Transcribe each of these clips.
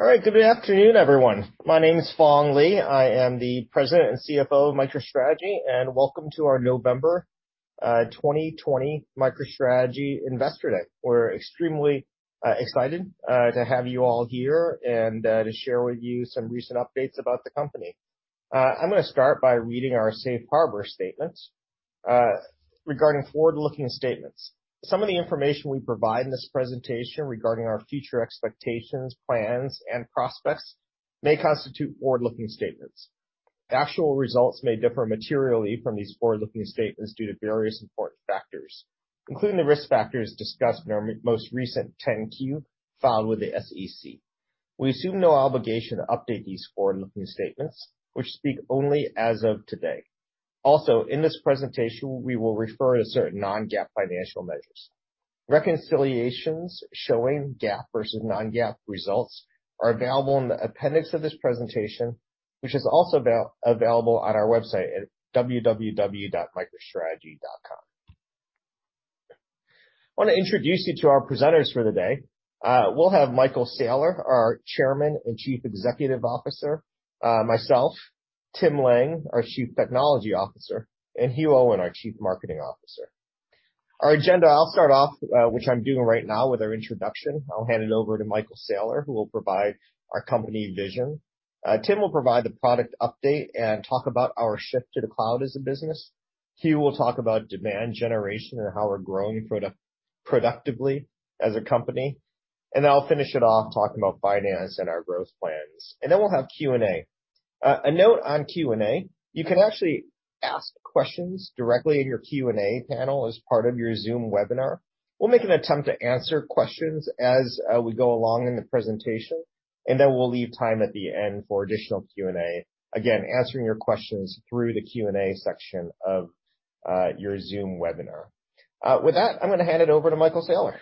All right. Good afternoon, everyone. My name is Phong Le. I am the President and CFO of MicroStrategy, and welcome to our November 2020 MicroStrategy Investor Day. We are extremely excited to have you all here and to share with you some recent updates about the company. I am going to start by reading our Safe Harbor statements regarding forward-looking statements. Some of the information we provide in this presentation regarding our future expectations, plans, and prospects may constitute forward-looking statements. Actual results may differ materially from these forward-looking statements due to various important factors, including the risk factors discussed in our most recent 10-Q filed with the SEC. We assume no obligation to update these forward-looking statements, which speak only as of today. Also, in this presentation, we will refer to certain non-GAAP financial measures. Reconciliations showing GAAP versus non-GAAP results are available in the appendix of this presentation, which is also available on our website at www.microstrategy.com. I want to introduce you to our presenters for the day. We'll have Michael Saylor, our Chairman and Chief Executive Officer, myself, Tim Lang, our Chief Technology Officer, and Hugh Owen, our Chief Marketing Officer. Our agenda, I'll start off, which I'm doing right now, with our introduction. I'll hand it over to Michael Saylor, who will provide our company vision. Tim will provide the product update and talk about our shift to the cloud as a business. Hugh will talk about demand generation and how we're growing productively as a company. Then I'll finish it off talking about finance and our growth plans. Then we'll have Q&A. A note on Q&A. You can actually ask questions directly in your Q&A panel as part of your Zoom webinar. We'll make an attempt to answer questions as we go along in the presentation, and then we'll leave time at the end for additional Q&A, again, answering your questions through the Q&A section of your Zoom webinar. With that, I'm going to hand it over to Michael Saylor.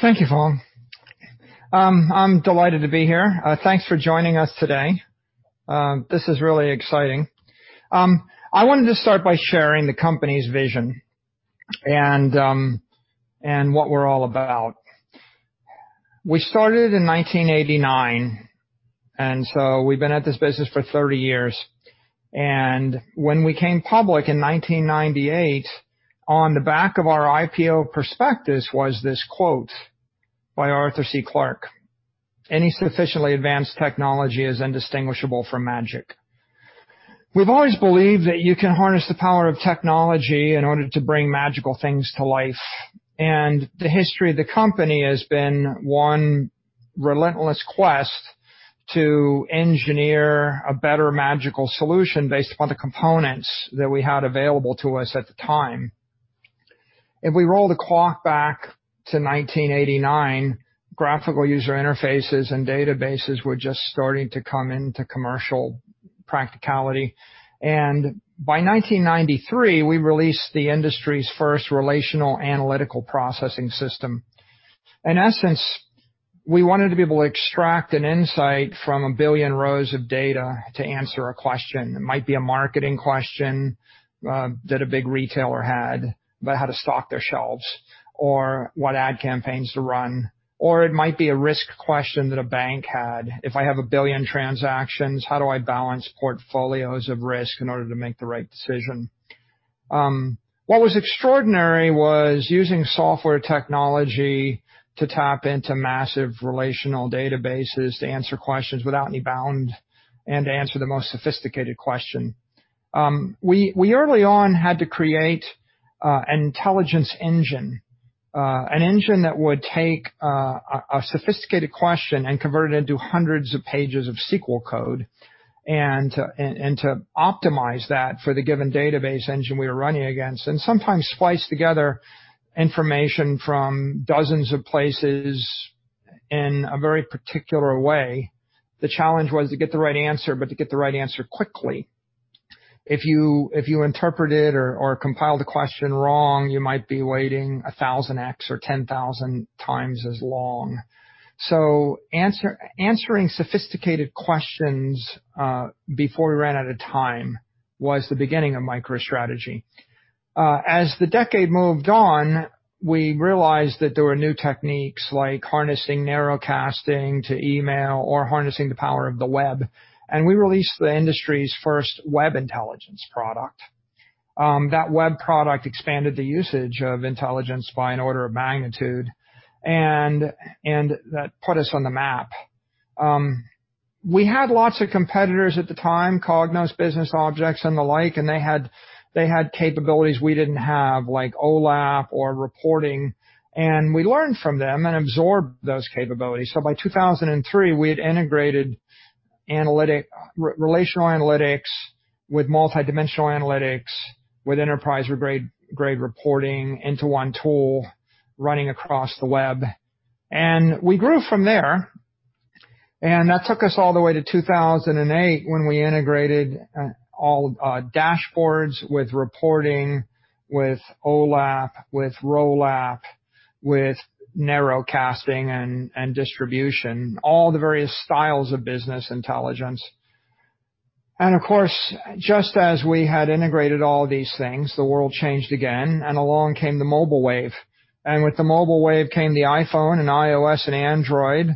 Thank you, Phong. I'm delighted to be here. Thanks for joining us today. This is really exciting. I wanted to start by sharing the company's vision and what we're all about. We started in 1989, and so we've been at this business for 30 years. When we came public in 1998, on the back of our IPO prospectus was this quote by Arthur C. Clarke, "Any sufficiently advanced technology is indistinguishable from magic." We've always believed that you can harness the power of technology in order to bring magical things to life, and the history of the company has been one relentless quest to engineer a better magical solution based upon the components that we had available to us at the time. If we roll the clock back to 1989, graphical user interfaces and databases were just starting to come into commercial practicality. By 1993, we released the industry's first relational analytical processing system. In essence, we wanted to be able to extract an insight from a billion rows of data to answer a question. It might be a marketing question that a big retailer had about how to stock their shelves or what ad campaigns to run, or it might be a risk question that a bank had. If I have a billion transactions, how do I balance portfolios of risk in order to make the right decision? What was extraordinary was using software technology to tap into massive relational databases to answer questions without any bound and to answer the most sophisticated question. We early on had to create an intelligence engine, an engine that would take a sophisticated question and convert it into hundreds of pages of SQL code, and to optimize that for the given database engine we were running against, and sometimes splice together information from dozens of places in a very particular way. The challenge was to get the right answer, but to get the right answer quickly. If you interpreted or compiled the question wrong, you might be waiting 1,000x or 10,000x as long. Answering sophisticated questions, before we ran out of time was the beginning of MicroStrategy. As the decade moved on, we realized that there were new techniques like harnessing narrowcasting to email or harnessing the power of the web. We released the industry's first web intelligence product. That web product expanded the usage of intelligence by an order of magnitude. That put us on the map. We had lots of competitors at the time, Cognos, Business Objects, and the like. They had capabilities we didn't have, like OLAP or reporting. We learned from them and absorbed those capabilities. By 2003, we had integrated relational analytics with multidimensional analytics, with enterprise-grade reporting into one tool running across the web. We grew from there. That took us all the way to 2008 when we integrated all dashboards with reporting, with OLAP, with ROLAP, with narrowcasting and distribution, all the various styles of business intelligence. Of course, just as we had integrated all these things, the world changed again. Along came the mobile wave. With the mobile wave came the iPhone and iOS and Android,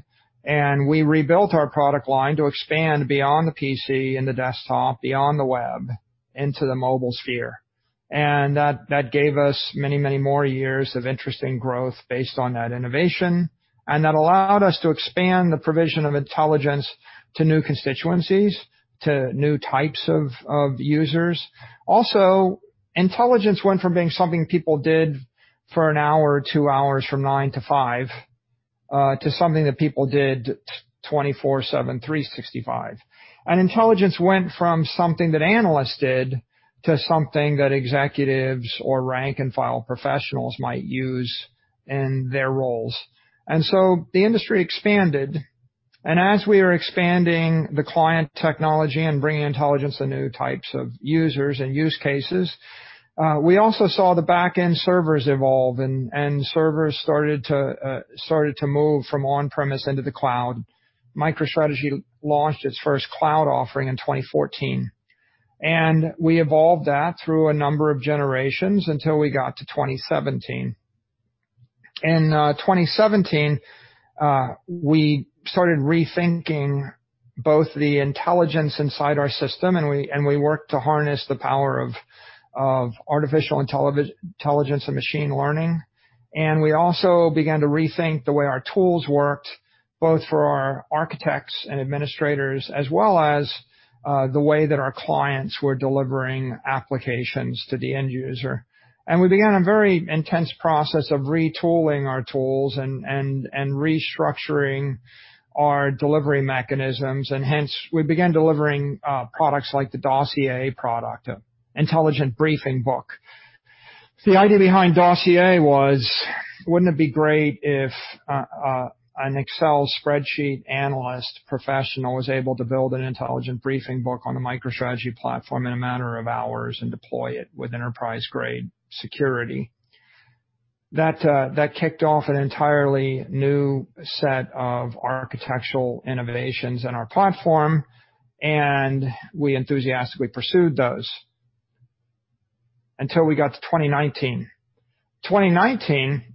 and we rebuilt our product line to expand beyond the PC and the desktop, beyond the web, into the mobile sphere. That gave us many, many more years of interesting growth based on that innovation, and that allowed us to expand the provision of Intelligence to new constituencies, to new types of users. Also, Intelligence went from being something people did for an hour or two hours from 9:00 to 5:00, to something that people did 24/7, 365. Intelligence went from something that analysts did to something that executives or rank and file professionals might use in their roles. The industry expanded, and as we are expanding the client technology and bringing intelligence to new types of users and use cases, we also saw the backend servers evolve and servers started to move from on-premise into the cloud. MicroStrategy launched its first cloud offering in 2014, and we evolved that through a number of generations until we got to 2017. In 2017, we started rethinking both the intelligence inside our system, and we worked to harness the power of artificial intelligence and machine learning. We also began to rethink the way our tools worked, both for our architects and administrators, as well as the way that our clients were delivering applications to the end user. We began a very intense process of retooling our tools and restructuring our delivery mechanisms, and hence we began delivering products like the Dossier product, an intelligent briefing book. The idea behind Dossier was, wouldn't it be great if an Excel spreadsheet analyst professional was able to build an intelligent briefing book on a MicroStrategy platform in a matter of hours and deploy it with enterprise-grade security? That kicked off an entirely new set of architectural innovations in our platform. We enthusiastically pursued those until we got to 2019. 2019,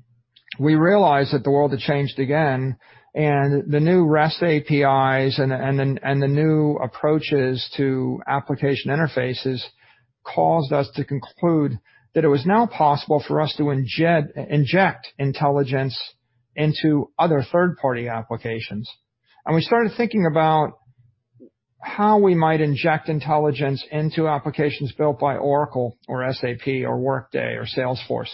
we realized that the world had changed again, and the new REST APIs and the new approaches to application interfaces caused us to conclude that it was now possible for us to inject intelligence into other third-party applications. We started thinking about how we might inject intelligence into applications built by Oracle or SAP or Workday or Salesforce,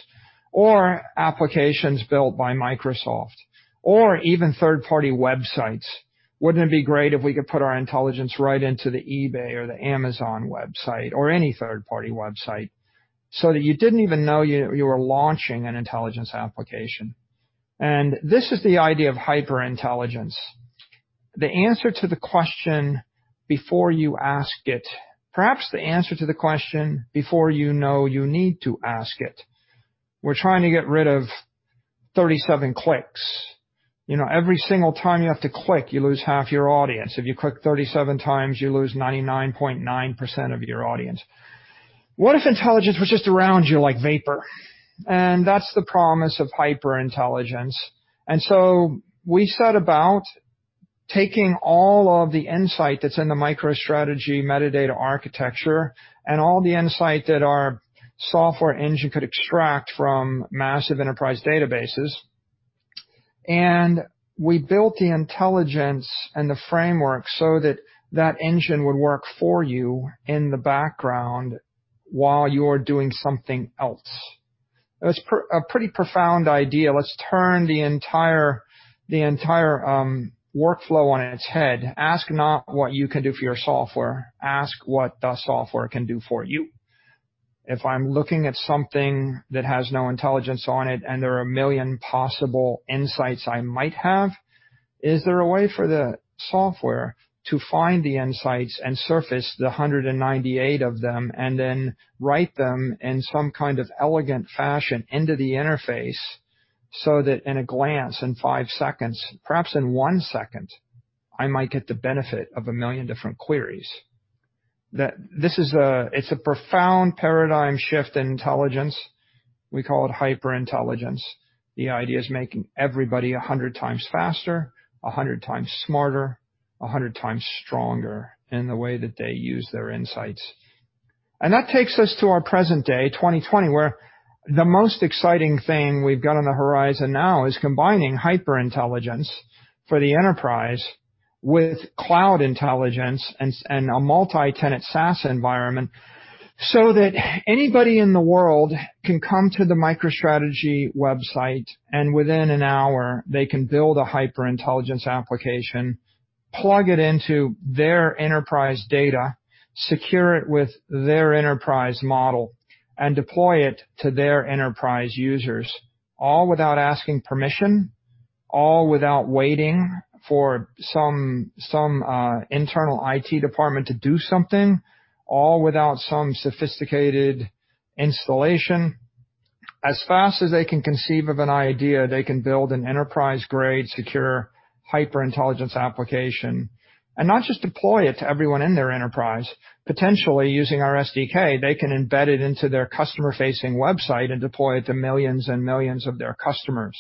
or applications built by Microsoft, or even third-party websites. Wouldn't it be great if we could put our Intelligence right into the eBay or the Amazon website or any third-party website so that you didn't even know you were launching an Intelligence application? This is the idea of HyperIntelligence. The answer to the question before you ask it, perhaps the answer to the question before you know you need to ask it. We're trying to get rid of 37 clicks. Every single time you have to click, you lose half your audience. If you click 37x, you lose 99.9% of your audience. What if Intelligence was just around you like vapor? That's the promise of HyperIntelligence. We set about taking all of the insight that's in the MicroStrategy metadata architecture and all the insight that our software engine could extract from massive enterprise databases, and we built the intelligence and the framework so that that engine would work for you in the background while you're doing something else. It was a pretty profound idea. Let's turn the entire workflow on its head. Ask not what you can do for your software. Ask what the software can do for you. If I'm looking at something that has no intelligence on it, and there are 1 million possible insights I might have, is there a way for the software to find the insights and surface the 198 of them and then write them in some kind of elegant fashion into the interface, so that in a glance, in five seconds, perhaps in one second, I might get the benefit of 1 million different queries? It's a profound paradigm shift in intelligence. We call it HyperIntelligence. The idea is making everybody 100x faster, 100x smarter, 100x stronger in the way that they use their insights. That takes us to our present day, 2020, where the most exciting thing we've got on the horizon now is combining HyperIntelligence for the enterprise with cloud intelligence and a multi-tenant SaaS environment, so that anybody in the world can come to the MicroStrategy website, and within an hour, they can build a HyperIntelligence application, plug it into their enterprise data, secure it with their enterprise model, and deploy it to their enterprise users, all without asking permission, all without waiting for some internal IT department to do something, all without some sophisticated installation. As fast as they can conceive of an idea, they can build an enterprise-grade secure HyperIntelligence application, and not just deploy it to everyone in their enterprise. Potentially using our SDK, they can embed it into their customer-facing website and deploy it to millions and millions of their customers,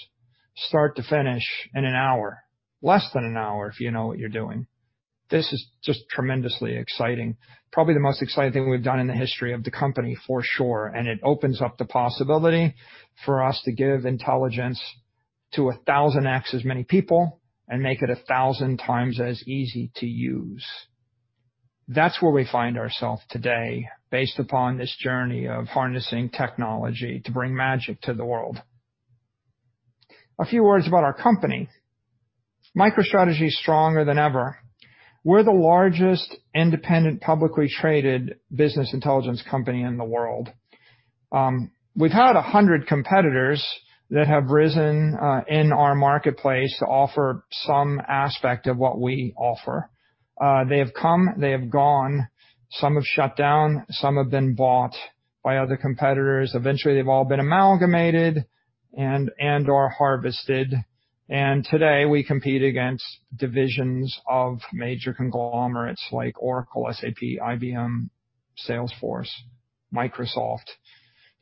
start to finish in an hour, less than an hour, if you know what you're doing. This is just tremendously exciting, probably the most exciting thing we've done in the history of the company, for sure. It opens up the possibility for us to give intelligence to 1,000x as many people, and make it 1,000x as easy to use. That's where we find ourselves today, based upon this journey of harnessing technology to bring magic to the world. A few words about our company. MicroStrategy is stronger than ever. We're the largest independent, publicly traded business intelligence company in the world. We've had 100 competitors that have risen in our marketplace to offer some aspect of what we offer. They have come, they have gone. Some have shut down, some have been bought by other competitors. Eventually, they've all been amalgamated and/or harvested. Today, we compete against divisions of major conglomerates like Oracle, SAP, IBM, Salesforce, Microsoft.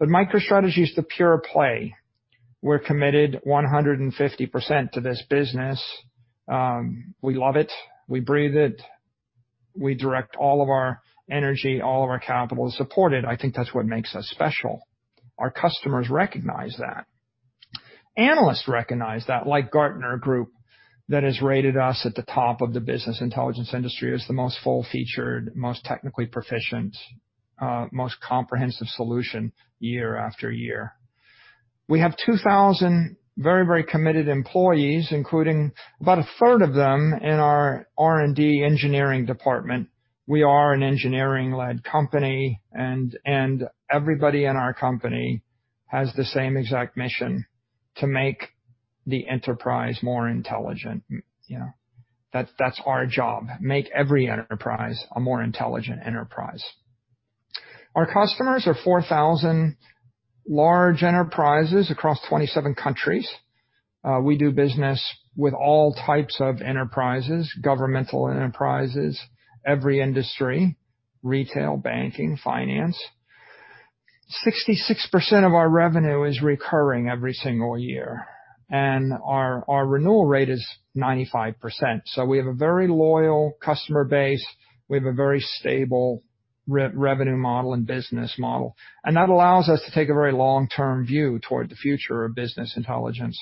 MicroStrategy is the pure play. We're committed 150% to this business. We love it. We breathe it. We direct all of our energy, all of our capital to support it. I think that's what makes us special. Our customers recognize that. Analysts recognize that, like Gartner, that has rated us at the top of the business intelligence industry as the most full-featured, most technically proficient, most comprehensive solution year after year. We have 2,000 very committed employees, including about a third of them in our R&D engineering department. We are an engineering-led company, and everybody in our company has the same exact mission: to make the enterprise more intelligent. That's our job. Make every enterprise a more intelligent enterprise. Our customers are 4,000 large enterprises across 27 countries. We do business with all types of enterprises, governmental enterprises, every industry, retail, banking, finance. 66% of our revenue is recurring every single year, our renewal rate is 95%. We have a very loyal customer base. We have a very stable revenue model and business model, that allows us to take a very long-term view toward the future of business intelligence.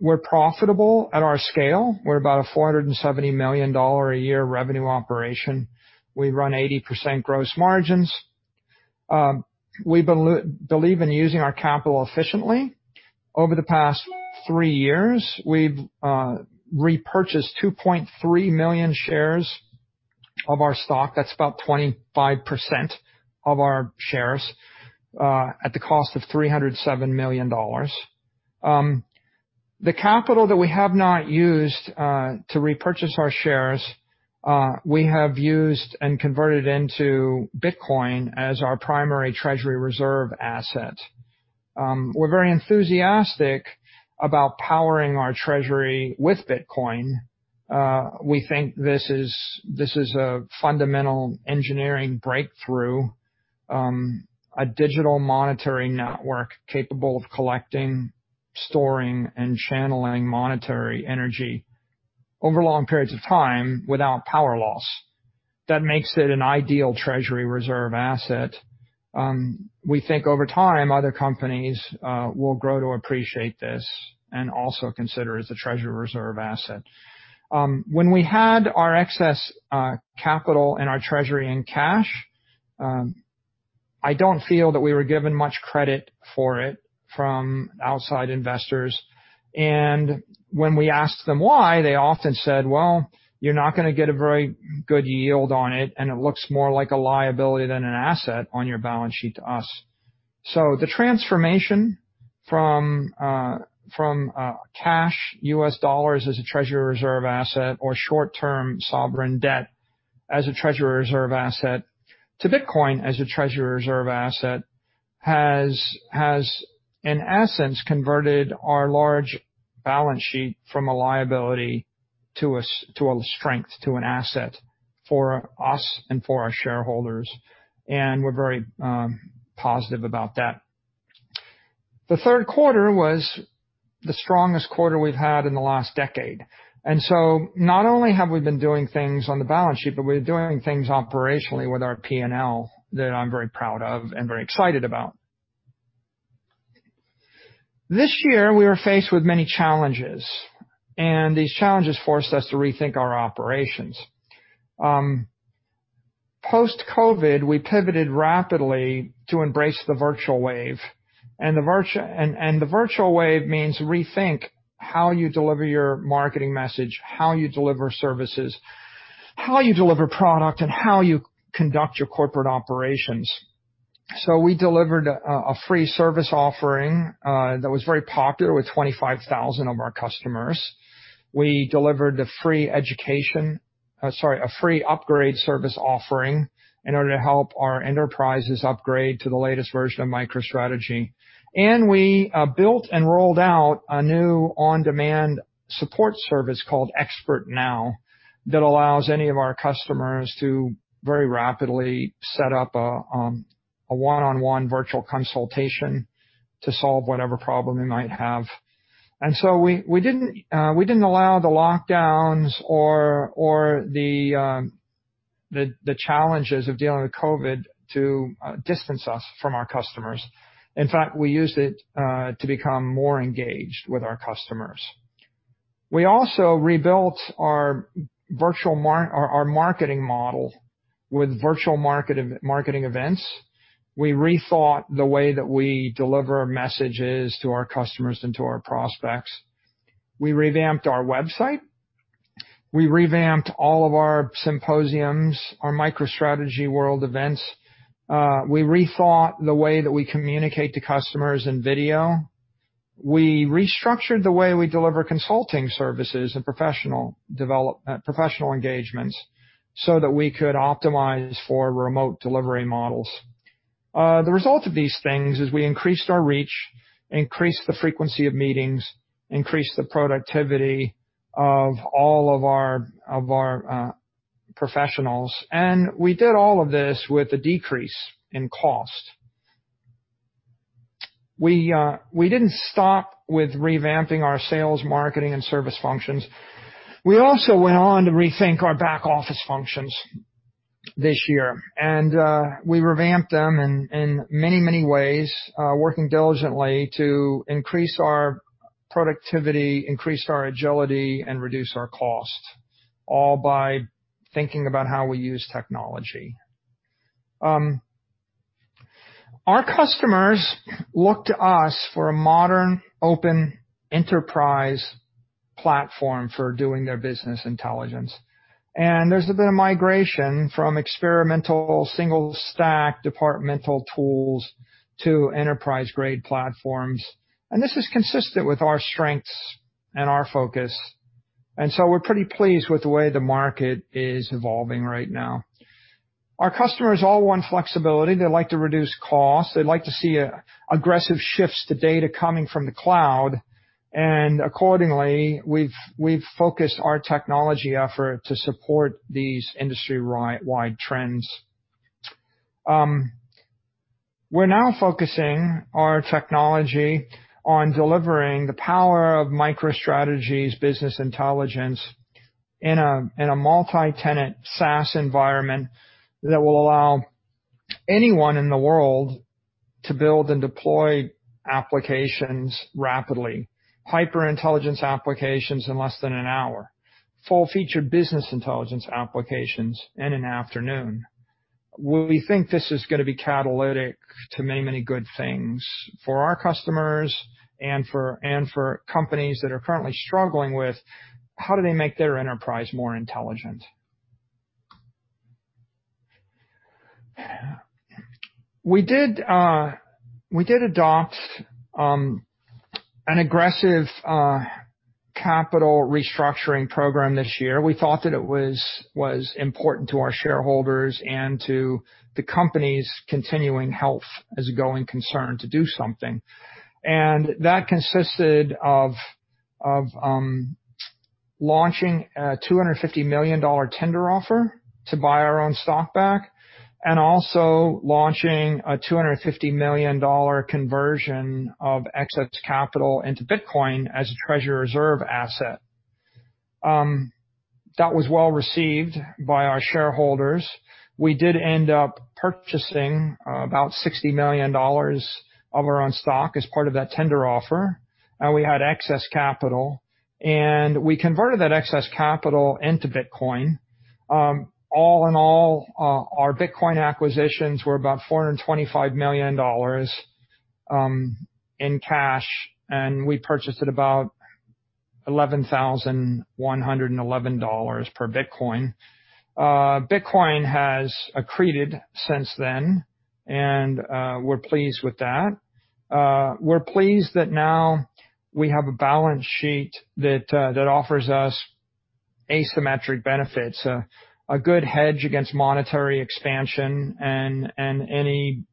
We're profitable at our scale. We're about a $470 million a year revenue operation. We run 80% gross margins. We believe in using our capital efficiently. Over the past three years, we've repurchased 2.3 million shares of our stock. That's about 25% of our shares, at the cost of $307 million. The capital that we have not used to repurchase our shares, we have used and converted into Bitcoin as our primary treasury reserve asset. We're very enthusiastic about powering our treasury with Bitcoin. We think this is a fundamental engineering breakthrough. A digital monetary network capable of collecting, storing, and channeling monetary energy over long periods of time without power loss. That makes it an ideal treasury reserve asset. We think over time, other companies will grow to appreciate this, and also consider as a treasury reserve asset. When we had our excess capital and our treasury in cash, I don't feel that we were given much credit for it from outside investors. When we asked them why, they often said, "Well, you're not going to get a very good yield on it, and it looks more like a liability than an asset on your balance sheet to us." The transformation from cash, U.S. dollars as a treasury reserve asset or short-term sovereign debt as a treasury reserve asset to Bitcoin as a treasury reserve asset has, in essence, converted our large balance sheet from a liability to a strength, to an asset for us and for our shareholders, and we're very positive about that. The third quarter was the strongest quarter we've had in the last decade. Not only have we been doing things on the balance sheet, but we're doing things operationally with our P&L that I'm very proud of and very excited about. This year, we were faced with many challenges, and these challenges forced us to rethink our operations. Post-COVID, we pivoted rapidly to embrace the virtual wave, and the virtual wave means rethink how you deliver your marketing message, how you deliver services, how you deliver product, and how you conduct your corporate operations. We delivered a free service offering that was very popular with 25,000 of our customers. We delivered a free upgrade service offering in order to help our enterprises upgrade to the latest version of MicroStrategy. We built and rolled out a new on-demand support service called Expert.Now that allows any of our customers to very rapidly set up a one-on-one virtual consultation to solve whatever problem they might have. We didn't allow the lockdowns or the challenges of dealing with COVID to distance us from our customers. In fact, we used it to become more engaged with our customers. We also rebuilt our marketing model with virtual marketing events. We rethought the way that we deliver messages to our customers and to our prospects. We revamped our website. We revamped all of our symposiums, our MicroStrategy World events. We rethought the way that we communicate to customers in video. We restructured the way we deliver consulting services and professional engagements so that we could optimize for remote delivery models. The result of these things is we increased our reach, increased the frequency of meetings, increased the productivity of all of our professionals, and we did all of this with a decrease in cost. We didn't stop with revamping our sales, marketing, and service functions. We also went on to rethink our back-office functions this year. We revamped them in many ways, working diligently to increase our productivity, increase our agility, and reduce our cost, all by thinking about how we use technology. Our customers look to us for a modern open enterprise platform for doing their business intelligence. There's a bit of migration from experimental single stack departmental tools to enterprise-grade platforms. This is consistent with our strengths and our focus, so we're pretty pleased with the way the market is evolving right now. Our customers all want flexibility. They like to reduce costs. They'd like to see aggressive shifts to data coming from the cloud, and accordingly, we've focused our technology effort to support these industry-wide trends. We're now focusing our technology on delivering the power of MicroStrategy's business intelligence in a multi-tenant SaaS environment that will allow anyone in the world to build and deploy applications rapidly. HyperIntelligence applications in less than an hour. Full-featured business intelligence applications in an afternoon. We think this is going to be catalytic to many good things for our customers and for companies that are currently struggling with how do they make their enterprise more intelligent. We did adopt an aggressive capital restructuring program this year. We thought that it was important to our shareholders and to the company's continuing health as a going concern to do something. That consisted of launching a $250 million tender offer to buy our own stock back, also launching a $250 million conversion of excess capital into Bitcoin as a treasury reserve asset. That was well-received by our shareholders. We did end up purchasing about $60 million of our own stock as part of that tender offer. We had excess capital, we converted that excess capital into Bitcoin. All in all, our Bitcoin acquisitions were about $425 million in cash. We purchased at about $11,111 per Bitcoin. Bitcoin has accreted since then. We're pleased with that. We're pleased that now we have a balance sheet that offers us asymmetric benefits, a good hedge against monetary expansion and any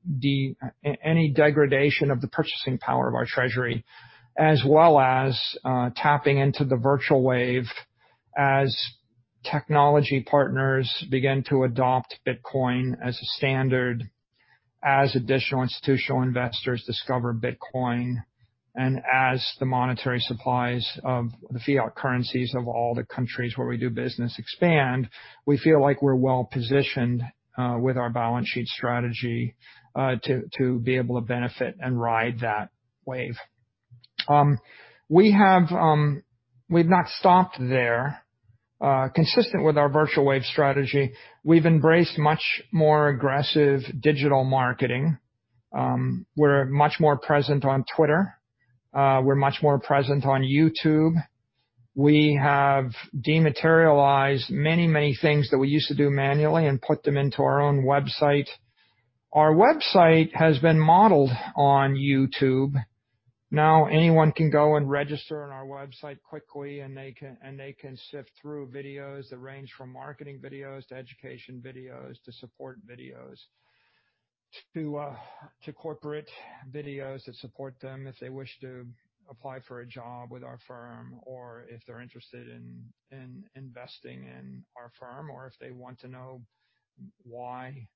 degradation of the purchasing power of our treasury, as well as tapping into the virtual wave as technology partners begin to adopt Bitcoin as a standard, as additional institutional investors discover Bitcoin, as the monetary supplies of the fiat currencies of all the countries where we do business expand. We feel like we're well-positioned with our balance sheet strategy to be able to benefit and ride that wave. We've not stopped there. Consistent with our virtual wave strategy, we've embraced much more aggressive digital marketing. We're much more present on Twitter. We're much more present on YouTube. We have dematerialized many things that we used to do manually and put them into our own website. Our website has been modeled on YouTube. Anyone can go and register on our website quickly, and they can sift through videos that range from marketing videos, to education videos, to support videos, to corporate videos that support them if they wish to apply for a job with our firm, or if they're interested in investing in our firm, or if they want to know why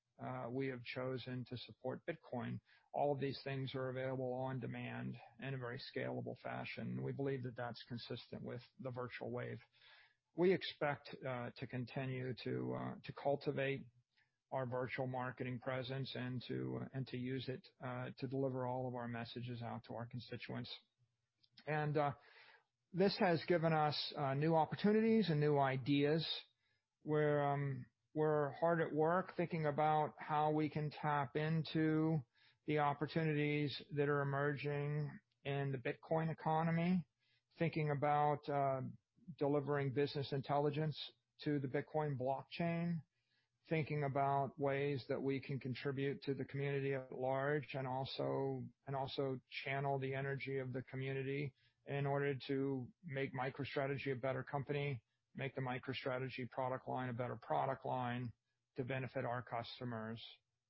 we have chosen to support Bitcoin. All of these things are available on demand in a very scalable fashion. We believe that's consistent with the virtual wave. We expect to continue to cultivate our virtual marketing presence and to use it to deliver all of our messages out to our constituents. This has given us new opportunities and new ideas, where we're hard at work thinking about how we can tap into the opportunities that are emerging in the Bitcoin economy, thinking about delivering business intelligence to the Bitcoin blockchain, thinking about ways that we can contribute to the community at large, and also channel the energy of the community in order to make MicroStrategy a better company, make the MicroStrategy product line a better product line to benefit our customers,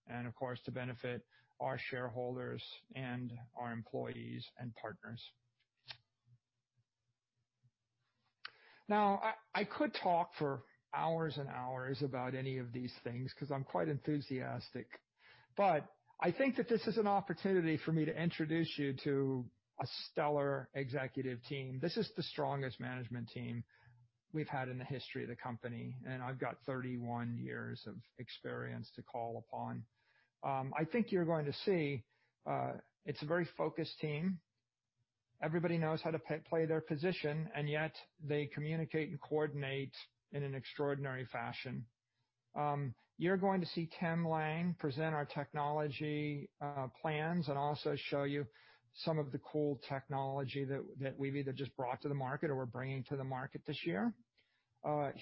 and of course, to benefit our shareholders and our employees and partners. I could talk for hours and hours about any of these things because I'm quite enthusiastic. I think that this is an opportunity for me to introduce you to a stellar executive team. This is the strongest management team we've had in the history of the company, and I've got 31 yrs of experience to call upon. I think you're going to see it's a very focused team. Everybody knows how to play their position, and yet they communicate and coordinate in an extraordinary fashion. You're going to see Tim Lang present our technology plans and also show you some of the cool technology that we've either just brought to the market or we're bringing to the market this year.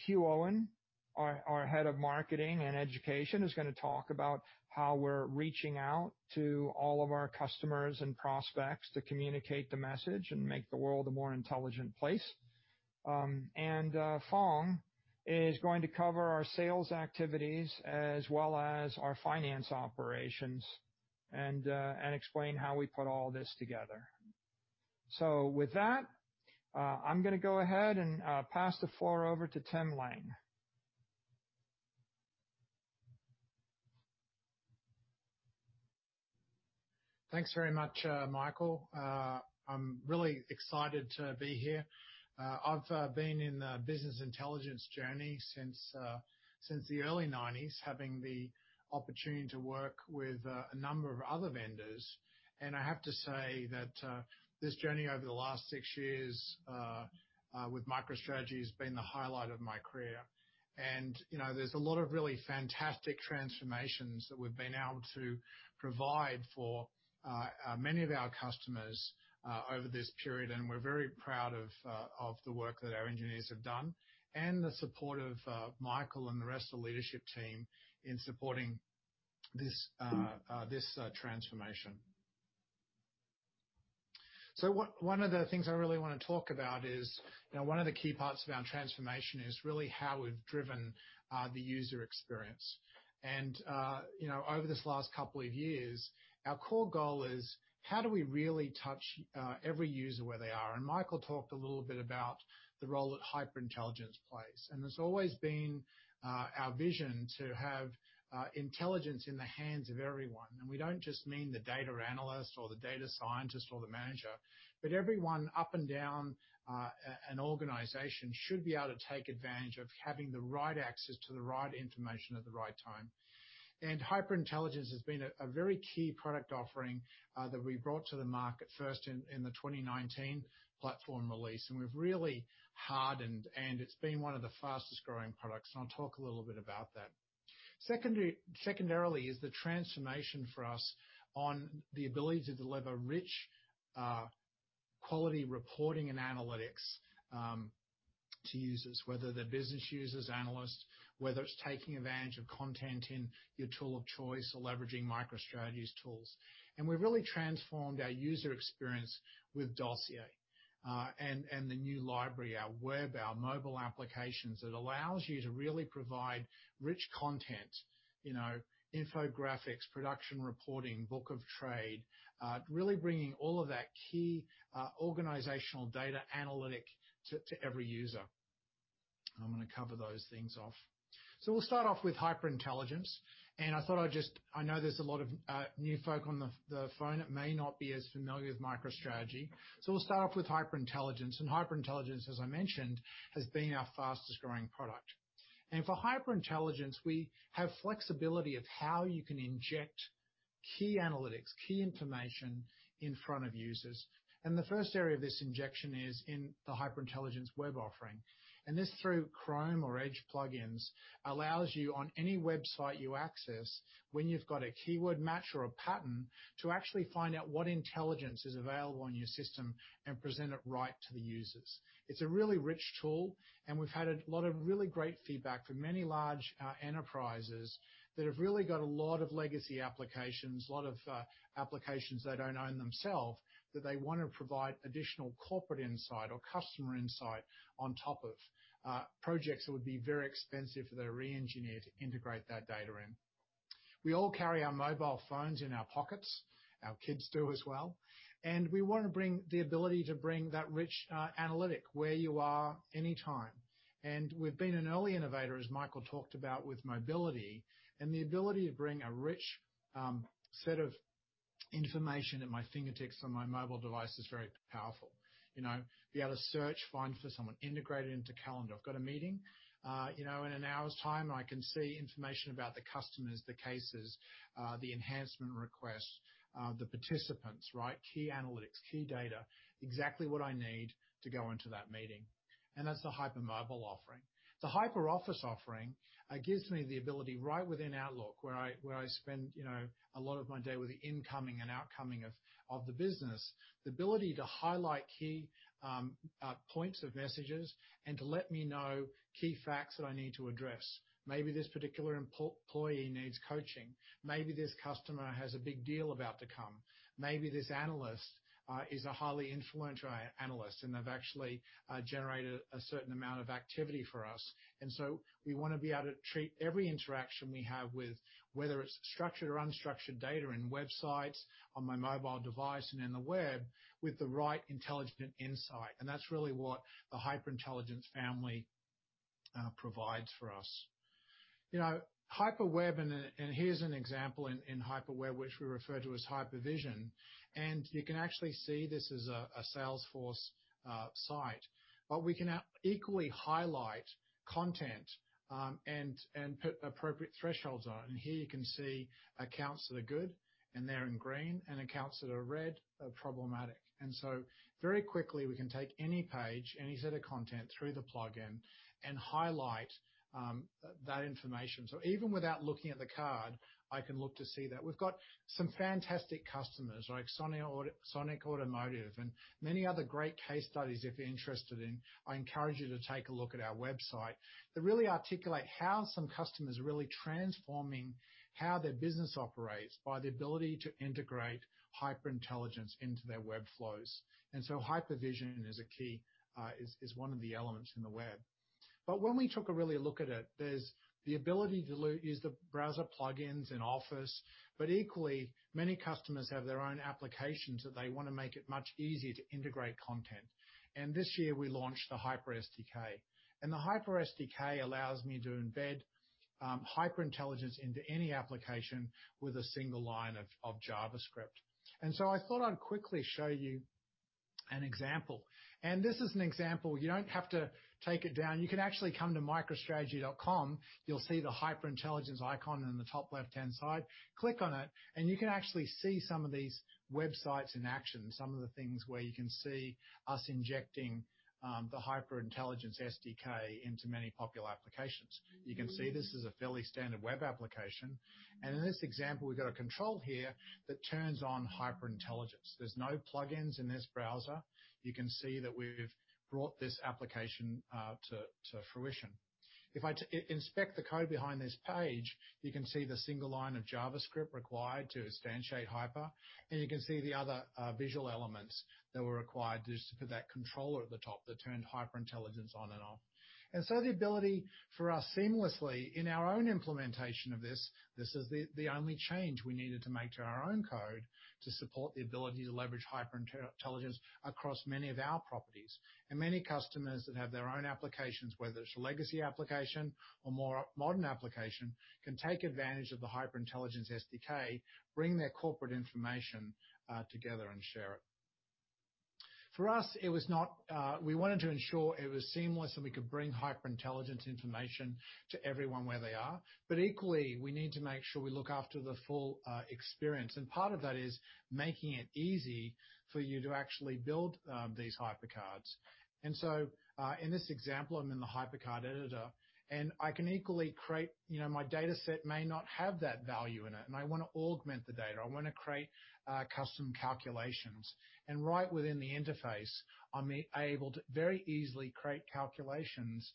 Hugh Owen, our Head of Marketing and Education, is going to talk about how we're reaching out to all of our customers and prospects to communicate the message and make the world a more intelligent place. Phong is going to cover our sales activities as well as our finance operations and explain how we put all this together. With that, I'm going to go ahead and pass the floor over to Tim Lang. Thanks very much, Michael. I'm really excited to be here. I've been in the business intelligence journey since the early '90s, having the opportunity to work with a number of other vendors. I have to say that this journey over the last six years with MicroStrategy has been the highlight of my career. There's a lot of really fantastic transformations that we've been able to provide for many of our customers over this period, and we're very proud of the work that our engineers have done and the support of Michael and the rest of the leadership team in supporting this transformation. One of the things I really want to talk about is, one of the key parts of our transformation is really how we've driven the user experience. Over these last couple of years, our core goal is how do we really touch every user where they are? Michael talked a little bit about the role that HyperIntelligence plays. It's always been our vision to have intelligence in the hands of everyone. We don't just mean the data analyst or the data scientist or the manager, but everyone up and down an organization should be able to take advantage of having the right access to the right information at the right time. HyperIntelligence has been a very key product offering that we brought to the market first in the 2019 platform release, and we've really hardened, and it's been one of the fastest-growing products, and I'll talk a little bit about that. Secondarily is the transformation for us on the ability to deliver rich quality reporting and analytics to users, whether they're business users, analysts, whether it's taking advantage of content in your tool of choice or leveraging MicroStrategy's tools. We've really transformed our user experience with Dossier and the new library, our web, our mobile applications that allows you to really provide rich content, infographics, production reporting, book of trade, really bringing all of that key organizational data analytic to every user. I'm going to cover those things off. We'll start off with HyperIntelligence. I know there's a lot of new folk on the phone that may not be as familiar with MicroStrategy. We'll start off with HyperIntelligence. HyperIntelligence, as I mentioned, has been our fastest-growing product. For HyperIntelligence, we have flexibility of how you can inject key analytics, key information in front of users. The first area of this injection is in the HyperIntelligence web offering. This, through Chrome or Edge plugins, allows you on any website you access, when you've got a keyword match or a pattern, to actually find out what intelligence is available on your system and present it right to the users. It's a really rich tool, and we've had a lot of really great feedback from many large enterprises that have really got a lot of legacy applications, a lot of applications they don't own themselves, that they want to provide additional corporate insight or customer insight on top of projects that would be very expensive if they're re-engineered to integrate that data in. We all carry our mobile phones in our pockets, our kids do as well, and we want to bring the ability to bring that rich analytic where you are anytime. We've been an early innovator, as Michael talked about with mobility, and the ability to bring a rich set of information at my fingertips on my mobile device is very powerful. Be able to search, find for someone, integrate it into calendar. I've got a meeting in an hour's time, and I can see information about the customers, the cases, the enhancement requests, the participants, right? Key analytics, key data, exactly what I need to go into that meeting, and that's the HyperMobile offering. The HyperOffice offering gives me the ability right within Outlook, where I spend a lot of my day with the incoming and outcoming of the business, the ability to highlight key points of messages and to let me know key facts that I need to address. Maybe this particular employee needs coaching. Maybe this customer has a big deal about to come. Maybe this analyst is a highly influential analyst, and they've actually generated a certain amount of activity for us. We want to be able to treat every interaction we have, whether it's structured or unstructured data in websites, on my mobile device, and in the web, with the right intelligent insight. That's really what the HyperIntelligence family provides for us. HyperWeb, and here's an example in HyperWeb, which we refer to as HyperVision, and you can actually see this as a Salesforce site, but we can equally highlight content and put appropriate thresholds on it. Here you can see accounts that are good, and they're in green, and accounts that are red are problematic. Very quickly we can take any page, any set of content through the plugin and highlight that information. Even without looking at the card, I can look to see that we've got some fantastic customers like Sonic Automotive and many other great case studies if you're interested in, I encourage you to take a look at our website. They really articulate how some customers are really transforming how their business operates by the ability to integrate HyperIntelligence into their web flows. HyperVision is one of the elements in the web. When we took a really look at it, there's the ability to use the browser plugins in Office, but equally, many customers have their own applications that they want to make it much easier to integrate content. This year, we launched the HyperSDK, and the HyperSDK allows me to embed HyperIntelligence into any application with a single line of JavaScript. I thought I'd quickly show you an example. This is an example. You don't have to take it down. You can actually come to microstrategy.com. You'll see the HyperIntelligence icon in the top left-hand side. Click on it, and you can actually see some of these websites in action, some of the things where you can see us injecting the HyperIntelligence SDK into many popular applications. You can see this is a fairly standard web application, and in this example, we've got a control here that turns on HyperIntelligence. There's no plugins in this browser. You can see that we've brought this application to fruition. If I inspect the code behind this page, you can see the single line of JavaScript required to instantiate Hyper, and you can see the other visual elements that were required just to put that controller at the top that turned HyperIntelligence on and off. The ability for us seamlessly in our own implementation of this is the only change we needed to make to our own code to support the ability to leverage HyperIntelligence across many of our properties. Many customers that have their own applications, whether it's a legacy application or more modern application, can take advantage of the HyperIntelligence SDK, bring their corporate information together, and share it. For us, we wanted to ensure it was seamless and we could bring HyperIntelligence information to everyone where they are. Equally, we need to make sure we look after the full experience, and part of that is making it easy for you to actually build these HyperCards. In this example, I'm in the HyperCard editor, and I can equally create. My dataset may not have that value in it, and I want to augment the data. I want to create custom calculations. Right within the interface, I'm able to very easily create calculations,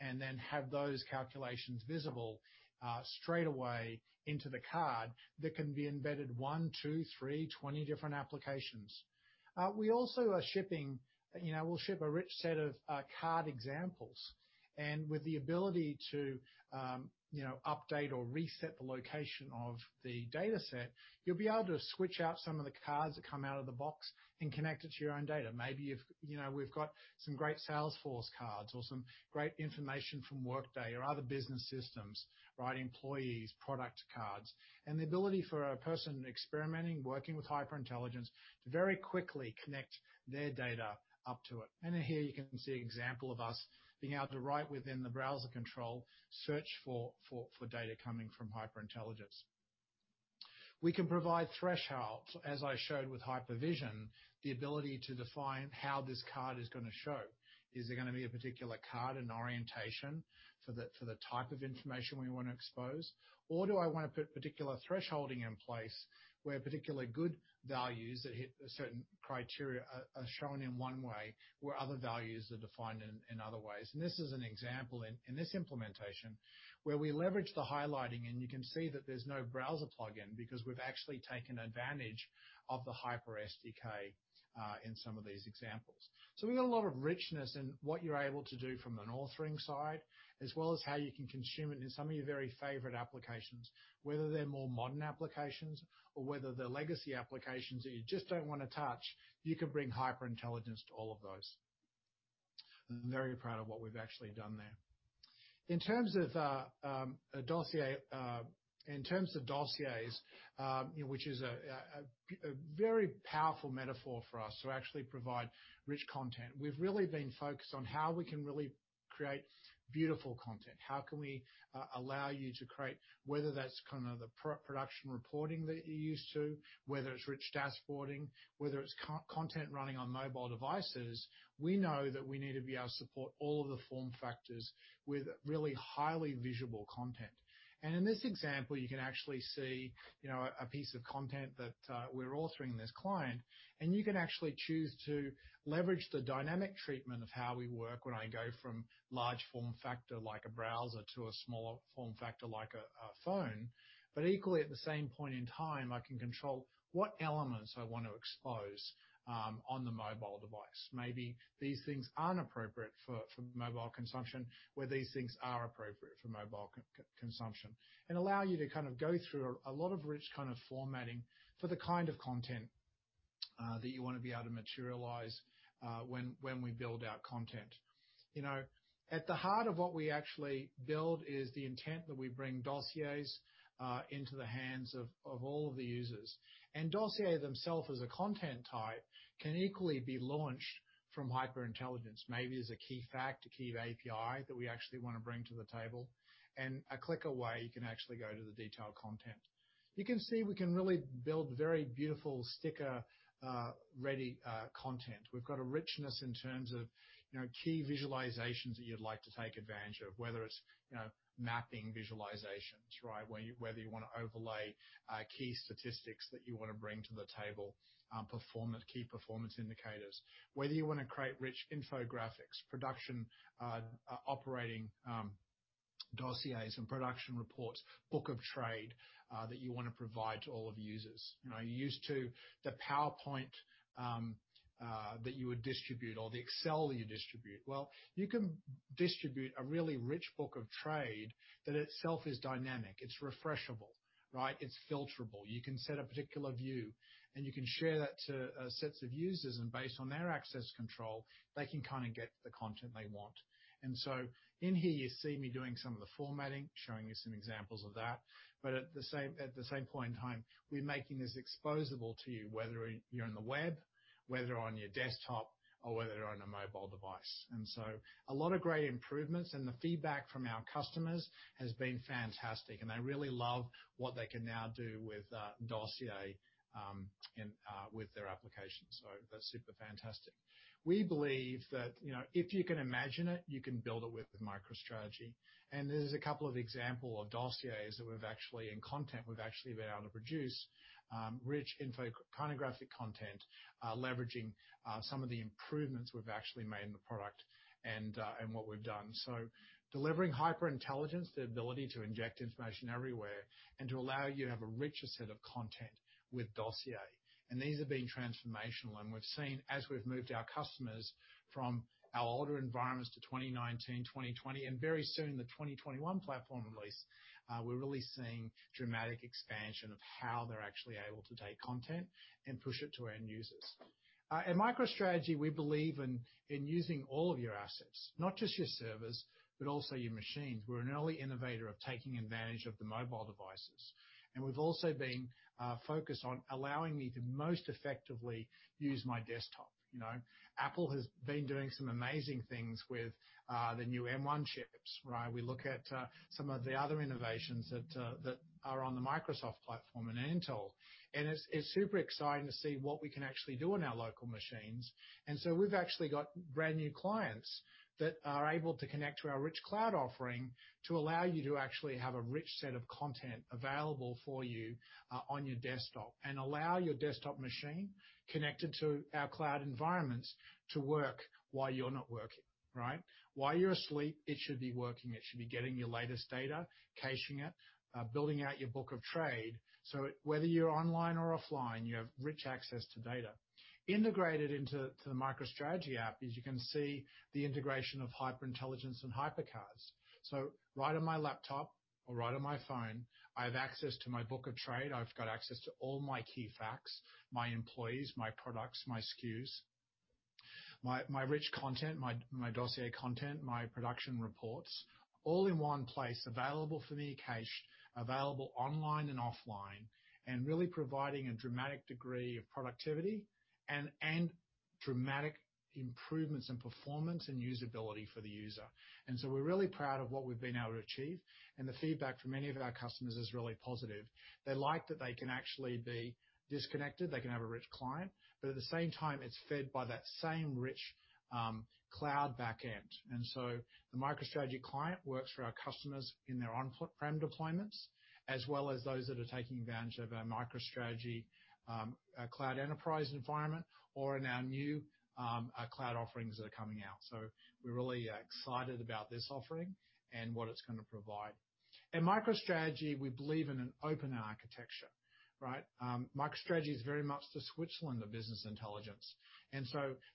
then have those calculations visible straight away into the Card that can be embedded one, two, three, 20 different applications. We'll ship a rich set of Card examples. With the ability to update or reset the location of the dataset, you'll be able to switch out some of the Cards that come out of the box and connect it to your own data. We've got some great Salesforce Cards or some great information from Workday or other business systems, employees, product Cards, and the ability for a person experimenting, working with HyperIntelligence to very quickly connect their data up to it. Then here you can see an example of us being able to write within the browser control, search for data coming from HyperIntelligence. We can provide thresholds, as I showed with HyperVision, the ability to define how this card is going to show. Is it going to be a particular card and orientation for the type of information we want to expose? Do I want to put particular thresholding in place where particular good values that hit a certain criteria are shown in one way, where other values are defined in other ways? This is an example in this implementation where we leverage the highlighting, and you can see that there's no browser plugin because we've actually taken advantage of the HyperSDK in some of these examples. We've got a lot of richness in what you're able to do from an authoring side, as well as how you can consume it in some of your very favorite applications, whether they're more modern applications or whether they're legacy applications that you just don't want to touch, you can bring HyperIntelligence to all of those. I'm very proud of what we've actually done there. In terms of Dossiers which is a very powerful metaphor for us to actually provide rich content, we've really been focused on how we can really create beautiful content. How can we allow you to create, whether that's kind of the production reporting that you're used to, whether it's rich dashboarding, whether it's content running on mobile devices, we know that we need to be able to support all of the form factors with really highly visual content. In this example, you can actually see a piece of content that we're authoring this client, and you can actually choose to leverage the dynamic treatment of how we work when I go from large form factor like a browser to a smaller form factor like a phone. Equally at the same point in time, I can control what elements I want to expose on the mobile device. Maybe these things aren't appropriate for mobile consumption, where these things are appropriate for mobile consumption and allow you to kind of go through a lot of rich kind of formatting for the kind of content that you want to be able to materialize when we build our content. At the heart of what we actually build is the intent that we bring Dossiers into the hands of all of the users. Dossier themself as a content type can equally be launched from HyperIntelligence, maybe as a key fact, a key API that we actually want to bring to the table. A click away, you can actually go to the detailed content. You can see we can really build very beautiful sticker-ready content. We've got a richness in terms of key visualizations that you'd like to take advantage of, whether it's mapping visualizations. Whether you want to overlay key statistics that you want to bring to the table, key performance indicators. Whether you want to create rich infographics, production operating Dossiers and production reports, book of trade that you want to provide to all of your users. You're used to the PowerPoint that you would distribute or the Excel that you distribute. You can distribute a really rich book of trade that itself is dynamic. It's refreshable. It's filterable. You can set a particular view and you can share that to sets of users, and based on their access control, they can kind of get the content they want. In here you see me doing some of the formatting, showing you some examples of that. But at the same point in time, we're making this exposable to you, whether you're on the web, whether on your desktop or whether on a mobile device. A lot of great improvements and the feedback from our customers has been fantastic. They really love what they can now do with Dossier with their application. That's super fantastic. We believe that if you can imagine it, you can build it with MicroStrategy. There's a couple of example of Dossiers that we've actually, in content, we've actually been able to produce rich infographic content, leveraging some of the improvements we've actually made in the product and what we've done. Delivering HyperIntelligence, the ability to inject information everywhere and to allow you to have a richer set of content with Dossier. These have been transformational. We've seen as we've moved our customers from our older environments to 2019, 2020, and very soon the 2021 platform release, we're really seeing dramatic expansion of how they're actually able to take content and push it to our end users. At MicroStrategy, we believe in using all of your assets, not just your servers, but also your machines. We're an early innovator of taking advantage of the mobile devices, and we've also been focused on allowing me to most effectively use my desktop. Apple has been doing some amazing things with the new M1 chips. We look at some of the other innovations that are on the Microsoft platform and Intel, it's super exciting to see what we can actually do on our local machines. We've actually got brand new clients that are able to connect to our rich cloud offering to allow you to actually have a rich set of content available for you on your desktop and allow your desktop machine connected to our cloud environments to work while you're not working. While you're asleep, it should be working. It should be getting your latest data, caching it, building out your book of trade, so whether you're online or offline, you have rich access to data. Integrated into the MicroStrategy app is you can see the integration of HyperIntelligence and HyperCards. Right on my laptop or right on my phone, I have access to my book of trade. I've got access to all my key facts, my employees, my products, my SKUs, my rich content, my Dossier content, my production reports all in one place available for me to cache, available online and offline, and really providing a dramatic degree of productivity and dramatic improvements in performance and usability for the user. We're really proud of what we've been able to achieve, and the feedback from many of our customers is really positive. They like that they can actually be disconnected, they can have a rich client, but at the same time, it's fed by that same rich cloud backend. The MicroStrategy client works for our customers in their on-prem deployments as well as those that are taking advantage of our MicroStrategy Cloud Enterprise environment or in our new cloud offerings that are coming out. We're really excited about this offering and what it's going to provide. At MicroStrategy, we believe in an open architecture. Right. MicroStrategy is very much the Switzerland of business intelligence.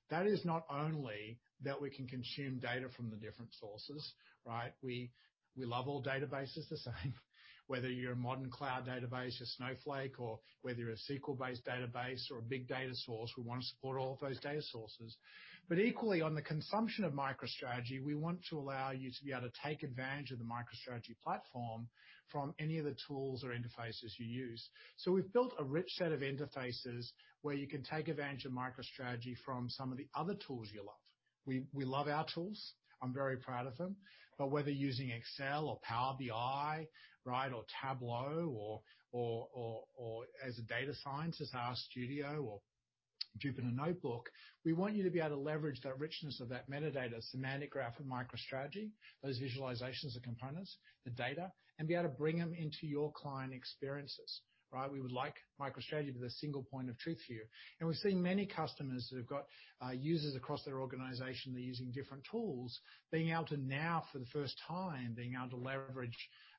That is not only that we can consume data from the different sources. We love all databases the same, whether you're a modern cloud database, you're Snowflake, or whether you're a SQL-based database or a big data source, we want to support all of those data sources. Equally, on the consumption of MicroStrategy, we want to allow you to be able to take advantage of the MicroStrategy platform from any of the tools or interfaces you use. We've built a rich set of interfaces where you can take advantage of MicroStrategy from some of the other tools you love. We love our tools. I'm very proud of them. Whether using Excel or Power BI or Tableau or as a data scientist, RStudio or Jupyter Notebook, we want you to be able to leverage that richness of that metadata semantic graph of MicroStrategy, those visualizations and components, the data, and be able to bring them into your client experiences. We would like MicroStrategy to be the single point of truth for you. We've seen many customers that have got users across their organization that are using different tools, being able to now, for the first time, being able to leverage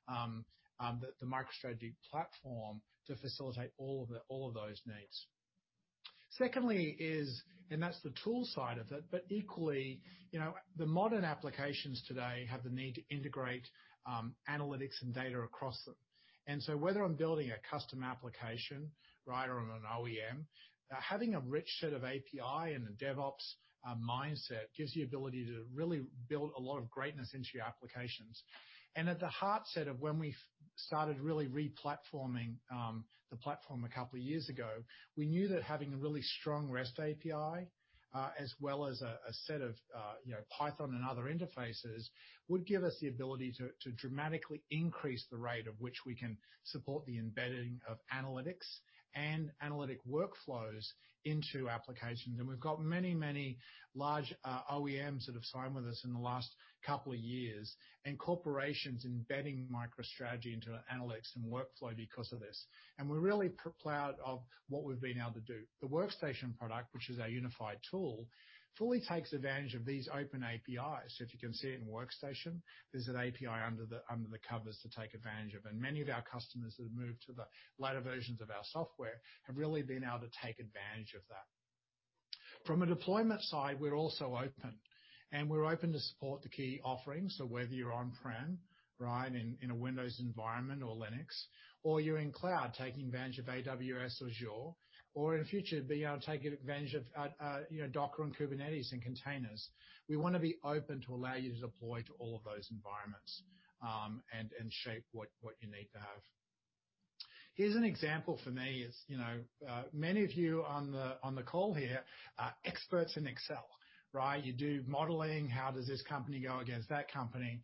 the MicroStrategy platform to facilitate all of those needs. Secondly is, and that's the tool side of it, but equally, the modern applications today have the need to integrate analytics and data across them. Whether I'm building a custom application or on an OEM, having a rich set of API and a DevOps mindset gives the ability to really build a lot of greatness into your applications. At the heart set of when we started really re-platforming the platform a couple of years ago, we knew that having a really strong REST API, as well as a set of Python and other interfaces, would give us the ability to dramatically increase the rate at which we can support the embedding of analytics and analytic workflows into applications. We've got many, many large OEMs that have signed with us in the last couple of years, and corporations embedding MicroStrategy into analytics and workflow because of this. We're really proud of what we've been able to do. The Workstation product, which is our unified tool, fully takes advantage of these open APIs. If you can see it in Workstation, there's an API under the covers to take advantage of. Many of our customers that have moved to the later versions of our software have really been able to take advantage of that. From a deployment side, we're also open, and we're open to support the key offerings. Whether you're on-prem, in a Windows environment or Linux, or you're in cloud taking advantage of AWS or Azure, or in future, be able to take advantage of Docker and Kubernetes and containers. We want to be open to allow you to deploy to all of those environments and shape what you need to have. Here's an example for me is, many of you on the call here are experts in Excel. You do modeling, how does this company go against that company?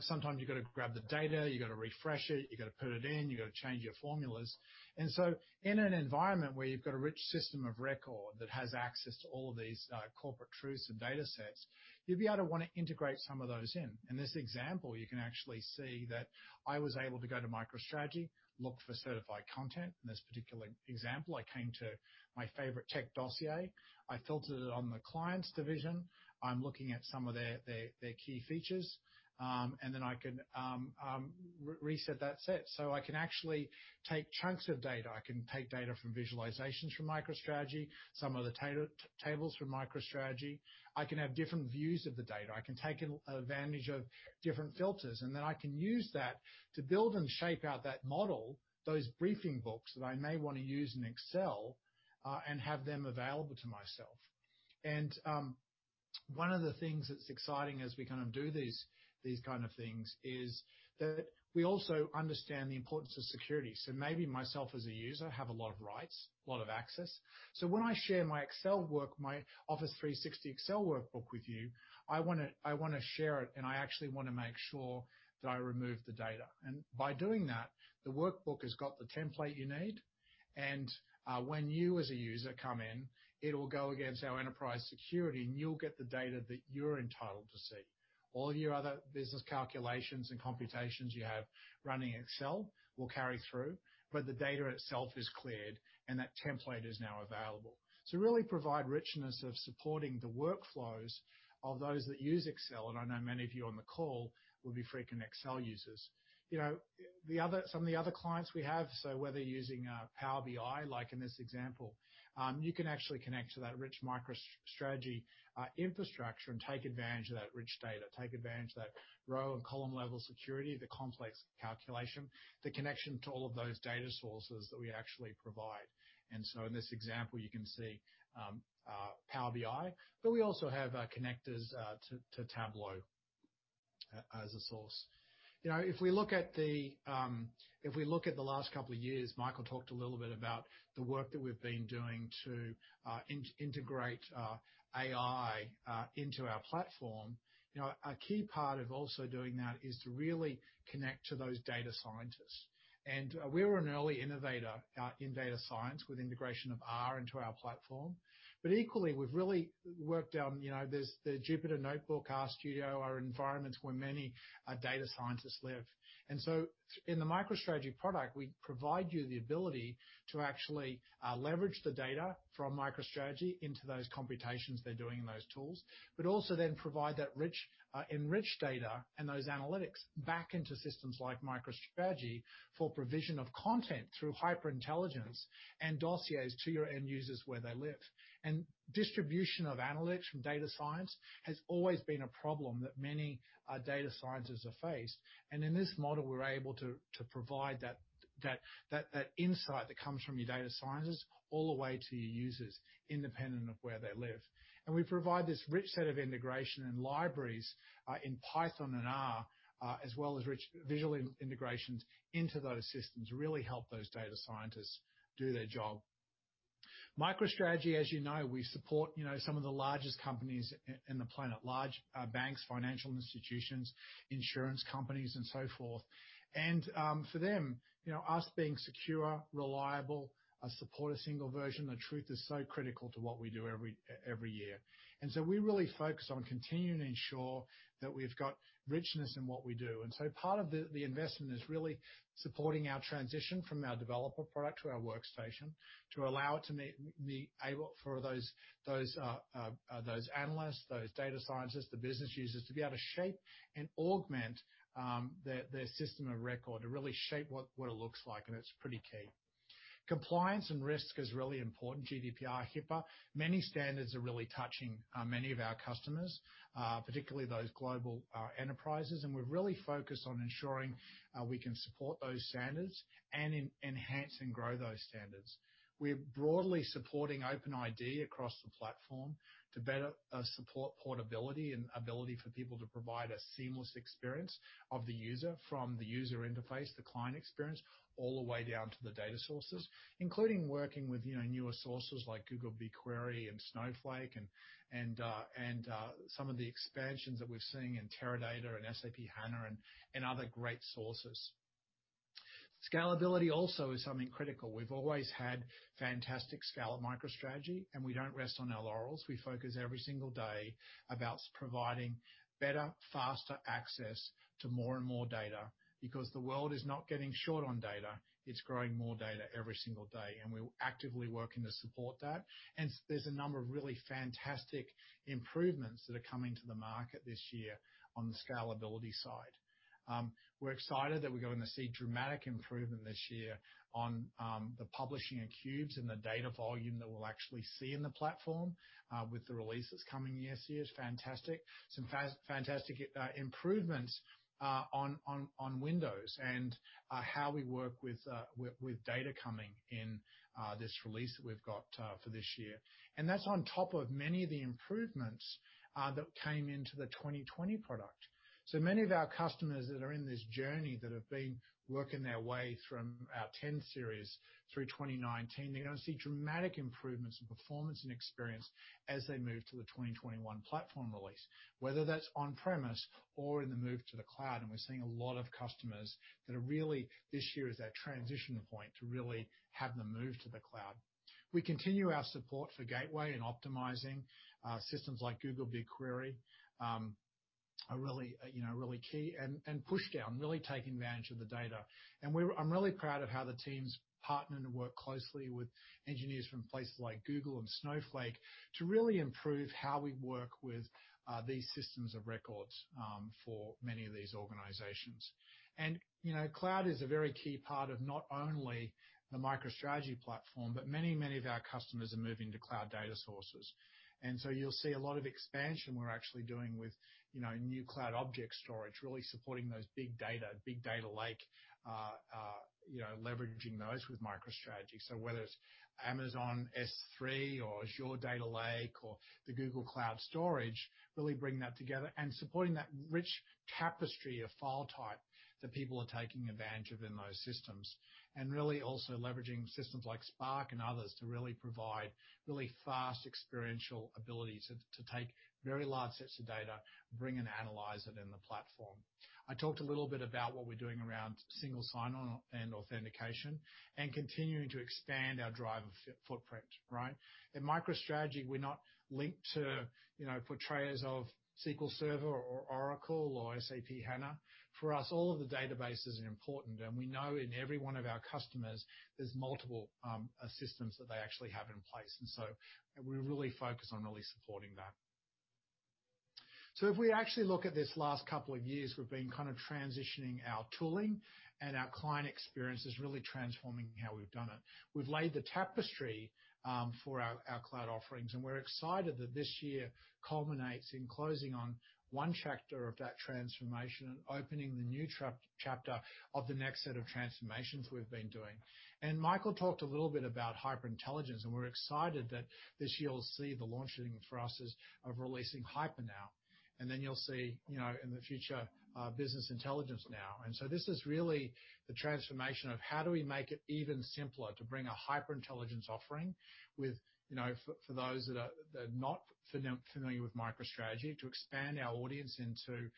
Sometimes you've got to grab the data, you've got to refresh it, you've got to put it in, you've got to change your formulas. In an environment where you've got a rich system of record that has access to all of these corporate truths and datasets, you'll be able to want to integrate some of those in. In this example, you can actually see that I was able to go to MicroStrategy, look for certified content. In this particular example, I came to my favorite tech Dossier. I filtered it on the clients division. I'm looking at some of their key features, and then I can reset that set. I can actually take chunks of data. I can take data from visualizations from MicroStrategy, some of the tables from MicroStrategy. I can have different views of the data. I can take advantage of different filters, I can use that to build and shape out that model, those briefing books that I may want to use in Excel, and have them available to myself. One of the things that's exciting as we do these kind of things is that we also understand the importance of security. Maybe myself as a user, have a lot of rights, a lot of access. When I share my Office 365 Excel workbook with you, I want to share it, and I actually want to make sure that I remove the data. By doing that, the workbook has got the template you need, and when you as a user come in, it'll go against our enterprise security, and you'll get the data that you're entitled to see. All of your other business calculations and computations you have running Excel will carry through, the data itself is cleared, and that template is now available. To really provide richness of supporting the workflows of those that use Excel, I know many of you on the call will be frequent Excel users. Some of the other clients we have, whether you're using Power BI, like in this example, you can actually connect to that rich MicroStrategy infrastructure and take advantage of that rich data, take advantage of that row and column-level security, the complex calculation, the connection to all of those data sources that we actually provide. In this example, you can see Power BI, but we also have connectors to Tableau as a source. If we look at the last couple of years, Michael talked a little bit about the work that we've been doing to integrate AI into our platform. A key part of also doing that is to really connect to those data scientists. We were an early innovator in data science with integration of R into our platform. Equally, we've really worked on the Jupyter Notebook, RStudio, are environments where many data scientists live. In the MicroStrategy product, we provide you the ability to actually leverage the data from MicroStrategy into those computations they're doing in those tools, but also then provide that enriched data and those analytics back into systems like MicroStrategy for provision of content through HyperIntelligence and Dossiers to your end users where they live. Distribution of analytics from data science has always been a problem that many data scientists have faced. In this model, we're able to provide that insight that comes from your data scientists all the way to your users, independent of where they live. We provide this rich set of integration and libraries in Python and R, as well as rich visual integrations into those systems, really help those data scientists do their job. MicroStrategy, as you know, we support some of the largest companies in the planet. Large banks, financial institutions, insurance companies, and so forth. For them, us being secure, reliable, support a single version of truth is so critical to what we do every year. We really focus on continuing to ensure that we've got richness in what we do. Part of the investment is really supporting our transition from our developer product to our Workstation to allow it to be able for those analysts, those data scientists, the business users, to be able to shape and augment their system of record, to really shape what it looks like, and it's pretty key. Compliance and risk is really important, GDPR, HIPAA. Many standards are really touching many of our customers, particularly those global enterprises. We're really focused on ensuring we can support those standards and enhance and grow those standards. We're broadly supporting OpenID across the platform to better support portability and ability for people to provide a seamless experience of the user from the user interface, the client experience, all the way down to the data sources. Including working with newer sources like Google BigQuery and Snowflake and some of the expansions that we're seeing in Teradata and SAP HANA and other great sources. Scalability also is something critical. We've always had fantastic scale at MicroStrategy, and we don't rest on our laurels. We focus every single day about providing better, faster access to more and more data because the world is not getting short on data. It's growing more data every single day, and we're actively working to support that. There's a number of really fantastic improvements that are coming to the market this year on the scalability side. We're excited that we're going to see dramatic improvement this year on the publishing of cubes and the data volume that we'll actually see in the platform with the release that's coming this year is fantastic. Some fantastic improvements on Windows and how we work with data coming in this release that we've got for this year. That's on top of many of the improvements that came into the 2020 product. Many of our customers that are in this journey that have been working their way from our 10 series through 2019, they're going to see dramatic improvements in performance and experience as they move to the 2021 platform release, whether that's on-premise or in the move to the cloud. We're seeing a lot of customers that are really, this year is that transition point to really have them move to the cloud. We continue our support for gateway and optimizing systems like Google BigQuery are really key and push down, really taking advantage of the data. I'm really proud of how the teams partner to work closely with engineers from places like Google and Snowflake to really improve how we work with these systems of records for many of these organizations. Cloud is a very key part of not only the MicroStrategy platform, but many of our customers are moving to cloud data sources. You'll see a lot of expansion we're actually doing with new cloud object storage, really supporting those big data lake, leveraging those with MicroStrategy. Whether it's Amazon S3 or Azure Data Lake or the Google Cloud Storage, really bringing that together and supporting that rich tapestry of file type that people are taking advantage of in those systems. Really also leveraging systems like Spark and others to really provide really fast experiential abilities to take very large sets of data, bring and analyze it in the platform. I talked a little bit about what we're doing around single sign-on and authentication and continuing to expand our driver footprint. In MicroStrategy, we're not linked to purveyors of SQL Server or Oracle or SAP HANA. For us, all of the databases are important, and we know in every one of our customers, there's multiple systems that they actually have in place. So we really focus on really supporting that. So if we actually look at this last couple of years, we've been kind of transitioning our tooling and our client experiences, really transforming how we've done it. We've laid the tapestry for our cloud offerings, and we're excited that this year culminates in closing on one chapter of that transformation and opening the new chapter of the next set of transformations we've been doing. Michael talked a little bit about HyperIntelligence, and we're excited that this year will see the launching for us is of releasing HyperNow. You'll see, in the future, Business Intelligence Now. This is really the transformation of how do we make it even simpler to bring a HyperIntelligence offering with, for those that are not familiar with MicroStrategy, to expand our audience into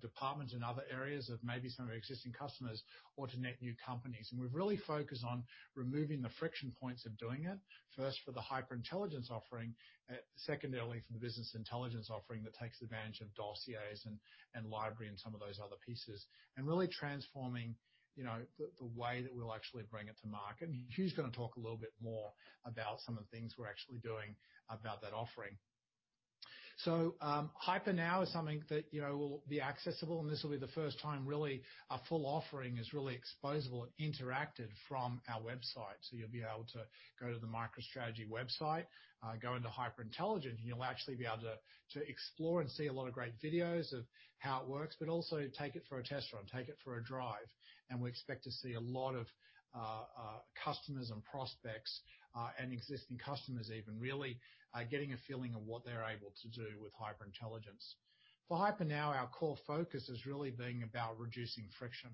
departments and other areas of maybe some of our existing customers or to net new companies. We've really focused on removing the friction points of doing it, first for the HyperIntelligence offering, secondarily for the business intelligence offering that takes advantage of Dossiers and library and some of those other pieces, and really transforming the way that we'll actually bring it to market. Hugh's going to talk a little bit more about some of the things we're actually doing about that offering. HyperNow is something that will be accessible, and this will be the first time really a full offering is really exposable and interacted from our website. You'll be able to go to the MicroStrategy website, go into HyperIntelligence, and you'll actually be able to explore and see a lot of great videos of how it works, but also take it for a test run, take it for a drive. We expect to see a lot of customers and prospects, and existing customers even, really getting a feeling of what they're able to do with HyperIntelligence. For HyperNow, our core focus has really been about reducing friction.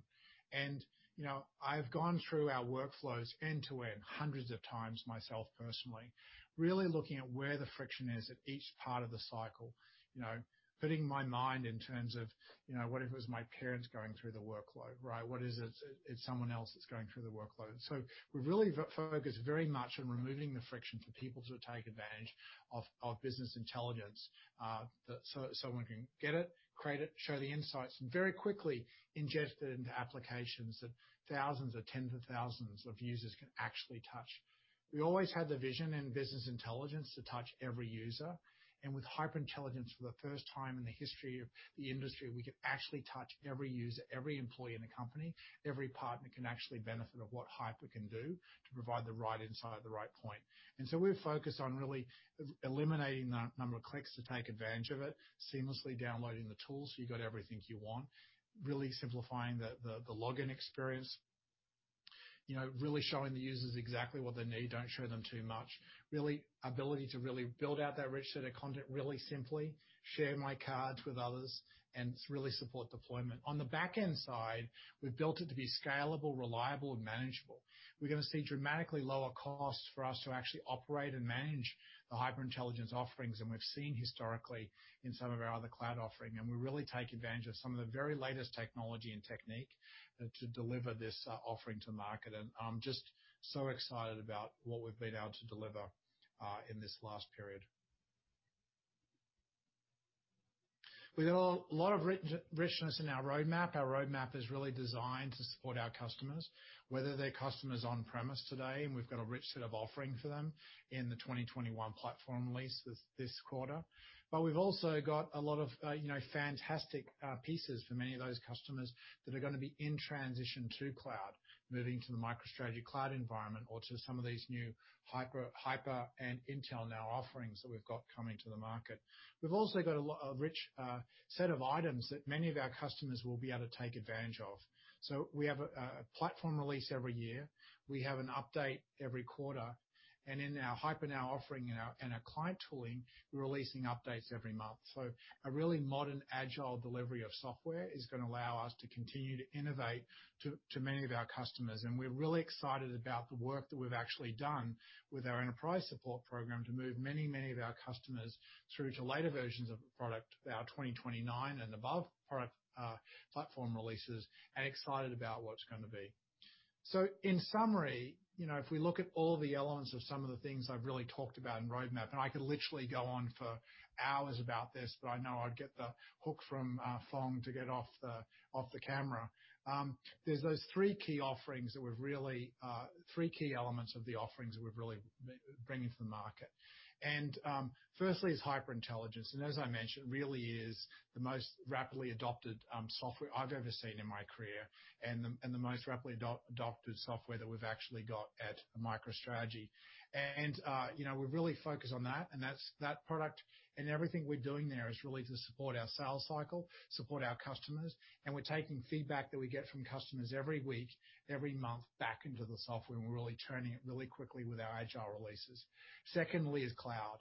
I've gone through our workflows end-to-end hundreds of times myself personally, really looking at where the friction is at each part of the cycle. Putting my mind in terms of what if it was my parents going through the workload, right? What is it's someone else that's going through the workload. We're really focused very much on removing the friction for people to take advantage of business intelligence, so someone can get it, create it, show the insights, and very quickly ingest it into applications that thousands or tens of thousands of users can actually touch. We always had the vision in business intelligence to touch every user, and with HyperIntelligence, for the first time in the history of the industry, we can actually touch every user, every employee in the company, every partner can actually benefit of what Hyper can do to provide the right insight at the right point. We're focused on really eliminating the number of clicks to take advantage of it, seamlessly downloading the tools so you got everything you want. Really simplifying the login experience. Really showing the users exactly what they need, don't show them too much. Really ability to really build out that rich set of content really simply, share my cards with others, and to really support deployment. On the back-end side, we've built it to be scalable, reliable, and manageable. We're going to see dramatically lower costs for us to actually operate and manage the HyperIntelligence offerings than we've seen historically in some of our other cloud offering. We really take advantage of some of the very latest technology and technique to deliver this offering to market, and I'm just so excited about what we've been able to deliver in this last period. We've got a lot of richness in our roadmap. Our roadmap is really designed to support our customers, whether they're customers on-premise today, and we've got a rich set of offering for them in the 2021 platform release this quarter. We've also got a lot of fantastic pieces for many of those customers that are going to be in transition to cloud, moving to the MicroStrategy Cloud environment or to some of these new HyperNow and Intel.Now offerings that we've got coming to the market. We've also got a rich set of items that many of our customers will be able to take advantage of. We have a platform release every year. We have an update every quarter. In our HyperNow offering and our client tooling, we're releasing updates every month. A really modern, agile delivery of software is going to allow us to continue to innovate to many of our customers. We're really excited about the work that we've actually done with our enterprise support program to move many of our customers through to later versions of the product, our 2029 and above platform releases, and excited about what it's going to be. In summary, if we look at all the elements of some of the things I've really talked about in roadmap, and I could literally go on for hours about this, but I know I'd get the hook from Phong to get off the camera. There's those three key elements of the offerings that we're really bringing to the market. Firstly is HyperIntelligence, and as I mentioned, really is the most rapidly adopted software I've ever seen in my career and the most rapidly adopted software that we've actually got at MicroStrategy. We're really focused on that, and that product and everything we're doing there is really to support our sales cycle, support our customers, and we're taking feedback that we get from customers every week, every month, back into the software, and we're really turning it really quickly with our agile releases. Secondly is cloud.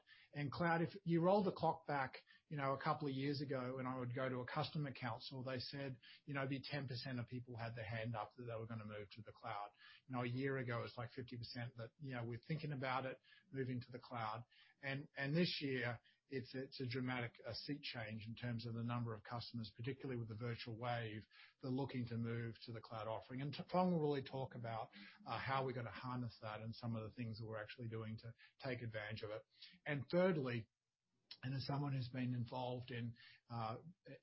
Cloud, if you roll the clock back a couple of years ago when I would go to a customer council, they said, it'd be 10% of people had their hand up that they were going to move to the cloud. Now, a year ago, it was like 50% that we're thinking about it, moving to the cloud. This year, it's a dramatic sea change in terms of the number of customers, particularly with the virtual wave, that are looking to move to the cloud offering. Phong will really talk about how we're going to harness that and some of the things that we're actually doing to take advantage of it. Thirdly, as someone who's been involved in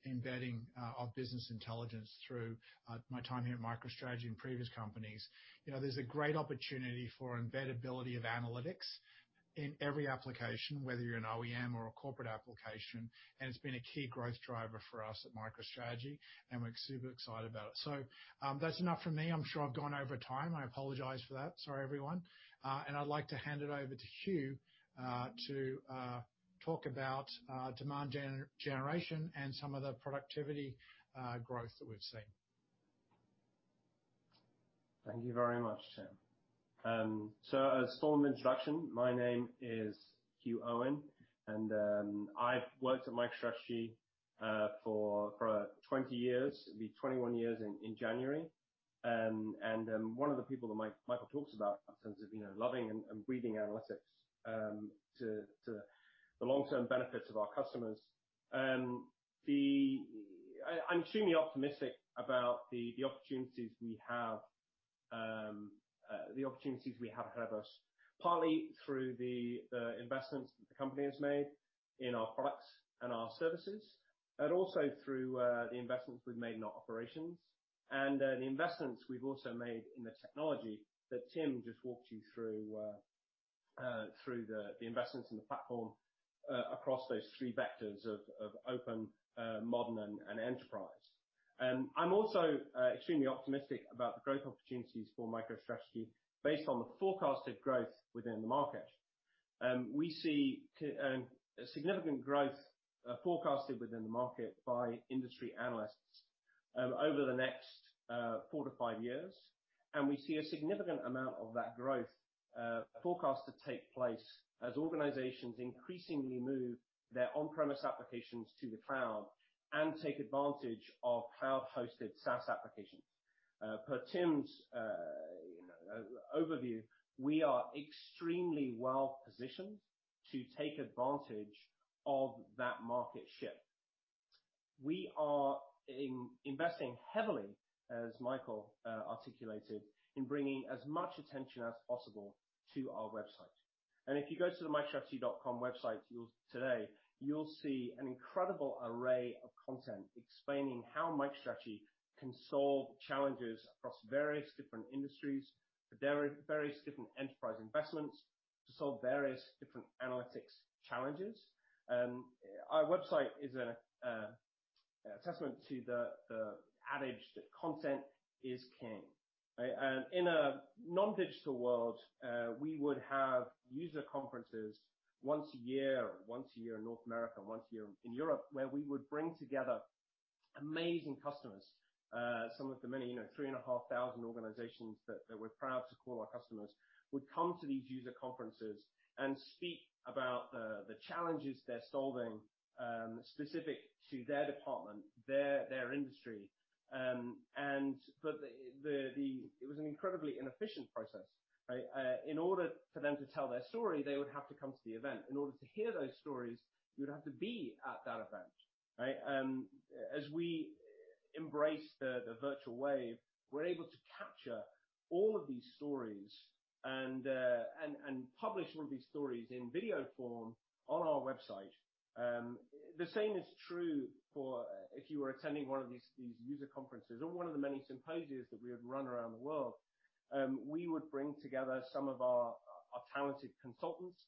embedding of business intelligence through my time here at MicroStrategy and previous companies, there's a great opportunity for embeddability of analytics in every application, whether you're an OEM or a corporate application, and it's been a key growth driver for us at MicroStrategy, and we're super excited about it. That's enough from me. I'm sure I've gone over time. I apologize for that. Sorry, everyone. I'd like to hand it over to Hugh, to talk about demand generation and some of the productivity growth that we've seen. Thank you very much, Tim. A small introduction. My name is Hugh Owen, and I've worked at MicroStrategy for 20 years. It'll be 21 years in January. I'm one of the people that Michael talks about in terms of loving and breathing analytics, to the long-term benefits of our customers. I'm extremely optimistic about the opportunities we have ahead of us, partly through the investments that the company has made in our products and our services. Also through the investments we've made in our operations, and the investments we've also made in the technology that Tim just walked you through, the investments in the platform across those three vectors of open, modern, and enterprise. I'm also extremely optimistic about the growth opportunities for MicroStrategy based on the forecasted growth within the market. We see a significant growth forecasted within the market by industry analysts over the next four to five years, and we see a significant amount of that growth forecast to take place as organizations increasingly move their on-premise applications to the cloud and take advantage of cloud-hosted SaaS applications. Per Tim's overview, we are extremely well-positioned to take advantage of that market shift. We are investing heavily, as Michael articulated, in bringing as much attention as possible to our website. If you go to the microstrategy.com website today, you'll see an incredible array of content explaining how MicroStrategy can solve challenges across various different industries, for various different enterprise investments, to solve various different analytics challenges. Our website is a testament to the adage that content is king, right? In a non-digital world, we would have user conferences once a year, once a year in North America, once a year in Europe, where we would bring together amazing customers. Some of the many 3,500 organizations that we're proud to call our customers would come to these user conferences and speak about the challenges they're solving specific to their department, their industry. It was an incredibly inefficient process, right? In order for them to tell their story, they would have to come to the event. In order to hear those stories, you would have to be at that event, right? As we embrace the virtual wave, we're able to capture all of these stories and publish all of these stories in video form on our website. The same is true for if you were attending one of these user conferences or one of the many symposias that we would run around the world. We would bring together some of our talented consultants,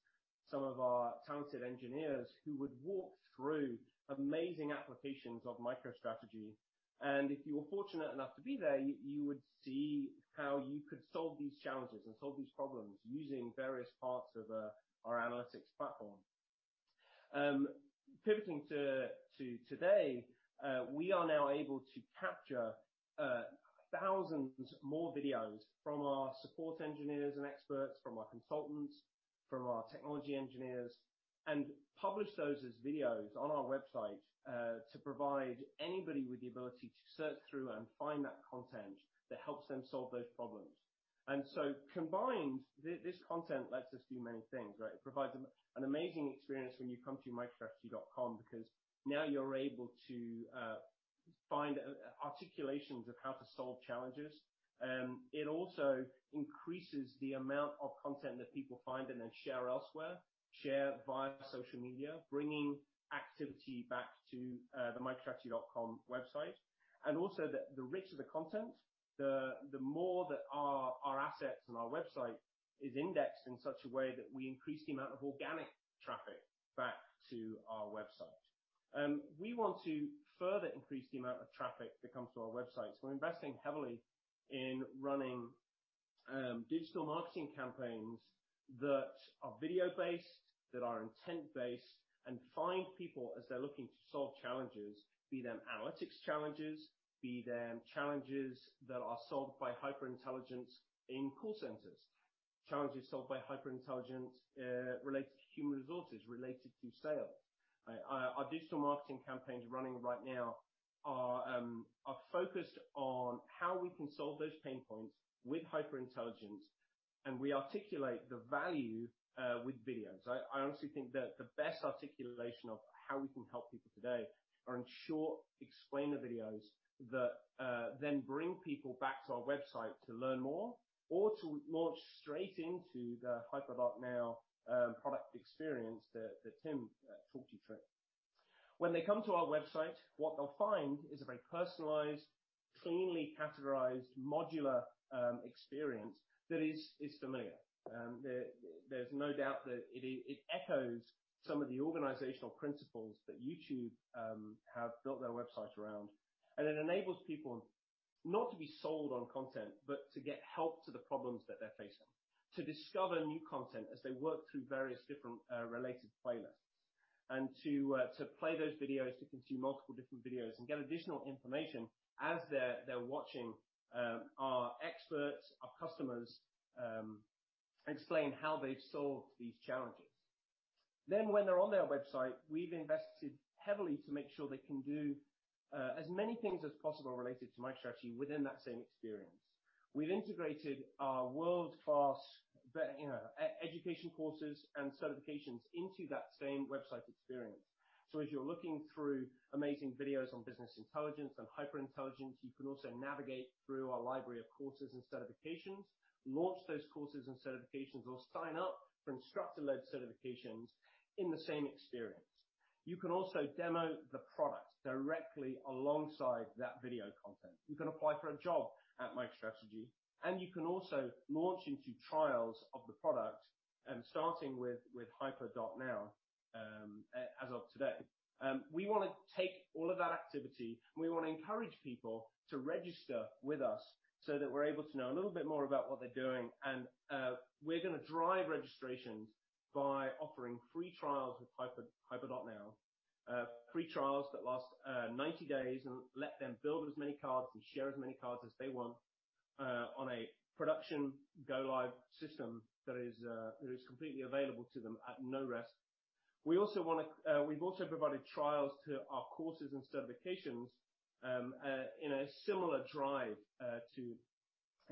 some of our talented engineers, who would walk through amazing applications of MicroStrategy. If you were fortunate enough to be there, you would see how you could solve these challenges and solve these problems using various parts of our analytics platform. Pivoting to today, we are now able to capture thousands more videos from our support engineers and experts, from our consultants, from our technology engineers, and publish those as videos on our website, to provide anybody with the ability to search through and find that content that helps them solve those problems. Combined, this content lets us do many things, right? It provides an amazing experience when you come to microstrategy.com because now you're able to find articulations of how to solve challenges. It also increases the amount of content that people find and then share elsewhere, share via social media, bringing activity back to the microstrategy.com website. The richer the content, the more that our assets and our website is indexed in such a way that we increase the amount of organic traffic back to our website. We want to further increase the amount of traffic that comes to our website, so we're investing heavily in running digital marketing campaigns that are video based, that are intent based, and find people as they're looking to solve challenges, be them analytics challenges, be them challenges that are solved by HyperIntelligence in call centers, challenges solved by HyperIntelligence related to human resources, related to sales. Our digital marketing campaigns running right now are focused on how we can solve those pain points with HyperIntelligence, and we articulate the value with videos. I honestly think that the best articulation of how we can help people today are in short explainer videos that then bring people back to our website to learn more or to launch straight into the HyperNow product experience that Tim talked you through. When they come to our website, what they'll find is a very personalized, cleanly categorized, modular experience that is familiar. There's no doubt that it echoes some of the organizational principles that YouTube have built their website around. It enables people not to be sold on content, but to get help to the problems that they're facing, to discover new content as they work through various different related playlists, and to play those videos, to consume multiple different videos, and get additional information as they're watching our experts, our customers explain how they've solved these challenges. When they're on their website, we've invested heavily to make sure they can do as many things as possible related to MicroStrategy within that same experience. We've integrated our world-class education courses and certifications into that same website experience. If you're looking through amazing videos on business intelligence and HyperIntelligence, you can also navigate through our library of courses and certifications, launch those courses and certifications, or sign up for instructor-led certifications in the same experience. You can also demo the product directly alongside that video content. You can apply for a job at MicroStrategy, and you can also launch into trials of the product, starting with HyperNow as of today. We want to take all of that activity, and we want to encourage people to register with us so that we're able to know a little bit more about what they're doing. We're going to drive registrations by offering free trials with HyperNow. Free trials that last 90 days and let them build as many cards and share as many cards as they want on a production go-live system that is completely available to them at no risk. We've also provided trials to our courses and certifications in a similar drive to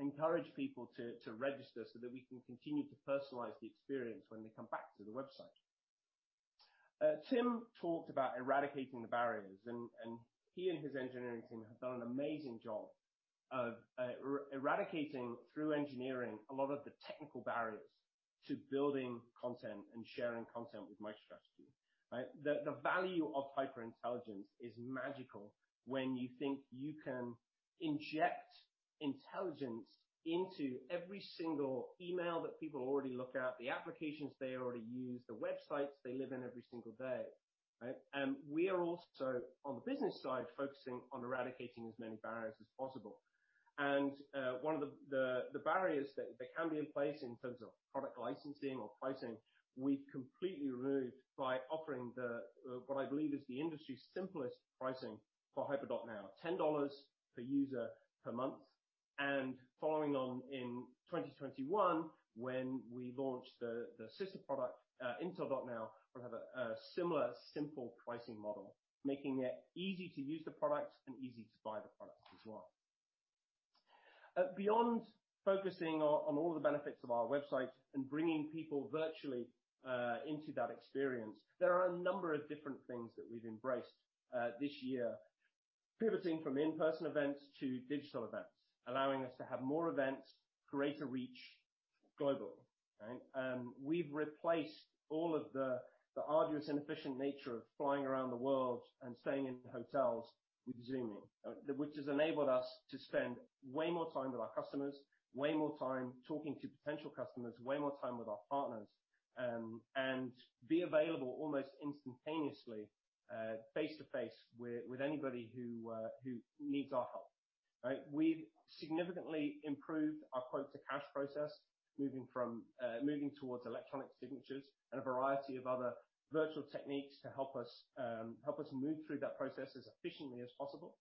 encourage people to register so that we can continue to personalize the experience when they come back to the website. Tim talked about eradicating the barriers, and he and his engineering team have done an amazing job of eradicating through engineering a lot of the technical barriers to building content and sharing content with MicroStrategy, right? The value of HyperIntelligence is magical when you think you can inject intelligence into every single email that people already look at, the applications they already use, the websites they live in every single day, right? We are also, on the business side, focusing on eradicating as many barriers as possible. One of the barriers that can be in place in terms of product licensing or pricing, we've completely removed by offering what I believe is the industry's simplest pricing for HyperNow, $10 per user per month. Following on in 2021, when we launch the sister product, Intel.Now, we'll have a similar simple pricing model, making it easy to use the product and easy to buy the product as well. Beyond focusing on all of the benefits of our website and bringing people virtually into that experience, there are a number of different things that we've embraced this year. Pivoting from in-person events to digital events, allowing us to have more events, greater reach globally, right? We've replaced all of the arduous, inefficient nature of flying around the world and staying in hotels with Zooming which has enabled us to spend way more time with our customers, way more time talking to potential customers, way more time with our partners, and be available almost instantaneously, face-to-face with anybody who needs our help, right? We've significantly improved our quote-to-cash process, moving towards electronic signatures and a variety of other virtual techniques to help us move through that process as efficiently as possible.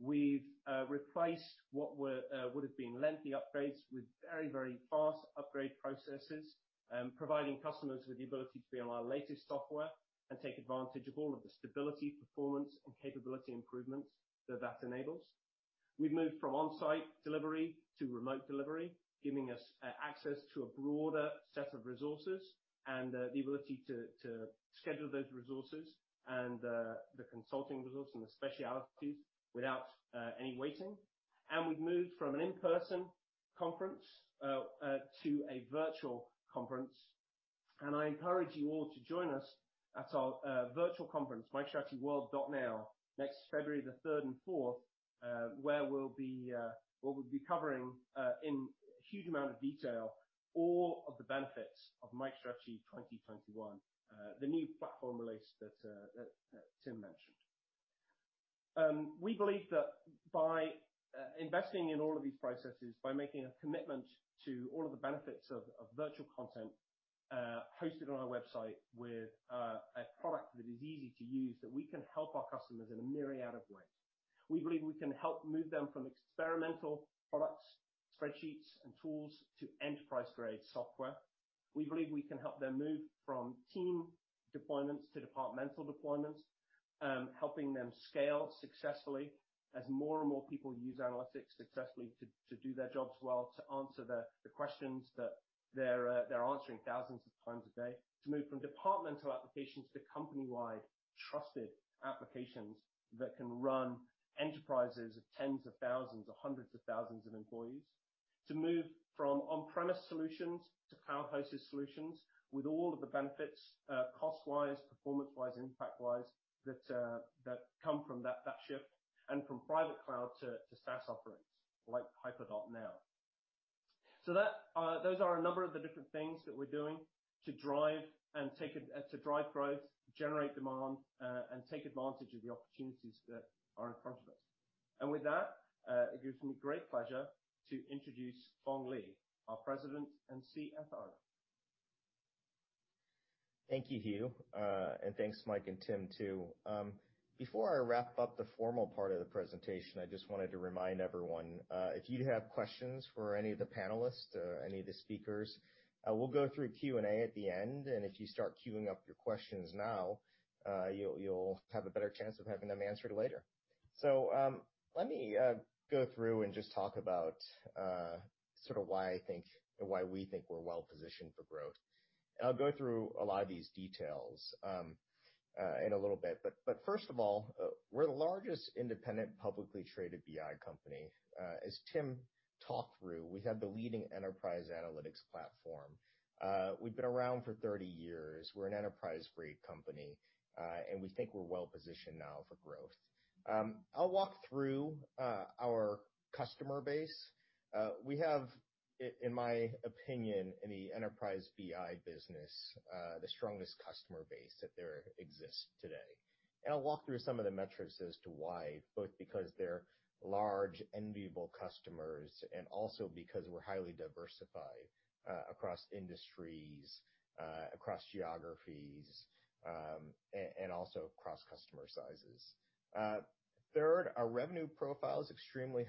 We've replaced what would have been lengthy upgrades with very fast upgrade processes, providing customers with the ability to be on our latest software and take advantage of all of the stability, performance, and capability improvements that enables. We've moved from on-site delivery to remote delivery, giving us access to a broader set of resources and the ability to schedule those resources and the consulting resource and the specialties without any waiting. We've moved from an in-person conference to a virtual conference. I encourage you all to join us at our virtual conference, microstrategyworld.now, next February 3rd and 4th, where we'll covering, in a huge amount of detail, all of the benefits of MicroStrategy 2021, the new platform release that Tim mentioned. We believe that by investing in all of these processes, by making a commitment to all of the benefits of virtual content hosted on our website with a product that is easy to use, that we can help our customers in a myriad of ways. We believe we can help move them from experimental products, spreadsheets, and tools to enterprise-grade software. We believe we can help them move from team deployments to departmental deployments, helping them scale successfully as more and more people use analytics successfully to do their jobs well, to answer the questions that they're answering thousands of times a day. To move from departmental applications to company-wide trusted applications that can run enterprises of tens of thousands or hundreds of thousands of employees. To move from on-premise solutions to cloud-hosted solutions with all of the benefits, cost-wise, performance-wise, impact-wise, that come from that shift, and from private cloud to SaaS offerings like HyperNow. Those are a number of the different things that we're doing to drive growth, generate demand, and take advantage of the opportunities that are in front of us. With that, it gives me great pleasure to introduce Phong Le, our President and CFO. Thank you, Hugh. Thanks, Mike and Tim, too. Before I wrap up the formal part of the presentation, I just wanted to remind everyone, if you have questions for any of the panelists, any of the speakers, we'll go through Q&A at the end, and if you start queuing up your questions now, you'll have a better chance of having them answered later. Let me go through and just talk about sort of why we think we're well-positioned for growth. I'll go through a lot of these details in a little bit, but first of all, we're the largest independent, publicly traded BI company. As Tim talked through, we have the leading enterprise analytics platform. We've been around for 30 years. We're an enterprise-grade company, and we think we're well-positioned now for growth. I'll walk through our customer base. We have, in my opinion, in the enterprise BI business, the strongest customer base that there exists today. I'll walk through some of the metrics as to why, both because they're large, enviable customers and also because we're highly diversified across industries, across geographies, and also across customer sizes. Third, our revenue profile is extremely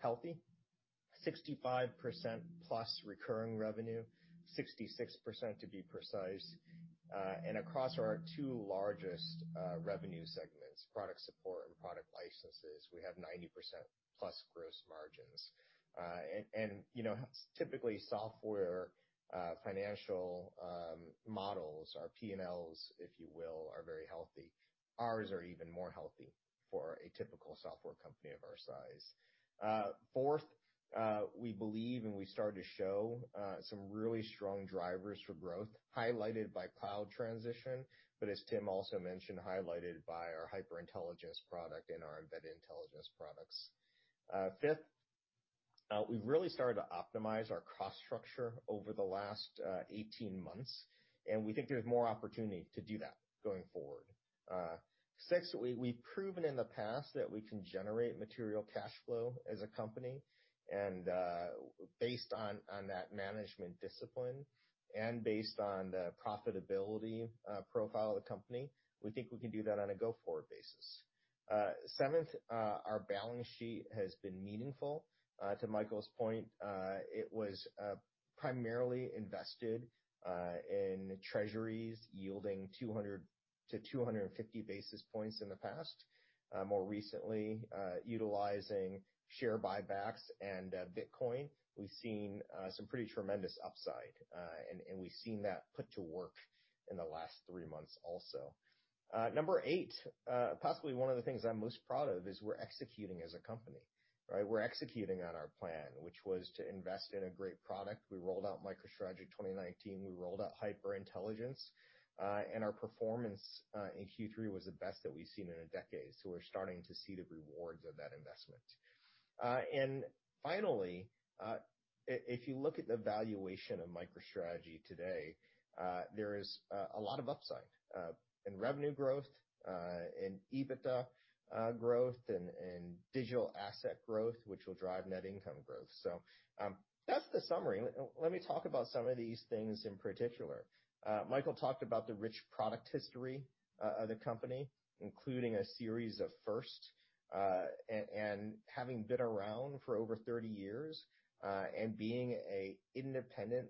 healthy. 65% plus recurring revenue, 66% to be precise. Across our two largest revenue segments, product support and product licenses, we have 90% plus gross margins. Typically, software financial models, our P&Ls, if you will, are very healthy. Ours are even more healthy for a typical software company of our size. Fourth, we believe we started to show some really strong drivers for growth, highlighted by cloud transition, but as Tim also mentioned, highlighted by our HyperIntelligence product and our embedded intelligence products. Fifth, we've really started to optimize our cost structure over the last 18 months. We think there's more opportunity to do that going forward. Sixth, we've proven in the past that we can generate material cash flow as a company. Based on that management discipline and based on the profitability profile of the company, we think we can do that on a go-forward basis. Seventh, our balance sheet has been meaningful. To Michael's point, it was primarily invested in treasuries yielding 200 basis points-250 basis points in the past. More recently, utilizing share buybacks and Bitcoin, we've seen some pretty tremendous upside. We've seen that put to work in the last three months also. Number eight, possibly one of the things I'm most proud of, is we're executing as a company, right? We're executing on our plan, which was to invest in a great product. We rolled out MicroStrategy 2019. We rolled out HyperIntelligence. Our performance in Q3 was the best that we've seen in a decade. We're starting to see the rewards of that investment. Finally, if you look at the valuation of MicroStrategy today, there is a lot of upside in revenue growth, in EBITDA growth, and in digital asset growth, which will drive net income growth. That's the summary. Let me talk about some of these things in particular. Michael talked about the rich product history of the company, including a series of firsts, and having been around for over 30 yrs, and being an independent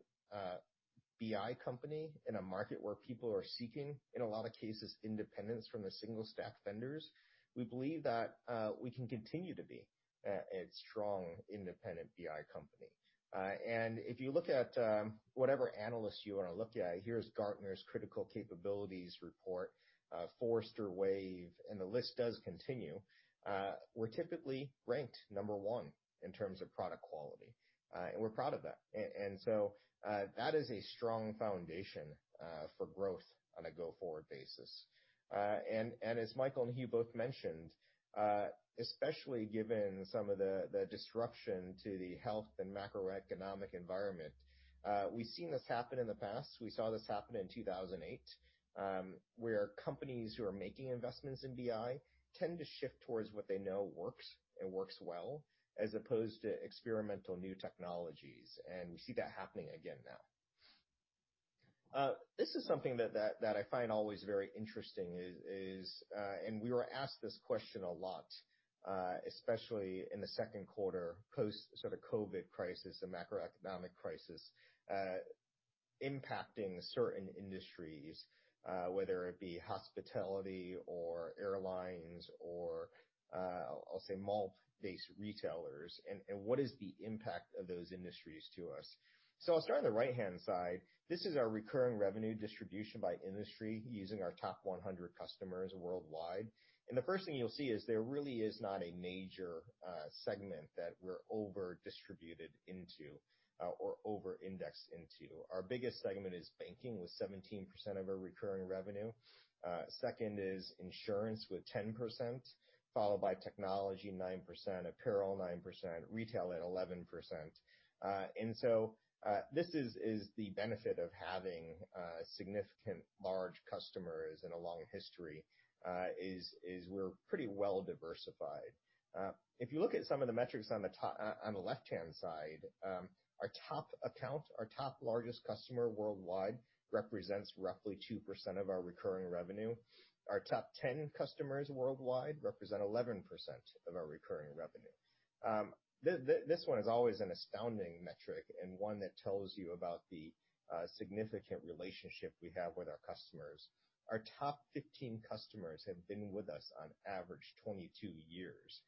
BI company in a market where people are seeking, in a lot of cases, independence from the single-stack vendors. We believe that we can continue to be a strong independent BI company. If you look at whatever analyst you want to look at, here's Gartner's Critical Capabilities report, Forrester Wave, and the list does continue. We're typically ranked number one in terms of product quality, and we're proud of that. So that is a strong foundation for growth on a go-forward basis. As Michael and Hugh both mentioned, especially given some of the disruption to the health and macroeconomic environment, we've seen this happen in the past. We saw this happen in 2008, where companies who are making investments in BI tend to shift towards what they know works and works well, as opposed to experimental new technologies. We see that happening again now. This is something that I find always very interesting is, we were asked this question a lot, especially in the second quarter, post COVID crisis, the macroeconomic crisis, impacting certain industries, whether it be hospitality or airlines or I'll say mall-based retailers, what is the impact of those industries to us? I'll start on the right-hand side. This is our recurring revenue distribution by industry using our top 100 customers worldwide. The first thing you'll see is there really is not a major segment that we're over-distributed into or over-indexed into. Our biggest segment is banking, with 17% of our recurring revenue. Second is insurance with 10%, followed by technology, 9%, apparel, 9%, retail at 11%. This is the benefit of having significant large customers and a long history, is we're pretty well diversified. If you look at some of the metrics on the left-hand side, our top account, our top largest customer worldwide represents roughly 2% of our recurring revenue. Our top 10 customers worldwide represent 11% of our recurring revenue. This one is always an astounding metric and one that tells you about the significant relationship we have with our customers. Our top 15 customers have been with us on average 22 yrs.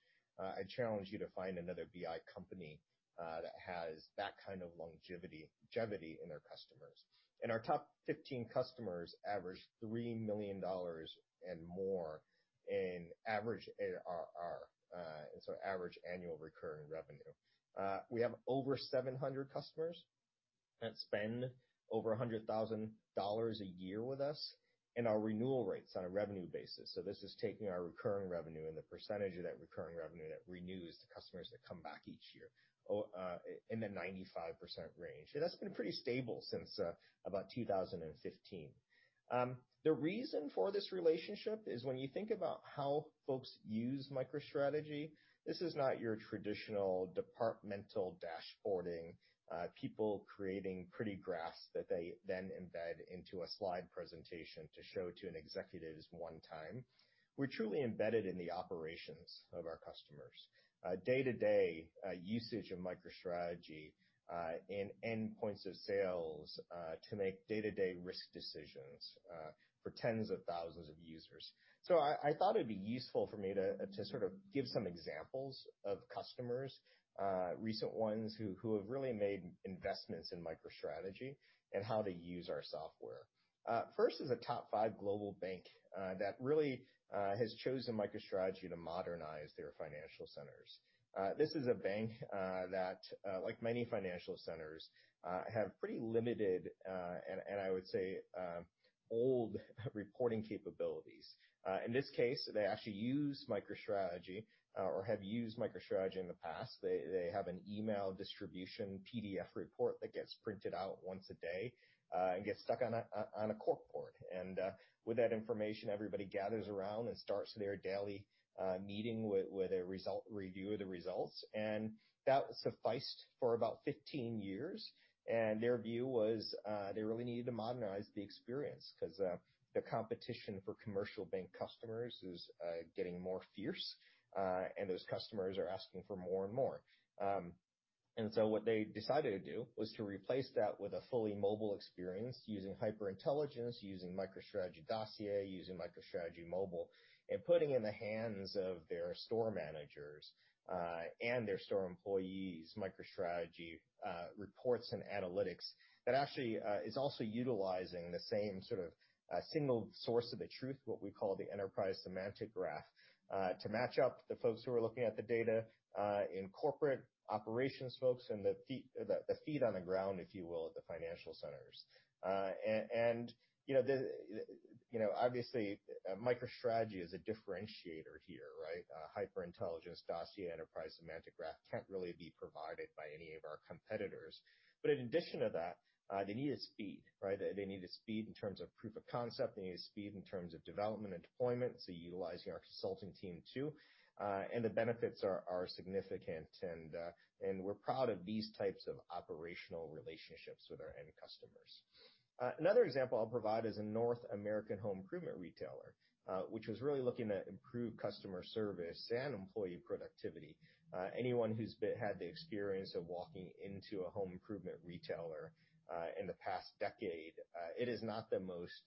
I challenge you to find another BI company that has that kind of longevity in their customers. Our top 15 customers average $3 million and more in average ARR, average annual recurring revenue. We have over 700 customers that spend over $100,000 a year with us, and our renewal rates on a revenue basis, so this is taking our recurring revenue and the percentage of that recurring revenue that renews the customers that come back each year, in the 95% range. That's been pretty stable since about 2015. The reason for this relationship is when you think about how folks use MicroStrategy, this is not your traditional departmental dashboarding, people creating pretty graphs that they then embed into a slide presentation to show to an executive as one time. We're truly embedded in the operations of our customers. Day-to-day usage of MicroStrategy in endpoints of sales, to make day-to-day risk decisions, for tens of thousands of users. I thought it'd be useful for me to give some examples of customers, recent ones, who have really made investments in MicroStrategy and how they use our software. First is a top five global bank, that really has chosen MicroStrategy to modernize their financial centers. This is a bank that, like many financial centers, have pretty limited, and I would say, old reporting capabilities. In this case, they actually use MicroStrategy, or have used MicroStrategy in the past. They have an email distribution PDF report that gets printed out once a day, and gets stuck on a corkboard. With that information, everybody gathers around and starts their daily meeting with a review of the results. That sufficed for about 15 yrs. Their view was, they really needed to modernize the experience because the competition for commercial bank customers is getting more fierce, and those customers are asking for more and more. What they decided to do was to replace that with a fully mobile experience using HyperIntelligence, using MicroStrategy Dossier, using MicroStrategy Mobile, and putting in the hands of their store managers, and their store employees, MicroStrategy reports and analytics that actually is also utilizing the same single source of the truth, what we call the enterprise semantic graph, to match up the folks who are looking at the data, in corporate operations folks and the feet on the ground, if you will, at the financial centers. Obviously, MicroStrategy is a differentiator here. HyperIntelligence, Dossier, enterprise semantic graph can't really be provided by any of our competitors. In addition to that, they needed speed. They needed speed in terms of proof of concept. They needed speed in terms of development and deployment, so utilizing our consulting team too. The benefits are significant, and we're proud of these types of operational relationships with our end customers. Another example I'll provide is a North American home improvement retailer, which was really looking to improve customer service and employee productivity. Anyone who's had the experience of walking into a home improvement retailer, in the past decade, it is not the most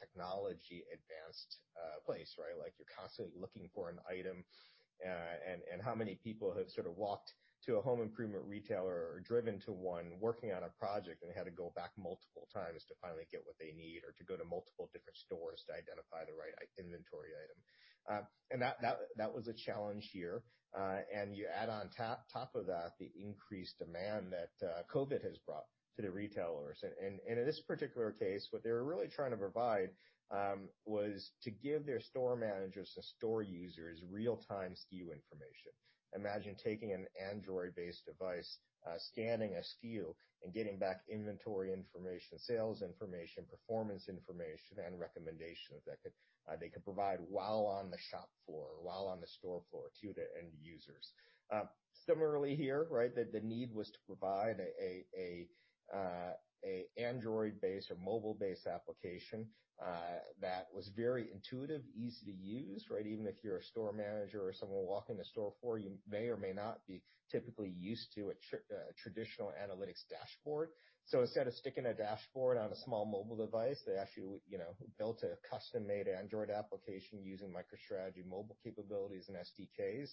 technology-advanced place. You're constantly looking for an item, and how many people have walked to a home improvement retailer or driven to one working on a project and had to go back multiple times to finally get what they need or to go to multiple different stores to identify the right inventory item. That was a challenge here. You add on top of that, the increased demand that COVID has brought to the retailers. In this particular case, what they were really trying to provide, was to give their store managers and store users real-time SKU information. Imagine taking an Android-based device, scanning a SKU, and getting back inventory information, sales information, performance information, and recommendations that they could provide while on the shop floor or while on the store floor to the end users. Similarly here, the need was to provide an Android-based or mobile-based application, that was very intuitive, easy to use. Even if you're a store manager or someone walking the store floor, you may or may not be typically used to a traditional analytics dashboard. Instead of sticking a dashboard on a small mobile device, they actually built a custom-made Android application using MicroStrategy Mobile capabilities and SDKs,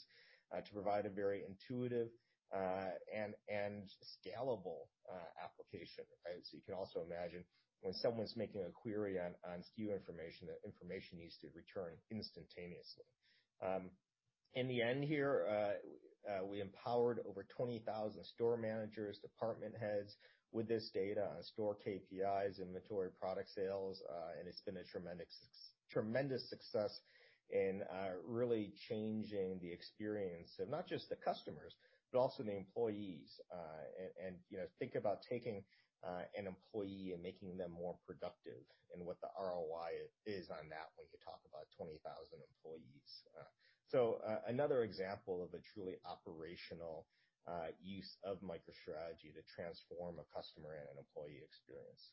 to provide a very intuitive and scalable application. You can also imagine when someone's making a query on SKU information, that information needs to return instantaneously. In the end here, we empowered over 20,000 store managers, department heads with this data on store KPIs, inventory, product sales, and it's been a tremendous success in really changing the experience of not just the customers, but also the employees. Think about taking an employee and making them more productive and what the ROI is on that when you talk about 20,000 employees. Another example of a truly operational use of MicroStrategy to transform a customer and an employee experience.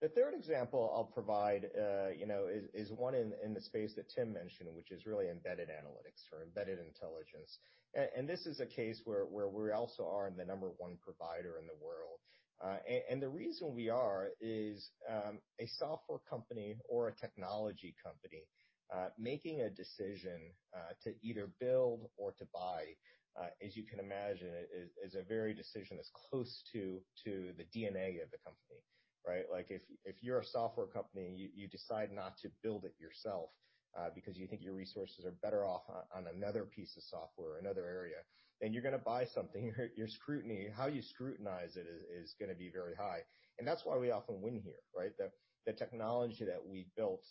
The third example I'll provide is one in the space that Tim mentioned, which is really embedded analytics or embedded intelligence. This is a case where we also are the number one provider in the world. The reason we are is a software company or a technology company, making a decision to either build or to buy, as you can imagine, is a decision that's close to the DNA of the company, right? If you're a software company, you decide not to build it yourself because you think your resources are better off on another piece of software or another area, then you're going to buy something. Your scrutiny, how you scrutinize it is going to be very high, and that's why we often win here, right? The technology that we built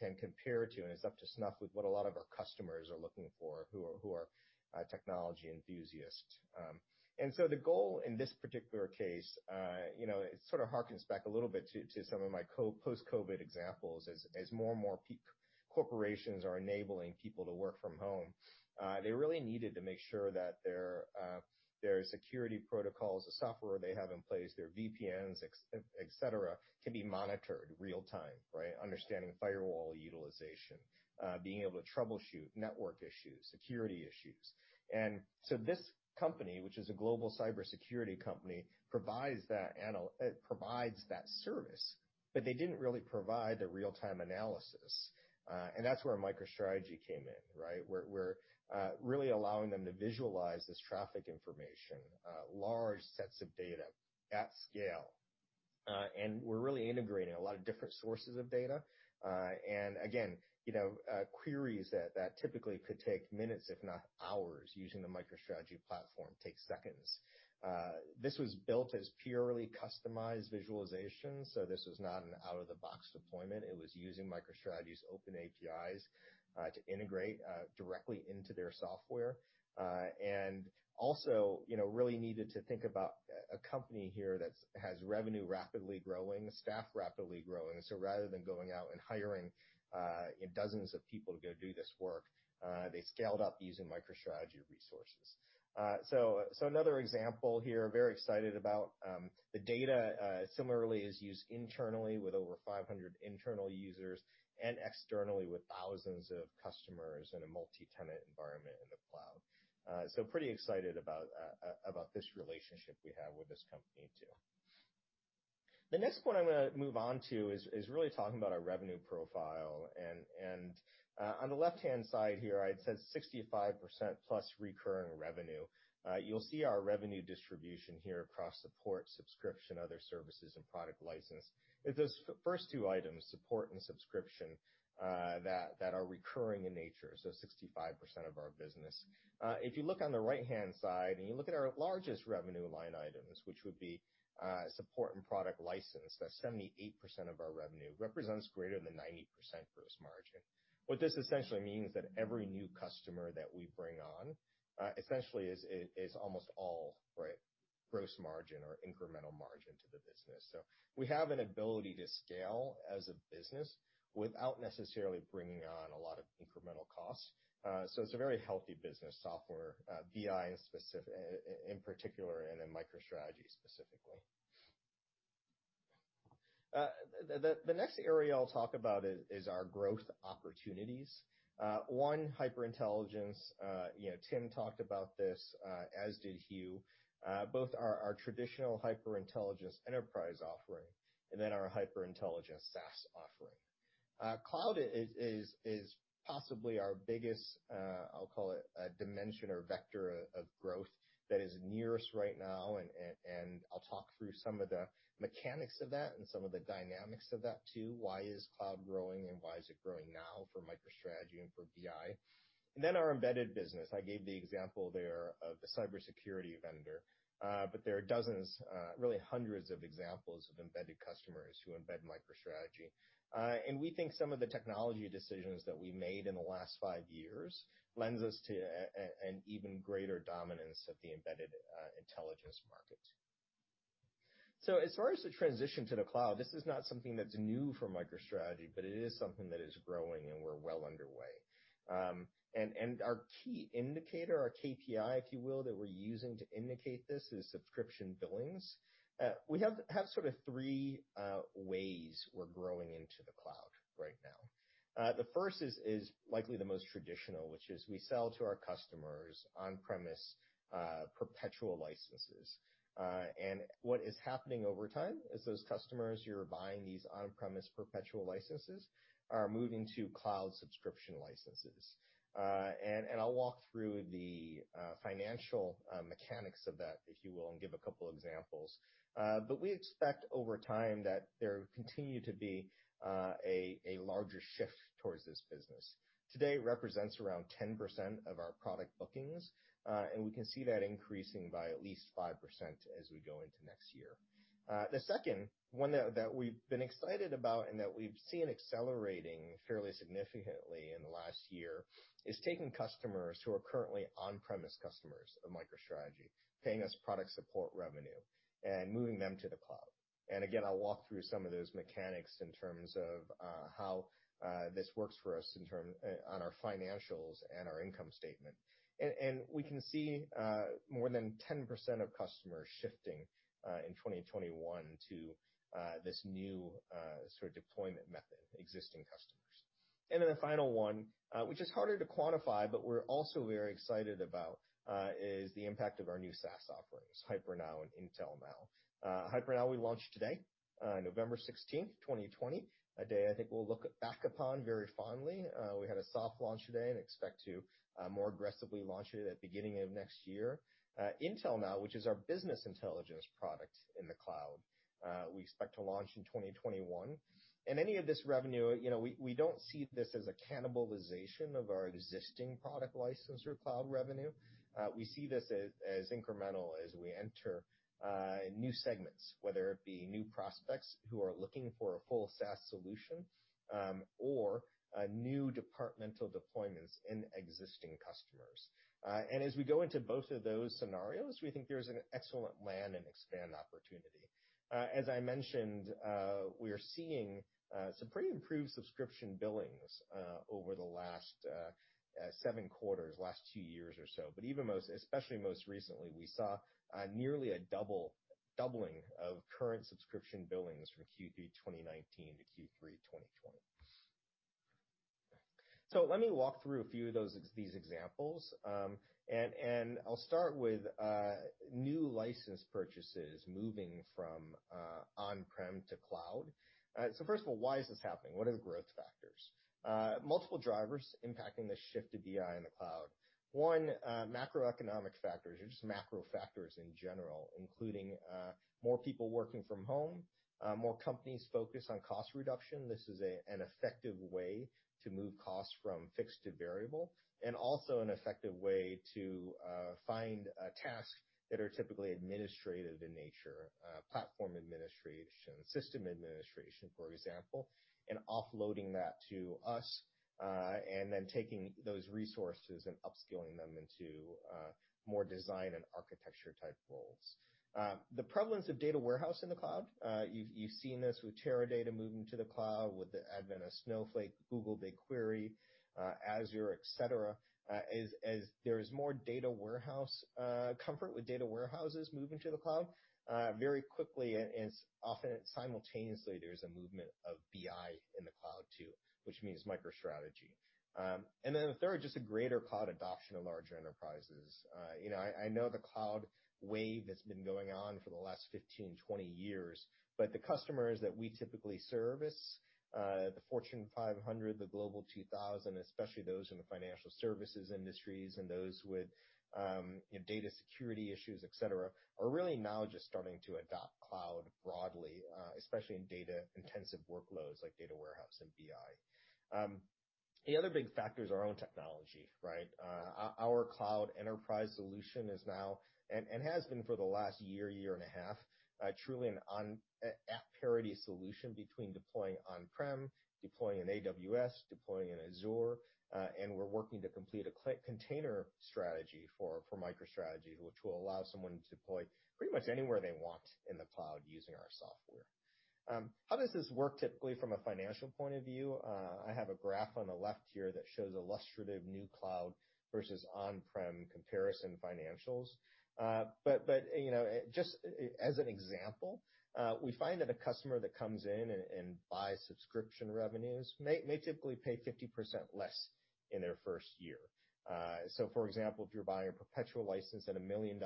can compare to and is up to snuff with what a lot of our customers are looking for, who are technology enthusiasts. The goal in this particular case, it sort of hearkens back a little bit to some of my post-COVID examples. As more and more corporations are enabling people to work from home, they really needed to make sure that their security protocols, the software they have in place, their VPNs, et cetera, can be monitored real-time, understanding firewall utilization, being able to troubleshoot network issues, security issues. This company, which is a global cybersecurity company, provides that service, but they didn't really provide the real-time analysis. That's where MicroStrategy came in, right? We're really allowing them to visualize this traffic information, large sets of data at scale. We're really integrating a lot of different sources of data. Again, queries that typically could take minutes, if not hours, using the MicroStrategy platform, takes seconds. This was built as purely customized visualization. This was not an out-of-the-box deployment. It was using MicroStrategy's open APIs to integrate directly into their software. Also, really needed to think about a company here that has revenue rapidly growing, staff rapidly growing. Rather than going out and hiring dozens of people to go do this work, they scaled up using MicroStrategy resources. Another example here, very excited about the data, similarly, is used internally with over 500 internal users and externally with thousands of customers in a multi-tenant environment in the cloud. Pretty excited about this relationship we have with this company too. The next point I'm going to move on to is really talking about our revenue profile. On the left-hand side here, it says 65% plus recurring revenue. You'll see our revenue distribution here across support, subscription, other services, and product license. It's those first two items, support and subscription, that are recurring in nature, so 65% of our business. If you look on the right-hand side and you look at our largest revenue line items, which would be support and product license, that's 78% of our revenue, represents greater than 90% gross margin. What this essentially means is that every new customer that we bring on, essentially is almost all gross margin or incremental margin to the business. We have an ability to scale as a business without necessarily bringing on a lot of incremental costs. It's a very healthy business software, BI in particular, and in MicroStrategy specifically. The next area I'll talk about is our growth opportunities. One, HyperIntelligence. Tim talked about this, as did Hugh. Both our traditional HyperIntelligence enterprise offering and then our HyperIntelligence SaaS offering. Cloud is possibly our biggest, I'll call it a dimension or vector of growth that is nearest right now, and I'll talk through some of the mechanics of that and some of the dynamics of that too. Why is cloud growing and why is it growing now for MicroStrategy and for BI? Our embedded business. I gave the example there of the cybersecurity vendor. There are dozens, really hundreds of examples of embedded customers who embed MicroStrategy. We think some of the technology decisions that we made in the last five years lends us to an even greater dominance of the embedded intelligence market. As far as the transition to the cloud, this is not something that's new for MicroStrategy, but it is something that is growing and we're well underway. Our key indicator, our KPI, if you will, that we're using to indicate this is subscription billings. We have sort of three ways we're growing into the cloud right now. The first is likely the most traditional, which is we sell to our customers on-premise perpetual licenses. What is happening over time is those customers who are buying these on-premise perpetual licenses are moving to cloud subscription licenses. I'll walk through the financial mechanics of that, if you will, and give a couple examples. We expect over time that there will continue to be a larger shift towards this business. Today, it represents around 10% of our product bookings, and we can see that increasing by at least 5% as we go into next year. The second one that we've been excited about and that we've seen accelerating fairly significantly in the last year is taking customers who are currently on-premise customers of MicroStrategy, paying us product support revenue, and moving them to the cloud. Again, I'll walk through some of those mechanics in terms of how this works for us on our financials and our income statement. We can see more than 10% of customers shifting in 2021 to this new sort of deployment method, existing customers. Then the final one, which is harder to quantify, but we're also very excited about, is the impact of our new SaaS offerings, HyperNow and Intel.Now. HyperNow we launched today, November 16th, 2020, a day I think we'll look back upon very fondly. We had a soft launch today and expect to more aggressively launch it at the beginning of next year. Intel.Now, which is our business intelligence product in the cloud, we expect to launch in 2021. Any of this revenue, we don't see this as a cannibalization of our existing product license or cloud revenue. We see this as incremental as we enter new segments, whether it be new prospects who are looking for a full SaaS solution, or new departmental deployments in existing customers. As we go into both of those scenarios, we think there's an excellent land and expand opportunity. As I mentioned, we're seeing some pretty improved subscription billings over the last seven quarters, last two years or so. Especially most recently, we saw nearly a doubling of current subscription billings from Q3 2019 to Q3 2020. Let me walk through a few of these examples. I'll start with new license purchases moving from on-prem to cloud. First of all, why is this happening? What are the growth factors? Multiple drivers impacting the shift to BI in the cloud. One, macroeconomic factors or just macro factors in general, including more people working from home, more companies focused on cost reduction. This is an effective way to move costs from fixed to variable, and also an effective way to find tasks that are typically administrative in nature, platform administration, system administration, for example, and offloading that to us, and then taking those resources and upskilling them into more design and architecture-type roles. The prevalence of data warehouse in the cloud. You've seen this with Teradata moving to the cloud, with the advent of Snowflake, Google BigQuery, Azure, et cetera. As there is more comfort with data warehouses moving to the cloud, very quickly and often simultaneously, there's a movement of BI in the cloud too, which means MicroStrategy. The third, just a greater cloud adoption of larger enterprises. I know the cloud wave that's been going on for the last 15 yrs-20 years, but the customers that we typically service, the Fortune 500, the Global 2000, especially those in the financial services industries and those with data security issues, et cetera, are really now just starting to adopt cloud broadly, especially in data-intensive workloads like data warehouse and BI. The other big factor is our own technology. Our cloud enterprise solution is now, and has been for the last year and a half, truly an at-parity solution between deploying on-prem, deploying in AWS, deploying in Azure. We're working to complete a container strategy for MicroStrategy, which will allow someone to deploy pretty much anywhere they want in the cloud using our software. How does this work typically from a financial point of view? I have a graph on the left here that shows illustrative new cloud versus on-prem comparison financials. Just as an example, we find that a customer that comes in and buys subscription revenues may typically pay 50% less in their first year. For example, if you're buying a perpetual license at $1 million,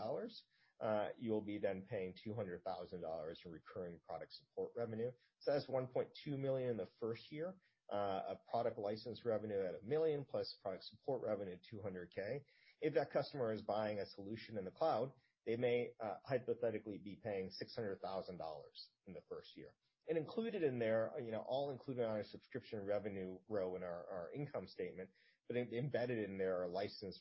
you'll be then paying $200,000 in recurring product support revenue. That's $1.2 million in the first year of product license revenue at $1 million, plus product support revenue at $200K. If that customer is buying a solution in the cloud, they may hypothetically be paying $600,000 in the first year. All included on a subscription revenue row in our income statement, but embedded in there are license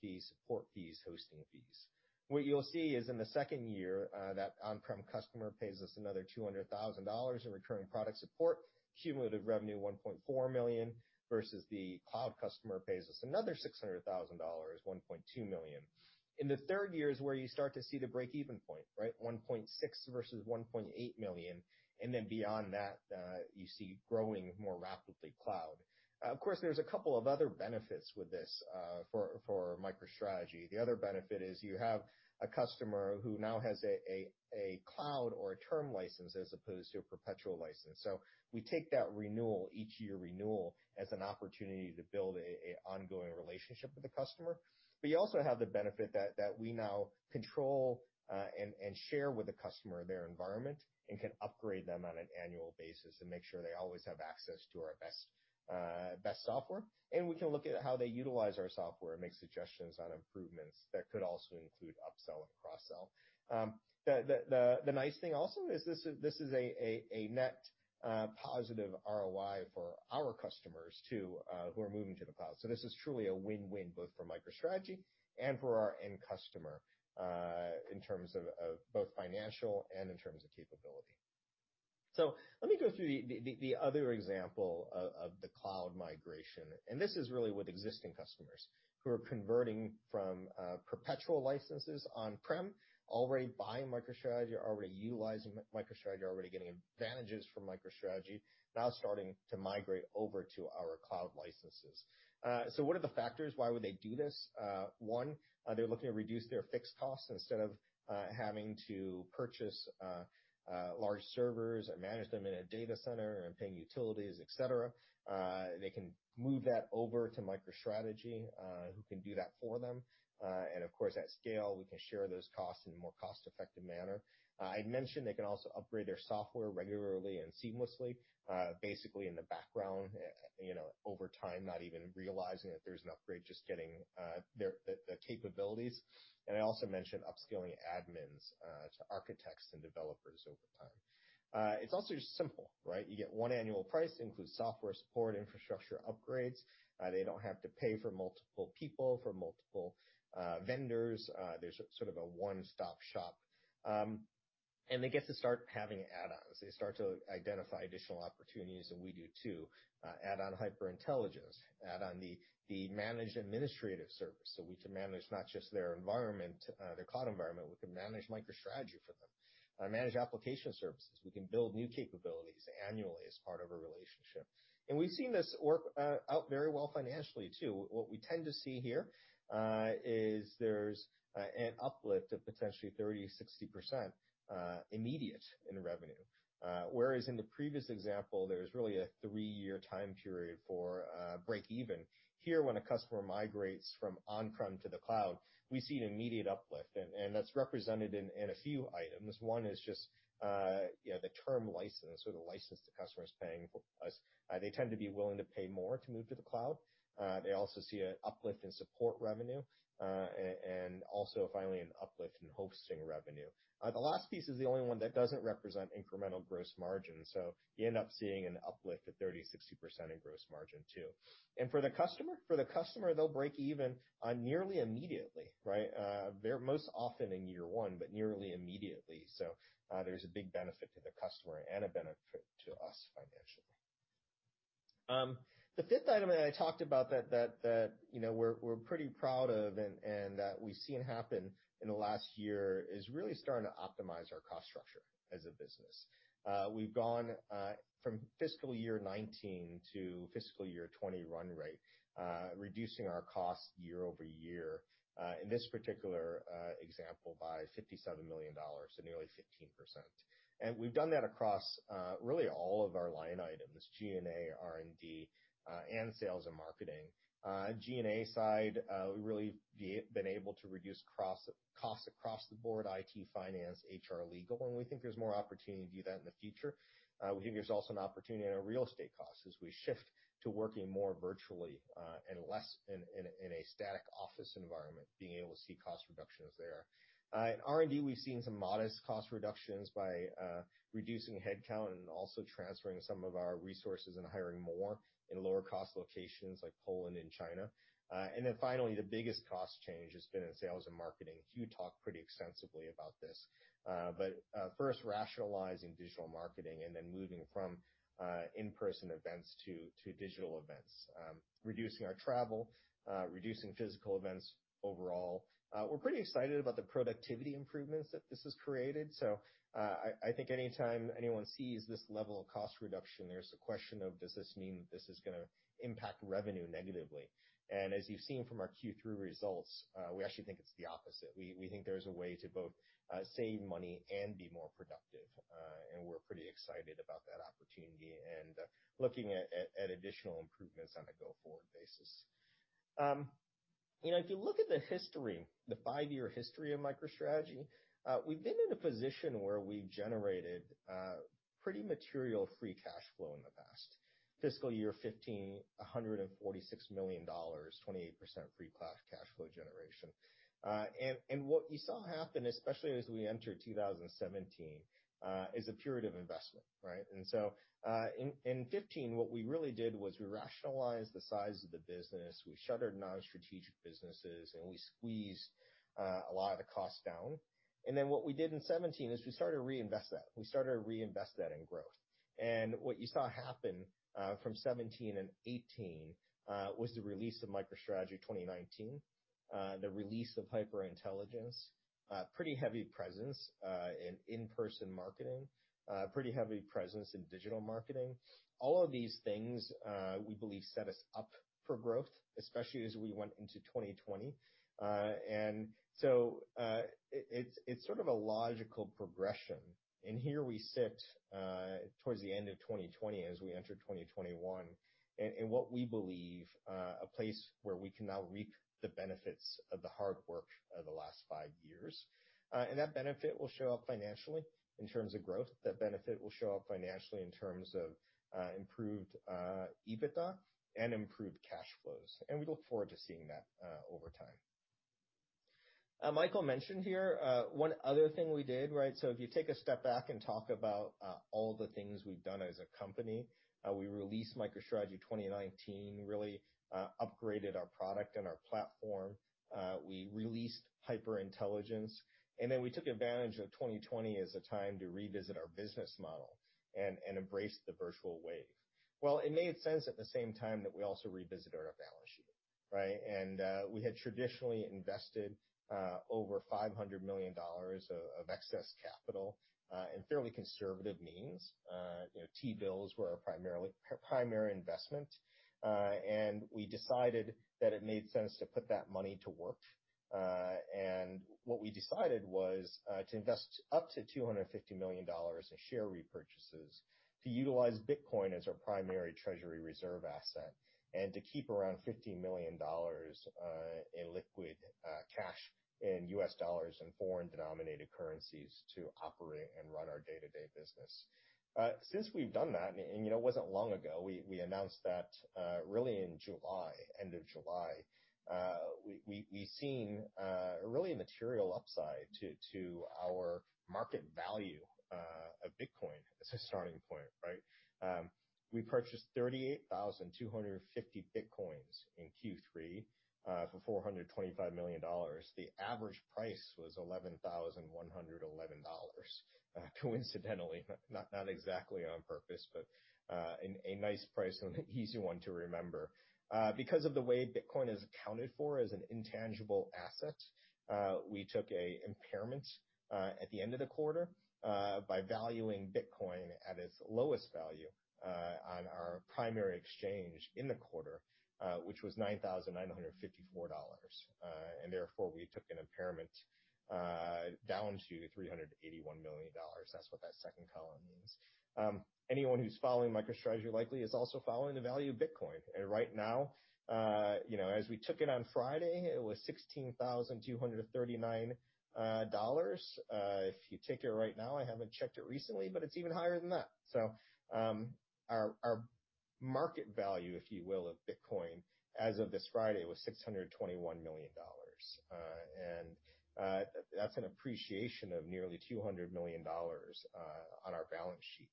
fees, support fees, hosting fees. What you'll see is in the second year, that on-prem customer pays us another $200,000 in recurring product support, cumulative revenue, $1.4 million, versus the cloud customer pays us another $600,000, $1.2 million. In the third year is where you start to see the break-even point, $1.6 versus $1.8 million. Beyond that, you see growing more rapidly cloud. Of course, there's a couple of other benefits with this for MicroStrategy. The other benefit is you have a customer who now has a cloud or a term license as opposed to a perpetual license. We take that renewal, each year renewal, as an opportunity to build an ongoing relationship with the customer. You also have the benefit that we now control, and share with the customer their environment, and can upgrade them on an annual basis and make sure they always have access to our best software. We can look at how they utilize our software and make suggestions on improvements that could also include upsell and cross-sell. The nice thing also is this is a net positive ROI for our customers too, who are moving to the cloud. This is truly a win-win both for MicroStrategy and for our end customer, in terms of both financial and in terms of capability. Let me go through the other example of the cloud migration, and this is really with existing customers who are converting from perpetual licenses on-prem, already buying MicroStrategy, already utilizing MicroStrategy, already getting advantages from MicroStrategy, now starting to migrate over to our cloud licenses. What are the factors? Why would they do this? One, they're looking to reduce their fixed costs instead of having to purchase large servers or manage them in a data center and paying utilities, et cetera. They can move that over to MicroStrategy, who can do that for them. Of course, at scale, we can share those costs in a more cost-effective manner. I'd mentioned they can also upgrade their software regularly and seamlessly, basically in the background, over time, not even realizing that there's an upgrade, just getting the capabilities. I also mentioned upskilling admins to architects and developers over time. It's also just simple, right? You get one annual price, includes software support, infrastructure upgrades. They don't have to pay for multiple people, for multiple vendors. There's sort of a one-stop shop. They get to start having add-ons. They start to identify additional opportunities, and we do too. Add-on HyperIntelligence, add-on the managed administrative service. We can manage not just their cloud environment, we can manage MicroStrategy for them, manage application services. We can build new capabilities annually as part of a relationship. We've seen this work out very well financially, too. What we tend to see here is there's an uplift of potentially 30%-60% immediate in revenue. Whereas in the previous example, there was really a three-year time period for breakeven. Here, when a customer migrates from on-prem to the cloud, we see an immediate uplift, and that's represented in a few items. One is just the term license or the license the customer's paying for us. They tend to be willing to pay more to move to the cloud. They also see an uplift in support revenue, and also finally, an uplift in hosting revenue. The last piece is the only one that doesn't represent incremental gross margin. You end up seeing an uplift of 30%-60% in gross margin, too. For the customer, they'll break even nearly immediately. They're most often in year 1, but nearly immediately. There's a big benefit to the customer and a benefit to us financially. The fifth item that I talked about that we're pretty proud of and that we've seen happen in the last year is really starting to optimize our cost structure as a business. We've gone from fiscal year 2019 to fiscal year 2020 run rate, reducing our cost year-over-year, in this particular example by $57 million, so nearly 15%. We've done that across really all of our line items, G&A, R&D, and sales and marketing. G&A side, we've really been able to reduce costs across the board, IT, finance, HR, legal, and we think there's more opportunity to do that in the future. We think there's also an opportunity in our real estate costs as we shift to working more virtually, and less in a static office environment, being able to see cost reductions there. In R&D, we've seen some modest cost reductions by reducing headcount and also transferring some of our resources and hiring more in lower cost locations like Poland and China. Finally, the biggest cost change has been in sales and marketing. Hugh talked pretty extensively about this. First rationalizing digital marketing and then moving from in-person events to digital events. Reducing our travel, reducing physical events overall. We're pretty excited about the productivity improvements that this has created. I think anytime anyone sees this level of cost reduction, there's a question of, does this mean that this is going to impact revenue negatively? As you've seen from our Q3 results, we actually think it's the opposite. We think there's a way to both save money and be more productive. We're pretty excited about that opportunity and looking at additional improvements on a go-forward basis. If you look at the history, the five-year history of MicroStrategy, we've been in a position where we've generated pretty material free cash flow in the past. Fiscal year 2015, $146 million, 28% free cash flow generation. What you saw happen, especially as we entered 2017, is a period of investment, right? In 2015, what we really did was we rationalized the size of the business, we shuttered non-strategic businesses, and we squeezed a lot of the costs down. What we did in 2017 is we started to reinvest that. We started to reinvest that in growth. What you saw happen, from 2017 and 2018, was the release of MicroStrategy 2019, the release of HyperIntelligence, pretty heavy presence in in-person marketing, pretty heavy presence in digital marketing. All of these things, we believe, set us up for growth, especially as we went into 2020. It's sort of a logical progression. Here we sit, towards the end of 2020 as we enter 2021, in what we believe a place where we can now reap the benefits of the hard work of the last five years. That benefit will show up financially in terms of growth. That benefit will show up financially in terms of improved EBITDA and improved cash flows. We look forward to seeing that over time. Michael mentioned here one other thing we did. If you take a step back and talk about all the things we've done as a company, we released MicroStrategy 2019, really upgraded our product and our platform. We released HyperIntelligence. We took advantage of 2020 as a time to revisit our business model and embrace the virtual wave. It made sense at the same time that we also revisit our balance sheet. Right? We had traditionally invested over $500 million of excess capital in fairly conservative means. T-bills were our primary investment. We decided that it made sense to put that money to work. What we decided was to invest up to $250 million in share repurchases, to utilize Bitcoin as our primary treasury reserve asset, and to keep around $50 million in liquid cash in US dollars and foreign-denominated currencies to operate and run our day-to-day business. Since we've done that, and it wasn't long ago, we announced that really in July, end of July, we've seen a really material upside to our market value of Bitcoin as a starting point, right? We purchased 38,250 bitcoins in Q3 for $425 million. The average price was $11,111. Coincidentally, not exactly on purpose, but a nice price and an easy one to remember. Because of the way Bitcoin is accounted for as an intangible asset, we took an impairment at the end of the quarter by valuing Bitcoin at its lowest value on our primary exchange in the quarter, which was $9,954. Therefore, we took an impairment down to $381 million. That's what that second column means. Anyone who's following MicroStrategy likely is also following the value of Bitcoin. Right now, as we took it on Friday, it was $16,239. If you take it right now, I haven't checked it recently, but it's even higher than that. Our market value, if you will, of Bitcoin as of this Friday was $621 million. That's an appreciation of nearly $200 million on our balance sheet.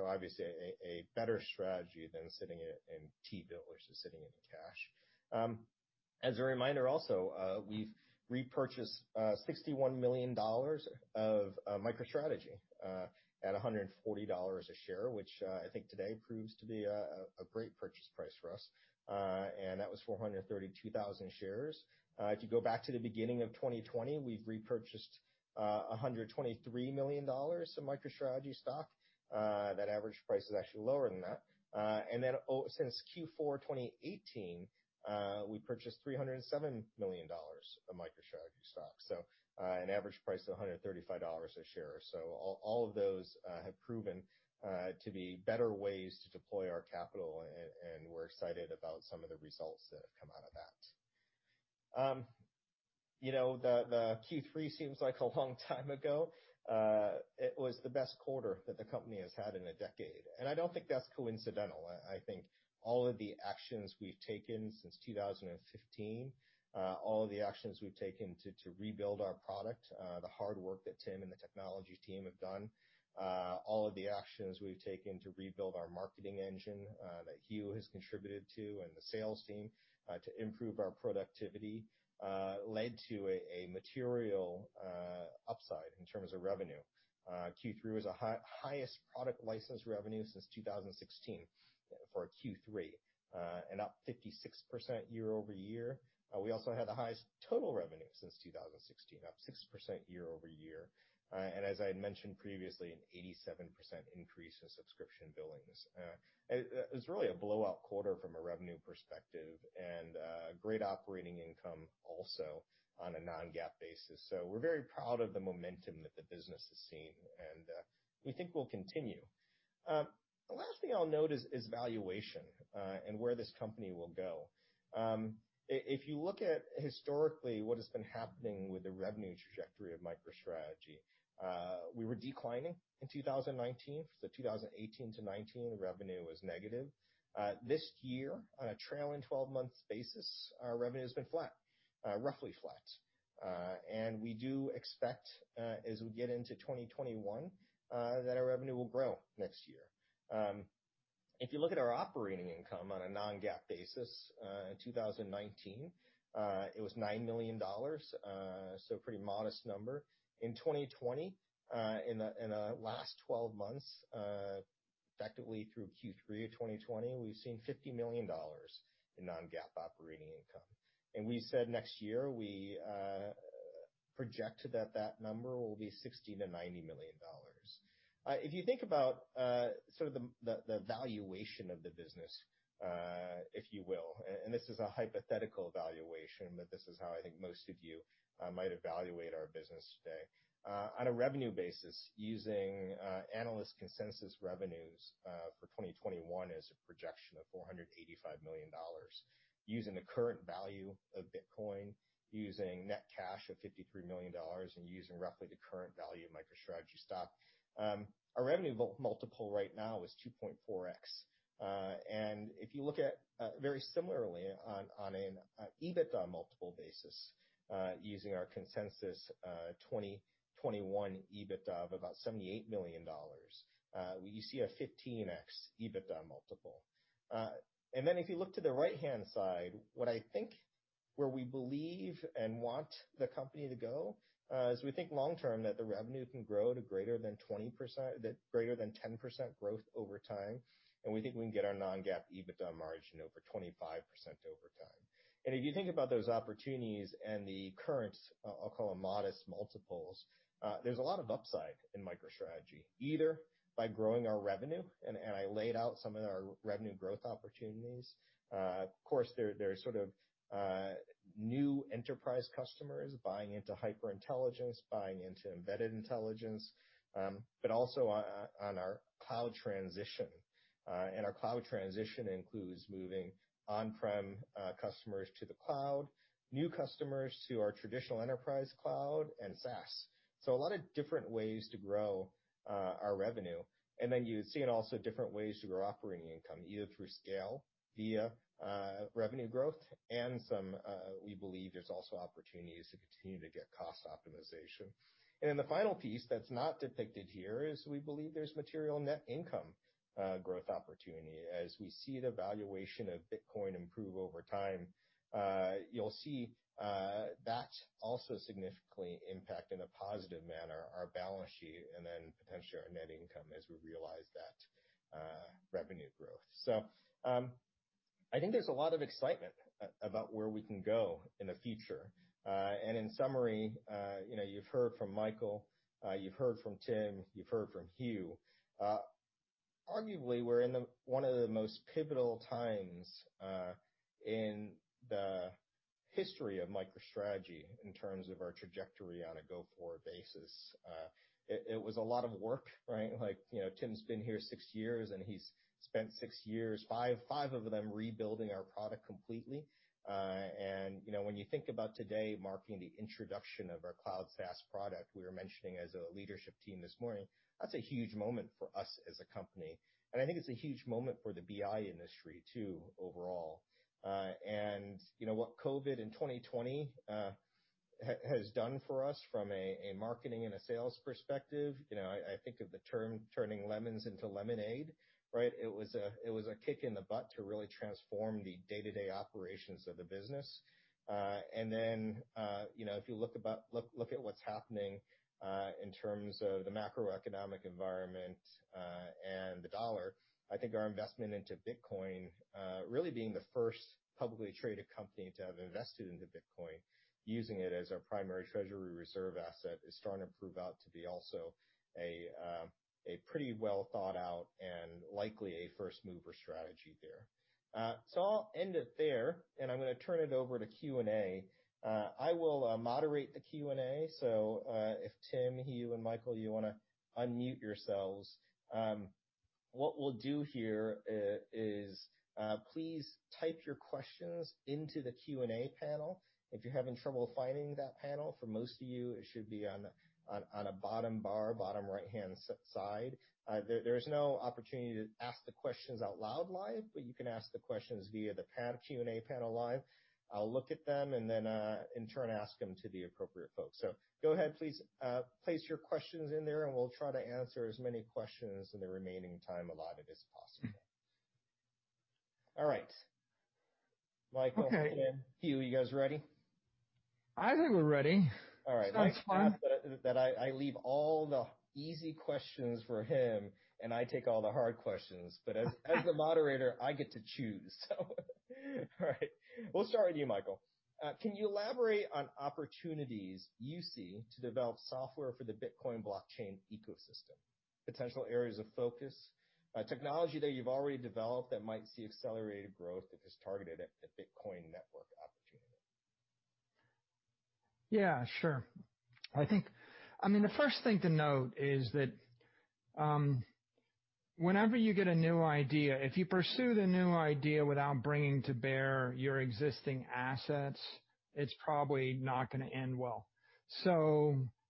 Obviously a better strategy than sitting it in T-bills or sitting it in cash. As a reminder also, we've repurchased $61 million of MicroStrategy, at $140 a share, which I think today proves to be a great purchase price for us. That was 432,000 shares. If you go back to the beginning of 2020, we've repurchased $123 million of MicroStrategy stock. That average price is actually lower than that. Since Q4 2018, we purchased $307 million of MicroStrategy stock. An average price of $135 a share. All of those have proven to be better ways to deploy our capital, and we're excited about some of the results that have come out of that. The Q3 seems like a long time ago. It was the best quarter that the company has had in a decade. I don't think that's coincidental. I think all of the actions we've taken since 2015, all of the actions we've taken to rebuild our product, the hard work that Tim and the technology team have done, all of the actions we've taken to rebuild our marketing engine that Hugh has contributed to, and the sales team to improve our productivity, led to a material upside in terms of revenue. Q3 was the highest product license revenue since 2016 for Q3. Up 56% year-over-year. We also had the highest total revenue since 2016, up 6% year-over-year. As I had mentioned previously, an 87% increase in subscription billings. It was really a blowout quarter from a revenue perspective and great operating income also on a non-GAAP basis. We're very proud of the momentum that the business has seen, and we think will continue. The last thing I'll note is valuation, and where this company will go. If you look at historically what has been happening with the revenue trajectory of MicroStrategy, we were declining in 2019. 2018 to 2019, revenue was negative. This year, on a trailing 12-month basis, our revenue's been flat, roughly flat. We do expect, as we get into 2021, that our revenue will grow next year. If you look at our operating income on a non-GAAP basis, in 2019, it was $9 million, so pretty modest number. In 2020, in the last 12 months, effectively through Q3 of 2020, we've seen $50 million in non-GAAP operating income. We said next year, we projected that that number will be $60 million-$90 million. If you think about sort of the valuation of the business, if you will, and this is a hypothetical valuation, but this is how I think most of you might evaluate our business today. On a revenue basis, using analyst consensus revenues for 2021 as a projection of $485 million, using the current value of Bitcoin, using net cash of $53 million, and using roughly the current value of MicroStrategy stock, our revenue multiple right now is 2.4x. If you look at very similarly on an EBITDA multiple basis using our consensus 2021 EBITDA of about $78 million. You see a 15x EBITDA multiple. If you look to the right-hand side, what I think where we believe and want the company to go, is we think long-term that the revenue can grow to greater than 10% growth over time, and we think we can get our non-GAAP EBITDA margin over 25% over time. If you think about those opportunities and the current, I'll call it modest multiples, there's a lot of upside in MicroStrategy, either by growing our revenue, and I laid out some of our revenue growth opportunities. Of course, there are sort of new enterprise customers buying into HyperIntelligence, buying into embedded intelligence, but also on our cloud transition. Our cloud transition includes moving on-prem customers to the cloud, new customers to our traditional enterprise cloud, and SaaS. A lot of different ways to grow our revenue. You're seeing also different ways to grow operating income, either through scale, via revenue growth, and we believe there's also opportunities to continue to get cost optimization. The final piece that's not depicted here is we believe there's material net income growth opportunity. As we see the valuation of Bitcoin improve over time, you'll see that also significantly impact, in a positive manner, our balance sheet and then potentially our net income as we realize that revenue growth. I think there's a lot of excitement about where we can go in the future. In summary, you've heard from Michael, you've heard from Tim, you've heard from Hugh. Arguably, we're in one of the most pivotal times in the history of MicroStrategy in terms of our trajectory on a go-forward basis. It was a lot of work, right? Tim's been here six years, and he's spent six years, five of them rebuilding our product completely. When you think about today marking the introduction of our cloud SaaS product, we were mentioning as a leadership team this morning, that's a huge moment for us as a company. I think it's a huge moment for the BI industry, too, overall. What COVID in 2020 has done for us from a marketing and a sales perspective, I think of the term turning lemons into lemonade, right? It was a kick in the butt to really transform the day-to-day operations of the business. Then, if you look at what's happening in terms of the macroeconomic environment, and the dollar, I think our investment into Bitcoin, really being the first publicly traded company to have invested into Bitcoin, using it as our primary treasury reserve asset, is starting to prove out to be also a pretty well thought out and likely a first-mover strategy there. I'll end it there, and I'm going to turn it over to Q&A. I will moderate the Q&A, so if Tim, Hugh, and Michael, you want to unmute yourselves. What we'll do here is, please type your questions into the Q&A panel. If you're having trouble finding that panel, for most of you, it should be on a bottom bar, bottom right-hand side. There's no opportunity to ask the questions out loud live, but you can ask the questions via the Q&A panel live. I'll look at them and then in turn ask them to the appropriate folks. Go ahead, please place your questions in there and we'll try to answer as many questions in the remaining time allotted as possible. All right. Michael, Tim, Hugh, you guys ready? I think we're ready. All right. Sounds fine. I leave all the easy questions for him, and I take all the hard questions. As the moderator, I get to choose. All right. We'll start with you, Michael. Can you elaborate on opportunities you see to develop software for the Bitcoin blockchain ecosystem, potential areas of focus, technology that you've already developed that might see accelerated growth if it's targeted at the Bitcoin network opportunity? Yeah, sure. The first thing to note is that, whenever you get a new idea, if you pursue the new idea without bringing to bear your existing assets, it's probably not going to end well.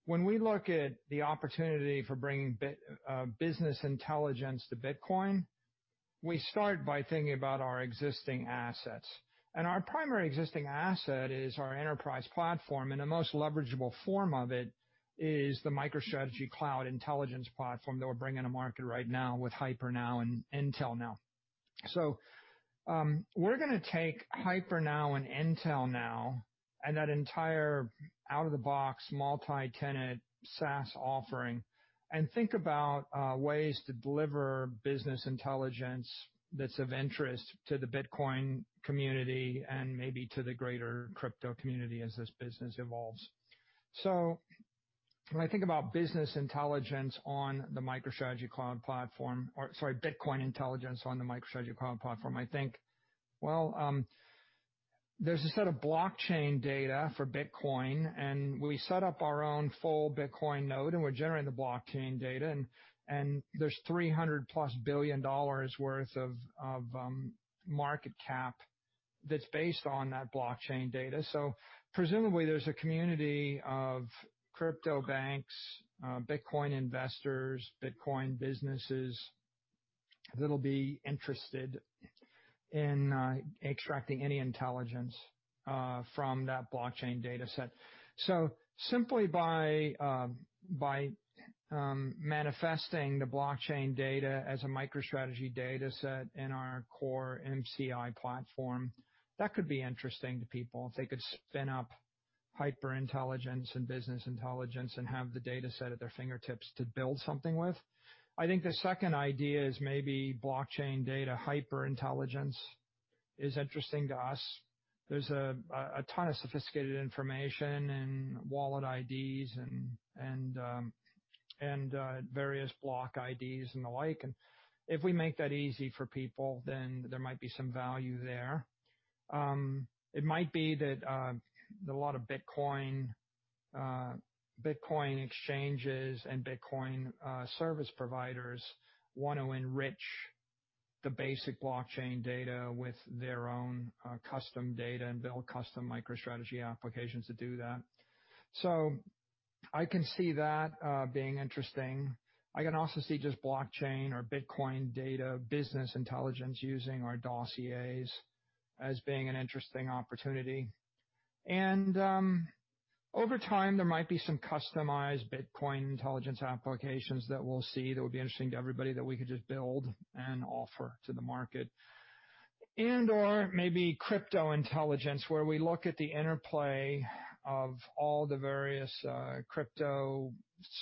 When we look at the opportunity for bringing business intelligence to Bitcoin, we start by thinking about our existing assets. Our primary existing asset is our enterprise platform, and the most leverageable form of it is the MicroStrategy Cloud Intelligence Platform that we're bringing to market right now with HyperNow and Intel.Now. We're going to take HyperNow and Intel.Now and that entire out-of-the-box multi-tenant SaaS offering and think about ways to deliver business intelligence that's of interest to the Bitcoin community and maybe to the greater crypto community as this business evolves. When I think about business intelligence on the MicroStrategy Cloud Platform, or, sorry, Bitcoin intelligence on the MicroStrategy Cloud Platform, I think, well, there's a set of blockchain data for Bitcoin, and we set up our own full Bitcoin node and we're generating the blockchain data, and there's $300-plus billion worth of market cap that's based on that blockchain data. Presumably, there's a community of crypto banks, Bitcoin investors, Bitcoin businesses that'll be interested in extracting any intelligence from that blockchain data set. Simply by manifesting the blockchain data as a MicroStrategy data set in our core MCI platform, that could be interesting to people. They could spin up HyperIntelligence and business intelligence and have the data set at their fingertips to build something with. I think the second idea is maybe blockchain data HyperIntelligence is interesting to us. There's a ton of sophisticated information and wallet IDs and various block IDs and the like. If we make that easy for people, then there might be some value there. It might be that a lot of Bitcoin exchanges and Bitcoin service providers want to enrich the basic blockchain data with their own custom data and build custom MicroStrategy applications to do that. I can see that being interesting. I can also see just blockchain or Bitcoin data business intelligence using our Dossiers as being an interesting opportunity. Over time, there might be some customized Bitcoin intelligence applications that we'll see that would be interesting to everybody that we could just build and offer to the market. Or maybe crypto intelligence, where we look at the interplay of all the various crypto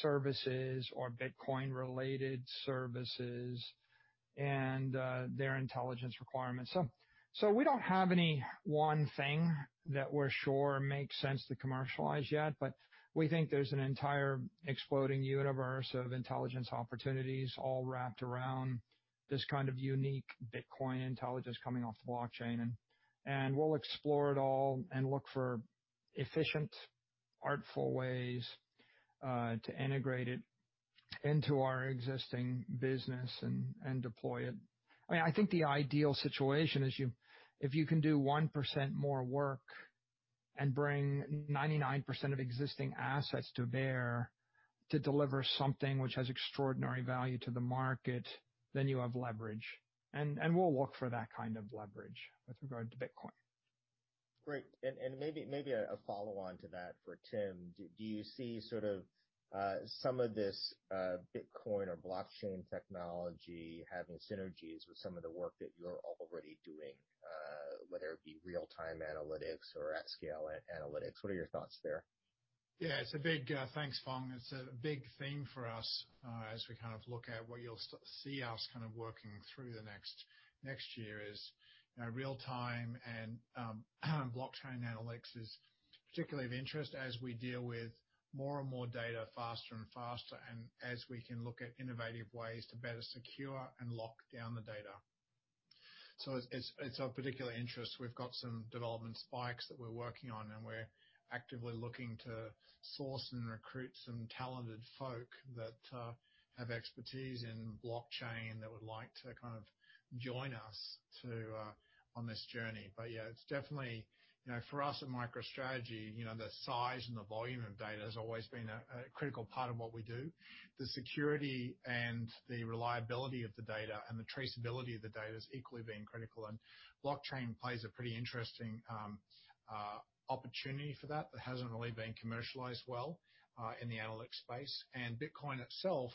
services or Bitcoin-related services and their intelligence requirements. We don't have any one thing that we're sure makes sense to commercialize yet, but we think there's an entire exploding universe of intelligence opportunities all wrapped around this kind of unique Bitcoin intelligence coming off the blockchain. We'll explore it all and look for efficient, artful ways to integrate it into our existing business and deploy it. I think the ideal situation is if you can do 1% more work and bring 99% of existing assets to bear to deliver something which has extraordinary value to the market, then you have leverage. We'll look for that kind of leverage with regard to Bitcoin. Great. Maybe a follow-on to that for Tim. Do you see sort of some of this Bitcoin or blockchain technology having synergies with some of the work that you're already doing, whether it be real-time analytics or at-scale analytics? What are your thoughts there? Yeah. Thanks, Phong. It's a big theme for us as we kind of look at what you'll see us kind of working through the next year is real time and blockchain analytics is particularly of interest as we deal with more and more data faster and faster, and as we can look at innovative ways to better secure and lock down the data. It's of particular interest. We've got some development spikes that we're working on, and we're actively looking to source and recruit some talented folk that have expertise in blockchain that would like to kind of join us on this journey. Yeah, it's definitely, for us at MicroStrategy, the size and the volume of data has always been a critical part of what we do. The security and the reliability of the data and the traceability of the data has equally been critical, and blockchain plays a pretty interesting opportunity for that that hasn't really been commercialized well in the analytics space. Bitcoin itself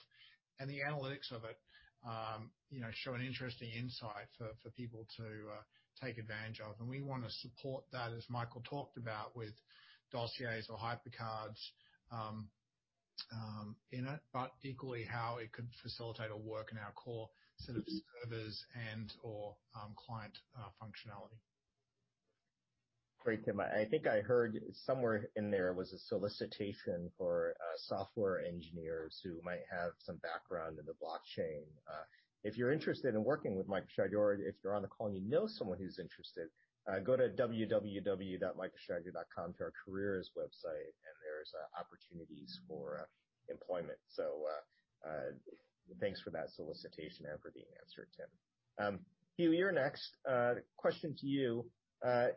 and the analytics of it show an interesting insight for people to take advantage of. We want to support that, as Michael talked about, with Dossiers or HyperCards in it, but equally how it could facilitate or work in our core set of servers and/or client functionality. Great, Tim. I think I heard somewhere in there was a solicitation for software engineers who might have some background in the blockchain. If you're interested in working with MicroStrategy, or if you're on the call and you know someone who's interested, go to www.microstrategy.com to our careers website, and there's opportunities for employment. Thanks for that solicitation and for the answer, Tim. Hugh, you're next. Question to you.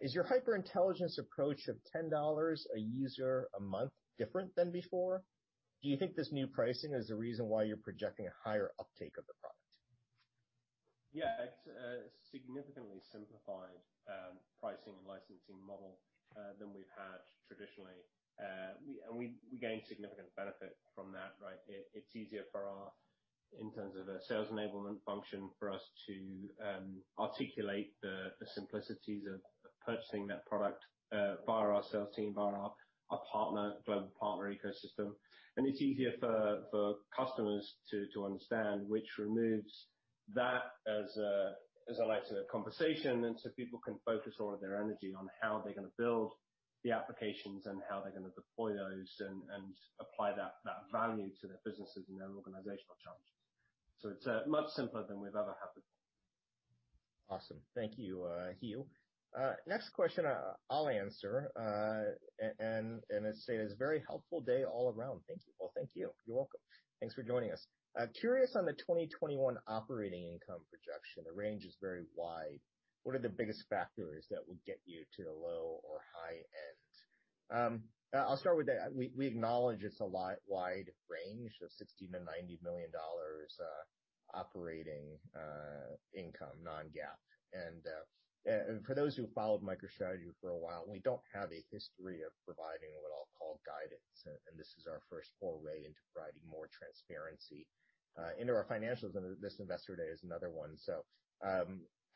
Is your HyperIntelligence approach of $10 a user a month different than before? Do you think this new pricing is the reason why you're projecting a higher uptake of the product? Yeah, it's a significantly simplified pricing and licensing model than we've had traditionally. We gain significant benefit from that, right? It's easier in terms of a sales enablement function for us to articulate the simplicities of purchasing that product via our sales team, via our global partner ecosystem. It's easier for customers to understand, which removes that as a conversation, and so people can focus all of their energy on how they're going to build the applications and how they're going to deploy those and apply that value to their businesses and their organizational challenges. It's much simpler than we've ever had before. Awesome. Thank you, Hugh. Next question I'll answer. It says, "Very helpful day all around. Thank you." Well, thank you. You're welcome. Thanks for joining us. Curious on the 2021 operating income projection. The range is very wide. What are the biggest factors that will get you to the low or high end? I'll start with that. We acknowledge it's a wide range of $60 million-$90 million operating income, non-GAAP. For those who followed MicroStrategy for a while, we don't have a history of providing what I'll call guidance, and this is our first foray into providing more transparency into our financials, and this Investor Day is another one.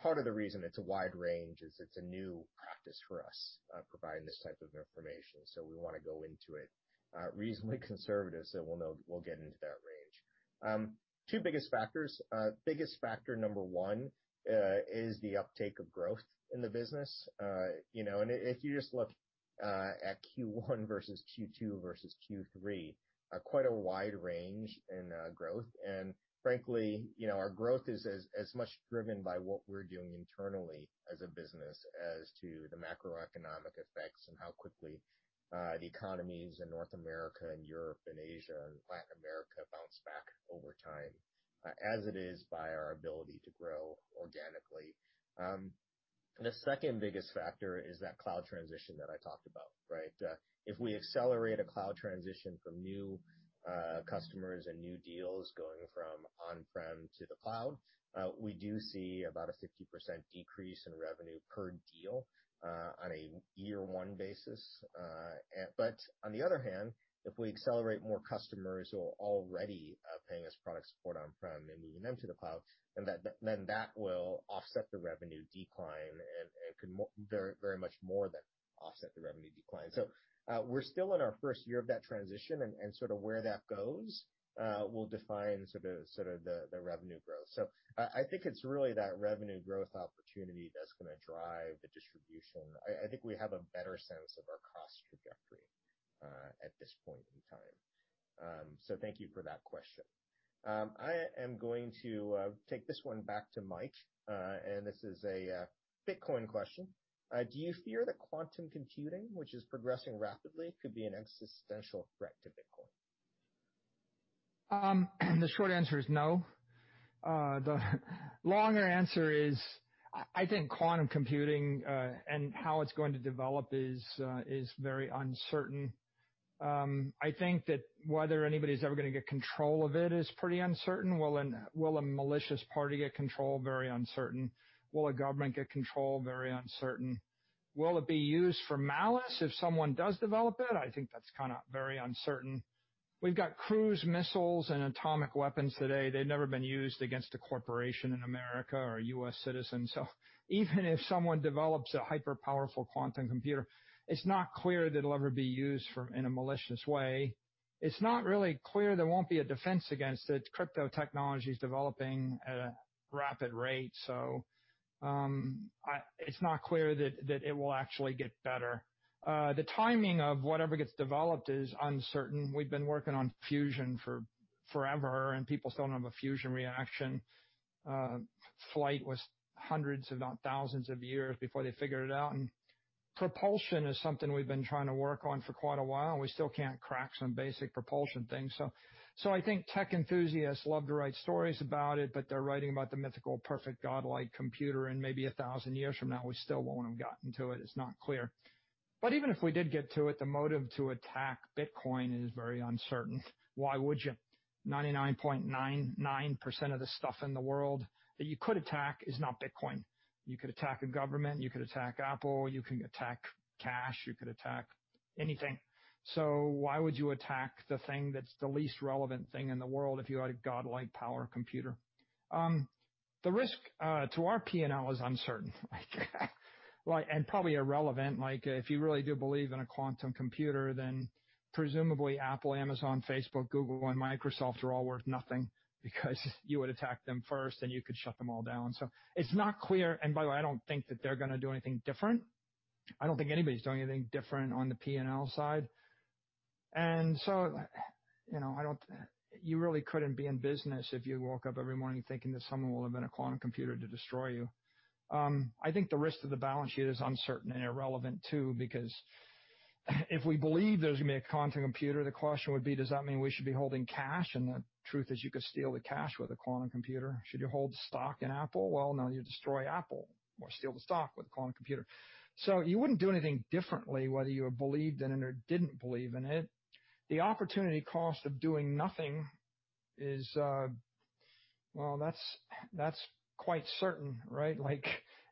Part of the reason it's a wide range is it's a new practice for us providing this type of information. We want to go into it reasonably conservative so we'll get into that range. Two biggest factors. Biggest factor number 1 is the uptake of growth in the business. If you just look at Q1 versus Q2 versus Q3, quite a wide range in growth. Frankly, our growth is as much driven by what we're doing internally as a business as to the macroeconomic effects and how quickly the economies in North America and Europe and Asia and Latin America bounce back over time, as it is by our ability to grow organically. The second biggest factor is that cloud transition that I talked about, right? If we accelerate a cloud transition from new customers and new deals going from on-prem to the cloud, we do see about a 50% decrease in revenue per deal on a year one basis. On the other hand, if we accelerate more customers who are already paying us product support on-prem and moving them to the cloud, then that will offset the revenue decline and could very much more than offset the revenue decline. We're still in our first year of that transition, and sort of where that goes will define the revenue growth. I think it's really that revenue growth opportunity that's going to drive the distribution. I think we have a better sense of our cost trajectory at this point in time. Thank you for that question. I am going to take this one back to Mike, and this is a Bitcoin question. Do you fear that quantum computing, which is progressing rapidly, could be an existential threat to Bitcoin? The short answer is no. The longer answer is, I think quantum computing and how it's going to develop is very uncertain. I think that whether anybody's ever going to get control of it is pretty uncertain. Will a malicious party get control? Very uncertain. Will a government get control? Very uncertain. Will it be used for malice if someone does develop it? I think that's very uncertain. We've got cruise missiles and atomic weapons today. They've never been used against a corporation in America or a U.S. citizen. Even if someone develops a hyper-powerful quantum computer, it's not clear that it'll ever be used in a malicious way. It's not really clear there won't be a defense against it. Crypto technology is developing at a rapid rate, it's not clear that it will actually get better. The timing of whatever gets developed is uncertain. We've been working on fusion forever, and people still don't have a fusion reaction. Flight was hundreds, if not thousands of years before they figured it out, and propulsion is something we've been trying to work on for quite a while, and we still can't crack some basic propulsion things. I think tech enthusiasts love to write stories about it, but they're writing about the mythical perfect godlike computer, and maybe a thousand years from now, we still won't have gotten to it. It's not clear. Even if we did get to it, the motive to attack Bitcoin is very uncertain. Why would you? 99.99% of the stuff in the world that you could attack is not Bitcoin. You could attack a government. You could attack Apple. You can attack cash. You could attack anything. Why would you attack the thing that's the least relevant thing in the world if you had a godlike power computer? The risk to our P&L is uncertain and probably irrelevant. If you really do believe in a quantum computer, presumably Apple, Amazon, Facebook, Google, and Microsoft are all worth nothing because you would attack them first, and you could shut them all down. It's not clear, and by the way, I don't think that they're going to do anything different. I don't think anybody's doing anything different on the P&L side. You really couldn't be in business if you woke up every morning thinking that someone will invent a quantum computer to destroy you. I think the risk to the balance sheet is uncertain and irrelevant too. If we believe there's going to be a quantum computer, the question would be, does that mean we should be holding cash? The truth is, you could steal the cash with a quantum computer. Should you hold stock in Apple? Well, no, you destroy Apple or steal the stock with a quantum computer. You wouldn't do anything differently whether you believed in it or didn't believe in it. The opportunity cost of doing nothing is, well, that's quite certain, right?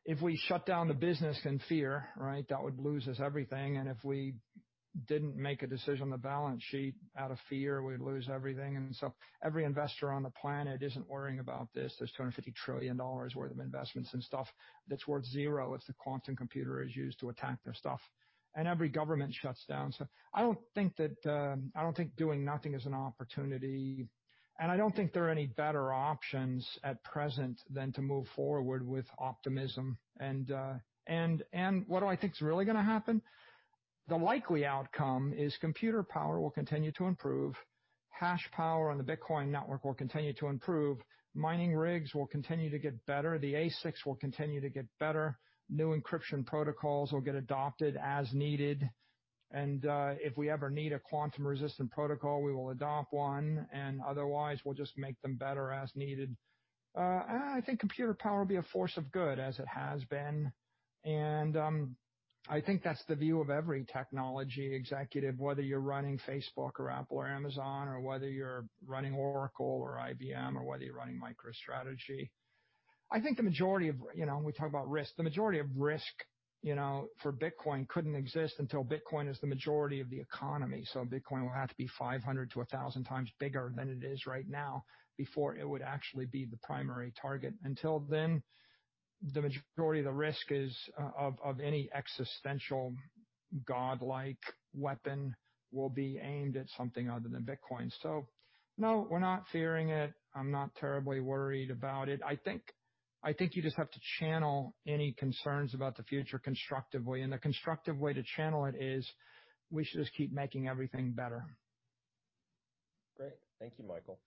If we shut down the business in fear, that would lose us everything, and if we didn't make a decision on the balance sheet out of fear, we'd lose everything. Every investor on the planet isn't worrying about this. There's $250 trillion worth of investments in stuff that's worth zero if the quantum computer is used to attack their stuff, and every government shuts down. I don't think doing nothing is an opportunity, and I don't think there are any better options at present than to move forward with optimism. What do I think is really going to happen? The likely outcome is computer power will continue to improve. Hash power on the Bitcoin network will continue to improve. Mining rigs will continue to get better. The ASICs will continue to get better. New encryption protocols will get adopted as needed. If we ever need a quantum-resistant protocol, we will adopt one, and otherwise, we'll just make them better as needed. I think computer power will be a force of good as it has been. I think that's the view of every technology executive, whether you're running Facebook or Apple or Amazon, or whether you're running Oracle or IBM, or whether you're running MicroStrategy. I think the majority of, we talk about risk, the majority of risk for Bitcoin couldn't exist until Bitcoin is the majority of the economy. Bitcoin will have to be 500x to 1,000x bigger than it is right now before it would actually be the primary target. Until then, the majority of the risk is of any existential God-like weapon will be aimed at something other than Bitcoin. No, we're not fearing it. I'm not terribly worried about it. I think you just have to channel any concerns about the future constructively. The constructive way to channel it is we should just keep making everything better. Great. Thank you, Michael.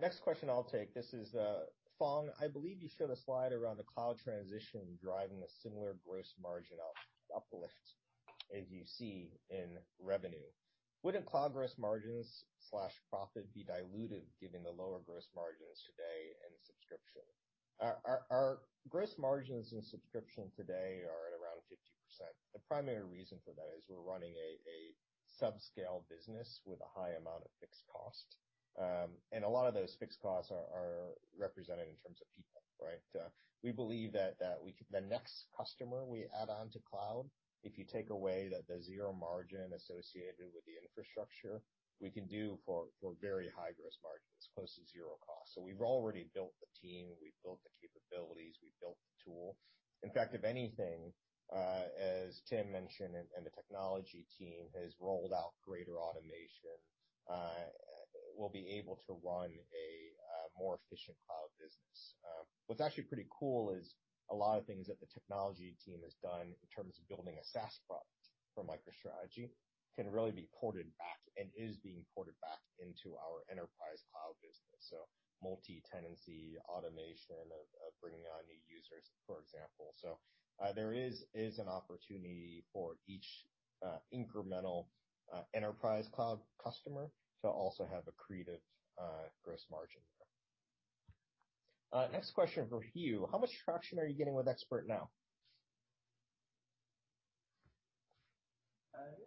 Next question I'll take, this is Phong. I believe you showed a slide around the cloud transition driving a similar gross margin uplift as you see in revenue. Wouldn't cloud gross margins/profit be diluted given the lower gross margins today in subscription? Our gross margins in subscription today are at around 50%. The primary reason for that is we're running a subscale business with a high amount of fixed cost. A lot of those fixed costs are represented in terms of people, right? We believe that the next customer we add on to cloud, if you take away the zero margin associated with the infrastructure, we can do for very high gross margin, as close to zero cost. We've already built the team, we've built the capabilities, we've built the tools. In fact, if anything, as Tim mentioned, and the technology team has rolled out greater automation, we'll be able to run a more efficient cloud business. What's actually pretty cool is a lot of things that the technology team has done in terms of building a SaaS product for MicroStrategy can really be ported back and is being ported back into our enterprise cloud business. So multi-tenancy automation of bringing on new users, for example. So there is an opportunity for each incremental enterprise cloud customer to also have accretive gross margin there. Next question for Hugh. How much traction are you getting with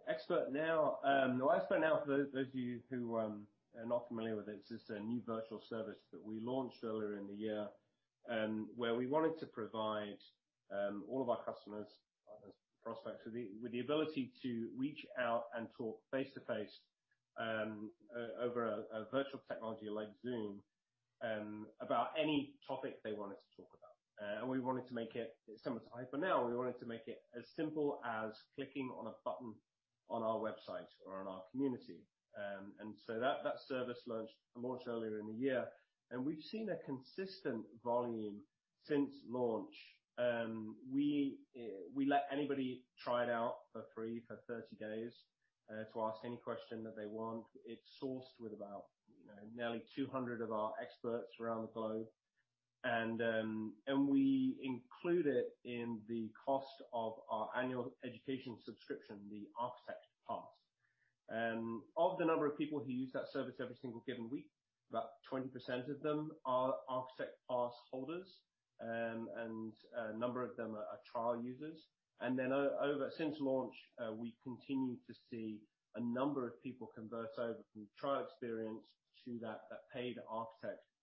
Expert.Now? Expert.Now, for those of you who are not familiar with it's just a new virtual service that we launched earlier in the year, where we wanted to provide all of our customers, partners, prospects, with the ability to reach out and talk face-to-face over a virtual technology like Zoom about any topic they wanted to talk about. We wanted to make it similar to HyperNow. We wanted to make it as simple as clicking on a button on our website or on our community. That service launched earlier in the year, and we've seen a consistent volume since launch. We let anybody try it out for free for 30 days to ask any question that they want. It's sourced with about nearly 200 of our experts around the globe. We include it in the cost of our annual education subscription, the Architect Pass. Of the number of people who use that service every single given week, about 20% of them are Architect Pass holders, and a number of them are trial users. Since launch, we continue to see a number of people convert over from trial experience to that paid Architect Pass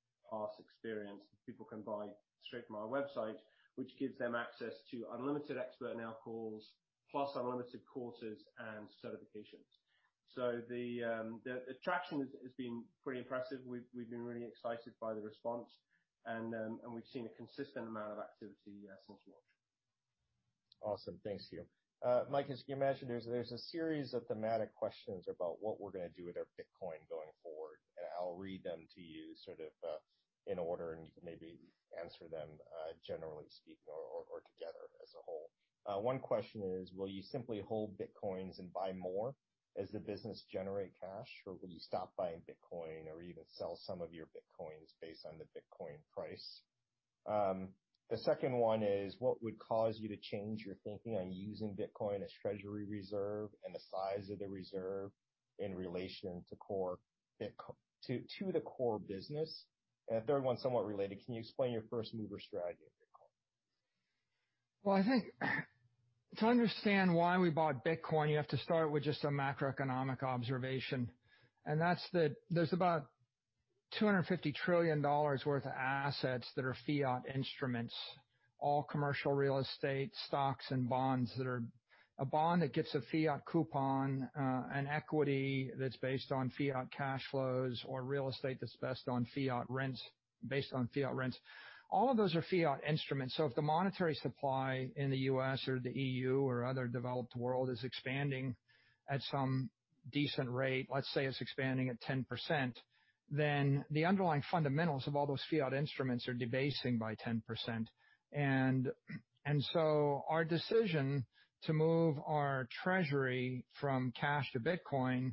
experience that people can buy straight from our website, which gives them access to unlimited Expert.Now calls, plus unlimited courses and certifications. The traction has been pretty impressive. We've been really excited by the response, and we've seen a consistent amount of activity since launch. Awesome. Thanks, Hugh. Mike, as you can imagine, there's a series of thematic questions about what we're going to do with our Bitcoin going forward. I'll read them to you sort of in order, and you can maybe answer them generally speaking or together as a whole. One question is, will you simply hold Bitcoins and buy more as the business generates cash, or will you stop buying Bitcoin or even sell some of your Bitcoins based on the Bitcoin price? The second one is, what would cause you to change your thinking on using Bitcoin as treasury reserve and the size of the reserve in relation to the core business? A third one, somewhat related, can you explain your first-mover strategy with Bitcoin? Well, I think to understand why we bought Bitcoin, you have to start with just a macroeconomic observation, and that's that there's about $250 trillion worth of assets that are fiat instruments, all commercial real estate, stocks, and bonds that are a bond that gets a fiat coupon, an equity that's based on fiat cash flows or real estate that's based on fiat rents. All of those are fiat instruments. If the monetary supply in the U.S. or the EU or other developed world is expanding at some decent rate, let's say it's expanding at 10%, then the underlying fundamentals of all those fiat instruments are debasing by 10%. Our decision to move our treasury from cash to Bitcoin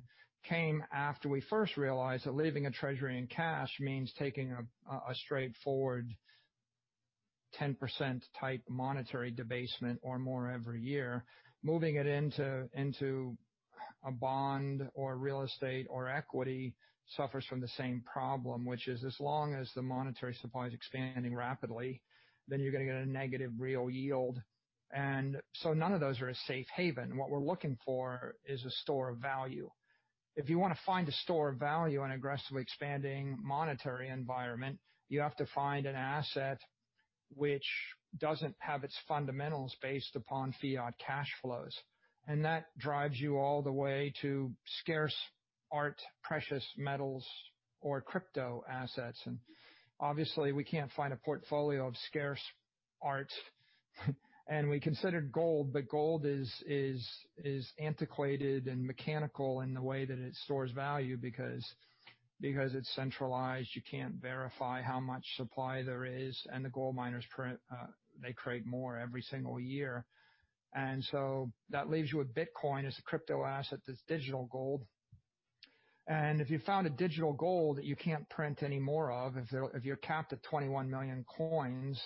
came after we first realized that leaving a treasury in cash means taking a straightforward 10% type monetary debasement or more every year. Moving it into a bond or real estate or equity suffers from the same problem, which is as long as the monetary supply is expanding rapidly, then you're going to get a negative real yield. None of those are a safe haven. What we're looking for is a store of value. If you want to find a store of value in aggressively expanding monetary environment, you have to find an asset which doesn't have its fundamentals based upon fiat cash flows, and that drives you all the way to scarce art, precious metals or crypto assets. Obviously we can't find a portfolio of scarce art. We considered gold, but gold is antiquated and mechanical in the way that it stores value because it's centralized, you can't verify how much supply there is, and the gold miners, they create more every single year. That leaves you with Bitcoin as a crypto asset, that's digital gold. If you found a digital gold that you can't print any more of, if you're capped at 21 million coins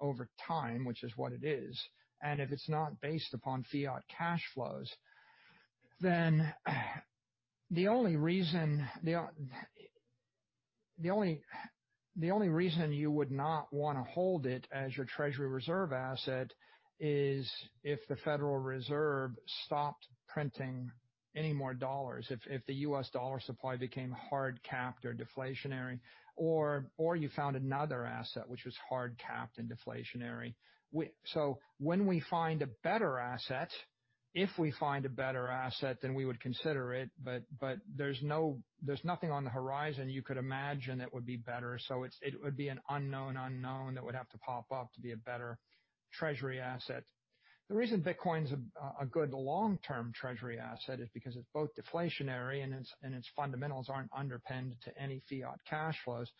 over time, which is what it is, and if it's not based upon fiat cash flows, then the only reason you would not want to hold it as your treasury reserve asset is if the Federal Reserve stopped printing any more dollars. If the US dollar supply became hard capped or deflationary, or you found another asset which was hard capped and deflationary. When we find a better asset, if we find a better asset, then we would consider it. There's nothing on the horizon you could imagine that would be better. It would be an unknown that would have to pop up to be a better treasury asset. The reason Bitcoin's a good long-term treasury asset is because it's both deflationary and its fundamentals aren't underpinned to any fiat cash flows,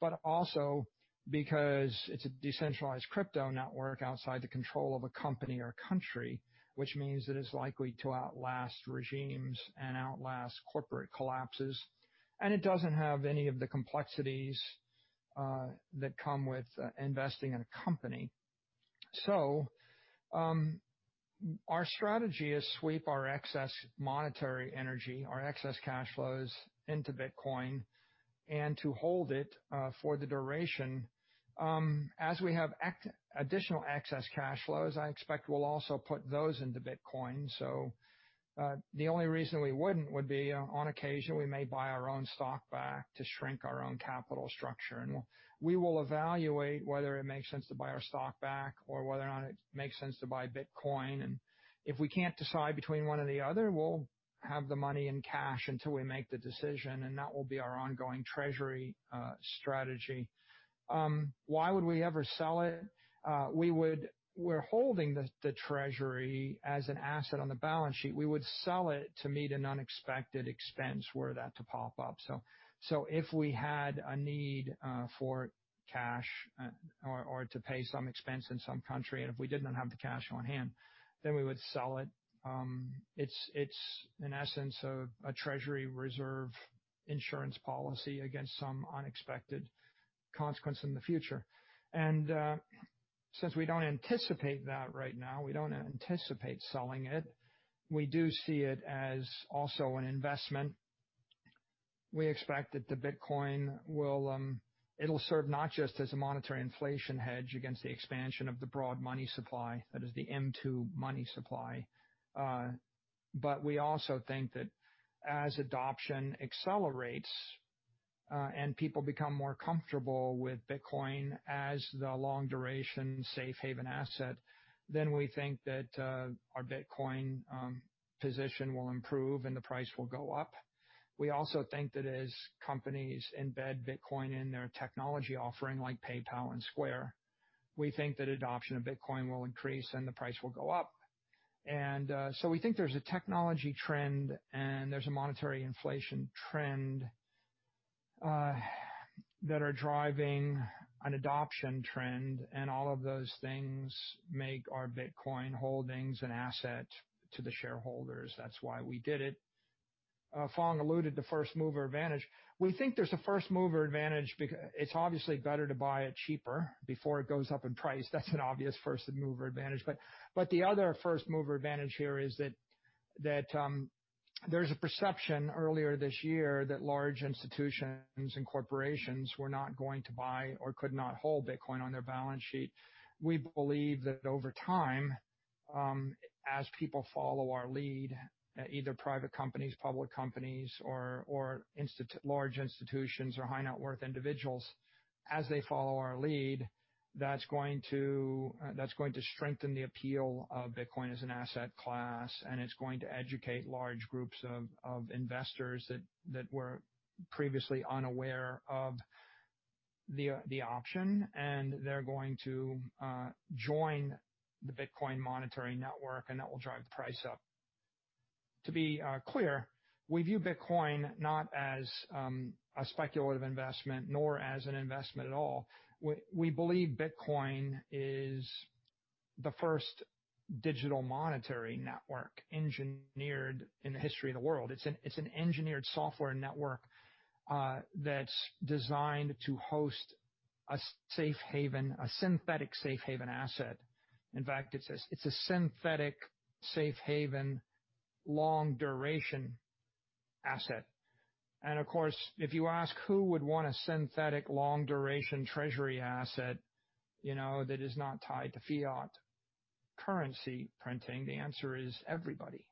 but also because it's a decentralized crypto network outside the control of a company or country, which means that it's likely to outlast regimes and outlast corporate collapses. It doesn't have any of the complexities that come with investing in a company. Our strategy is sweep our excess monetary energy, our excess cash flows into Bitcoin and to hold it for the duration. As we have additional excess cash flows, I expect we'll also put those into Bitcoin. The only reason we wouldn't would be on occasion, we may buy our own stock back to shrink our own capital structure. We will evaluate whether it makes sense to buy our stock back or whether or not it makes sense to buy Bitcoin. If we can't decide between one or the other, we'll have the money in cash until we make the decision, and that will be our ongoing treasury strategy. Why would we ever sell it? We're holding the treasury as an asset on the balance sheet. We would sell it to meet an unexpected expense were that to pop up. If we had a need for cash or to pay some expense in some country, and if we did not have the cash on hand, then we would sell it. It's in essence, a treasury reserve insurance policy against some unexpected consequence in the future. Since we don't anticipate that right now, we don't anticipate selling it. We do see it as also an investment. We expect that the Bitcoin, it'll serve not just as a monetary inflation hedge against the expansion of the broad money supply, that is the M2 money supply. We also think that as adoption accelerates and people become more comfortable with Bitcoin as the long duration safe haven asset, then we think that our Bitcoin position will improve and the price will go up. We also think that as companies embed Bitcoin in their technology offering, like PayPal and Square, we think that adoption of Bitcoin will increase and the price will go up. We think there's a technology trend and there's a monetary inflation trend that are driving an adoption trend. All of those things make our Bitcoin holdings an asset to the shareholders. That's why we did it. Phong alluded to first mover advantage. We think there's a first mover advantage because it's obviously better to buy it cheaper before it goes up in price. That's an obvious first mover advantage. The other first mover advantage here is that there's a perception earlier this year that large institutions and corporations were not going to buy or could not hold Bitcoin on their balance sheet. We believe that over time, as people follow our lead, either private companies, public companies or large institutions or high net worth individuals, as they follow our lead, that's going to strengthen the appeal of Bitcoin as an asset class, and it's going to educate large groups of investors that were previously unaware of the option. They're going to join the Bitcoin monetary network, and that will drive the price up. To be clear, we view Bitcoin not as a speculative investment nor as an investment at all. We believe Bitcoin is the first digital monetary network engineered in the history of the world. It's an engineered software network that's designed to host a safe haven, a synthetic safe haven asset. In fact, it's a synthetic safe haven long-duration asset. Of course, if you ask who would want a synthetic long-duration treasury asset that is not tied to fiat currency printing, the answer is everybody.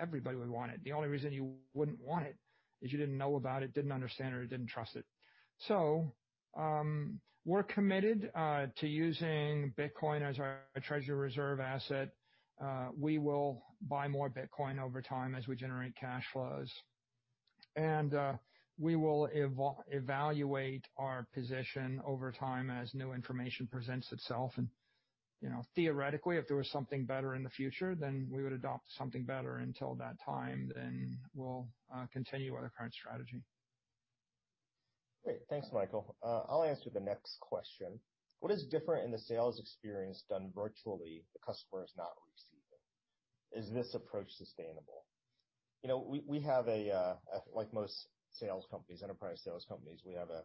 Everybody would want it. The only reason you wouldn't want it is you didn't know about it, didn't understand it, or didn't trust it. We're committed to using Bitcoin as our treasury reserve asset. We will buy more Bitcoin over time as we generate cash flows. We will evaluate our position over time as new information presents itself, and theoretically, if there was something better in the future, then we would adopt something better. Until that time, we'll continue with our current strategy. Great. Thanks, Michael. I'll answer the next question. What is different in the sales experience done virtually the customer is not receiving? Is this approach sustainable? We have, like most enterprise sales companies, we have a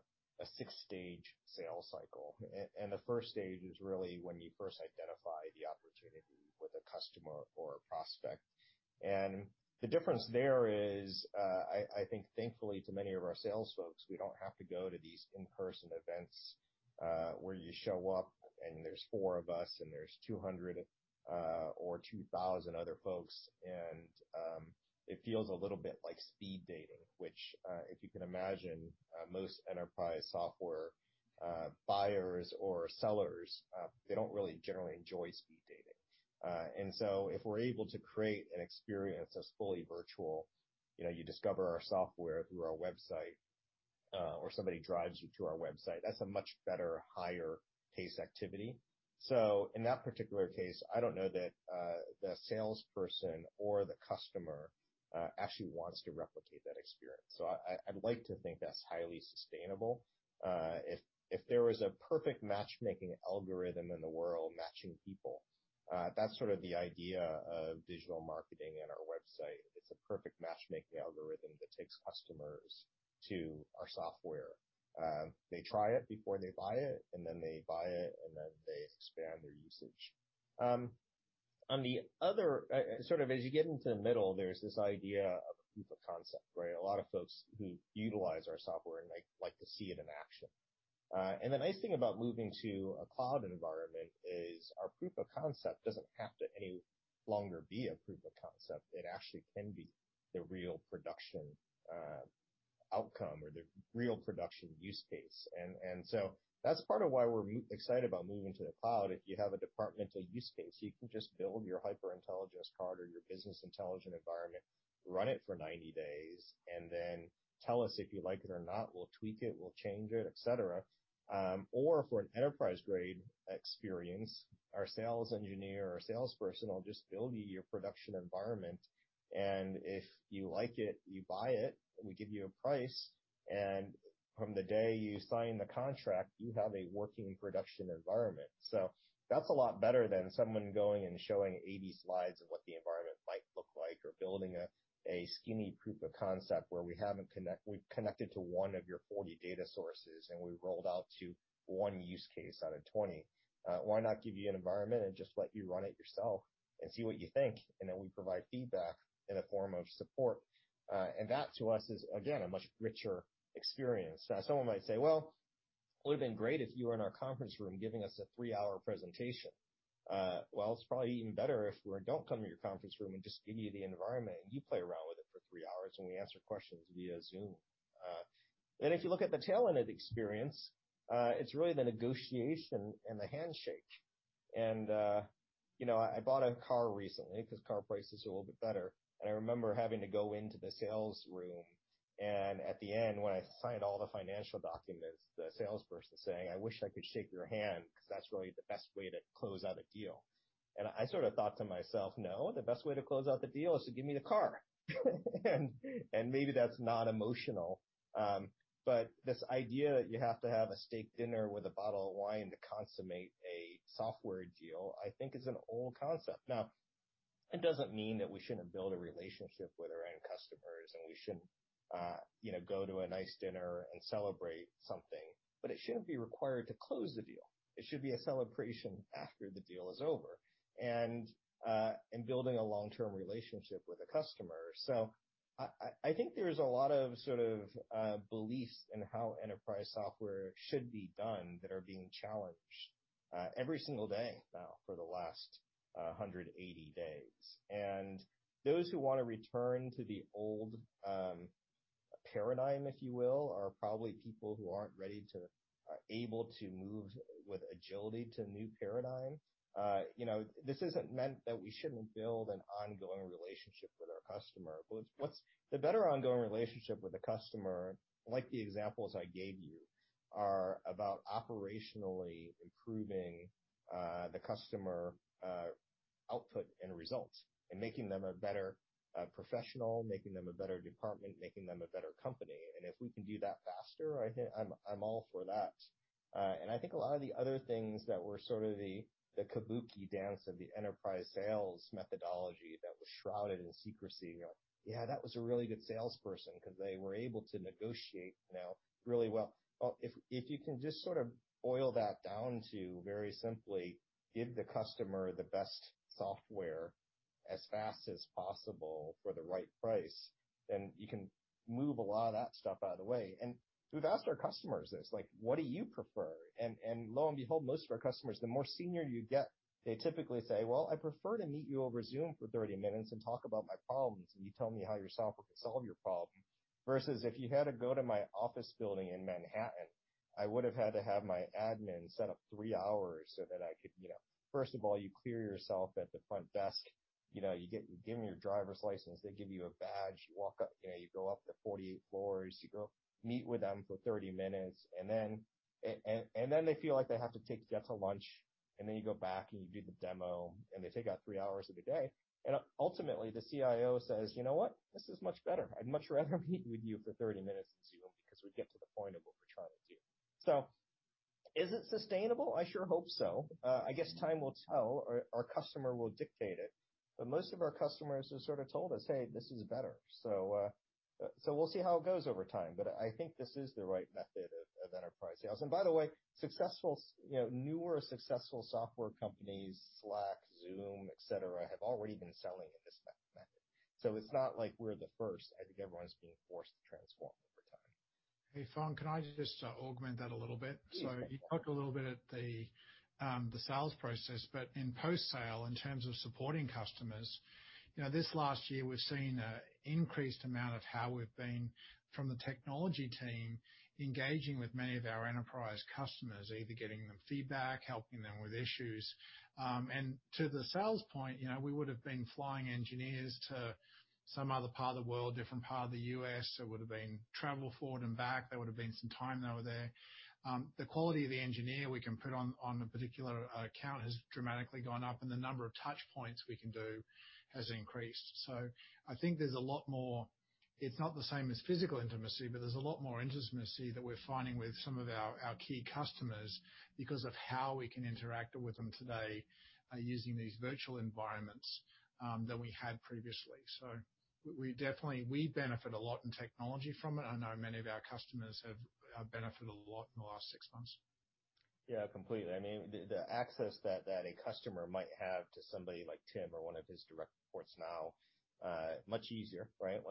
six-stage sales cycle. The first stage is really when you first identify the opportunity with a customer or a prospect. The difference there is, I think thankfully to many of our sales folks, we don't have to go to these in-person events, where you show up and there's four of us and there's 200 or 2,000 other folks, and it feels a little bit like speed dating. Which, if you can imagine, most enterprise software buyers or sellers, they don't really generally enjoy speed dating. If we're able to create an experience that's fully virtual, you discover our software through our website, or somebody drives you to our website, that's a much better, higher pace activity. In that particular case, I don't know that the salesperson or the customer actually wants to replicate that experience. I'd like to think that's highly sustainable. If there was a perfect matchmaking algorithm in the world matching people, that's sort of the idea of digital marketing and our website. It's a perfect matchmaking algorithm that takes customers to our software. They try it before they buy it, and then they buy it, and then they expand their usage. On the other, sort of as you get into the middle, there's this idea of a proof of concept, right? A lot of folks who utilize our software like to see it in action. The nice thing about moving to a cloud environment is our proof of concept doesn't have to any longer be a proof of concept. It actually can be the real production outcome or the real production use case. That's part of why we're excited about moving to the cloud. If you have a departmental use case, you can just build your HyperIntelligence card or your business intelligence environment, run it for 90 days, and then tell us if you like it or not. We'll tweak it, we'll change it, et cetera. For an enterprise-grade experience, our sales engineer or salesperson will just build you your production environment. If you like it, you buy it, and we give you a price. From the day you sign the contract, you have a working production environment. That's a lot better than someone going and showing 80 slides of what the environment might look like or building a skinny proof of concept where we've connected to one of your 40 data sources, and we've rolled out to one use case out of 20. Why not give you an environment and just let you run it yourself and see what you think? Then we provide feedback in the form of support. That to us is, again, a much richer experience. Someone might say, "It would've been great if you were in our conference room giving us a three-hour presentation." It's probably even better if we don't come to your conference room and just give you the environment, and you play around with it for three hours, and we answer questions via Zoom. If you look at the tail end of the experience, it's really the negotiation and the handshake. I bought a car recently because car prices are a little bit better. I remember having to go into the salesroom, and at the end, when I signed all the financial documents, the salesperson saying, "I wish I could shake your hand because that's really the best way to close out a deal." I sort of thought to myself, no, the best way to close out the deal is to give me the car. Maybe that's not emotional. This idea that you have to have a steak dinner with a bottle of wine to consummate a software deal, I think is an old concept. It doesn't mean that we shouldn't build a relationship with our end customers, and we shouldn't go to a nice dinner and celebrate something. It shouldn't be required to close the deal. It should be a celebration after the deal is over and building a long-term relationship with a customer. I think there's a lot of sort of beliefs in how enterprise software should be done that are being challenged every single day now for the last 180 days. Those who want to return to the old paradigm, if you will, are probably people who aren't able to move with agility to a new paradigm. This isn't meant that we shouldn't build an ongoing relationship with our customer. The better ongoing relationship with a customer, like the examples I gave you, are about operationally improving the customer output and results, and making them a better professional, making them a better department, making them a better company. If we can do that faster, I'm all for that. I think a lot of the other things that were sort of the kabuki dance of the enterprise sales methodology that was shrouded in secrecy. Yeah, that was a really good salesperson because they were able to negotiate really well. Well, if you can just sort of boil that down to very simply give the customer the best software as fast as possible for the right price, then you can move a lot of that stuff out of the way. We've asked our customers this, "What do you prefer?" Lo and behold, most of our customers, the more senior you get, they typically say, "Well, I prefer to meet you over Zoom for 30 min and talk about my problems, and you tell me how your software can solve your problem. Versus if you had to go to my office building in Manhattan, I would've had to have my admin set up three hours so that I could." First of all, you clear yourself at the front desk. You give them your driver's license, they give you a badge, you go up the 48 floors, you go meet with them for 30 min. Then they feel like they have to take you out to lunch, and then you go back and you do the demo, and they take out three hours of your day. Ultimately, the CIO says, "You know what? This is much better. I'd much rather meet with you for 30 min in Zoom because we get to the point of what we're trying to do." Is it sustainable? I sure hope so. I guess time will tell, or our customer will dictate it. Most of our customers have sort of told us, "Hey, this is better." We'll see how it goes over time, but I think this is the right method of enterprise sales. By the way, newer successful software companies, Slack, Zoom, et cetera, have already been selling in this method. It's not like we're the first. I think everyone's being forced to transform over time. Hey, Phong, can I just augment that a little bit? Yeah. You talked a little bit at the sales process, but in post-sale, in terms of supporting customers, this last year, we've seen an increased amount of how we've been, from the technology team, engaging with many of our enterprise customers, either getting them feedback, helping them with issues. To the sales point, we would've been flying engineers to some other part of the world, different part of the U.S. It would've been travel forward and back. There would've been some time they were there. The quality of the engineer we can put on a particular account has dramatically gone up, and the number of touchpoints we can do has increased. I think it's not the same as physical intimacy, but there's a lot more intimacy that we're finding with some of our key customers because of how we can interact with them today using these virtual environments than we had previously. We benefit a lot in technology from it. I know many of our customers have benefited a lot in the last six months. Yeah, completely. The access that a customer might have to somebody like Tim or one of his direct reports now, much easier, right?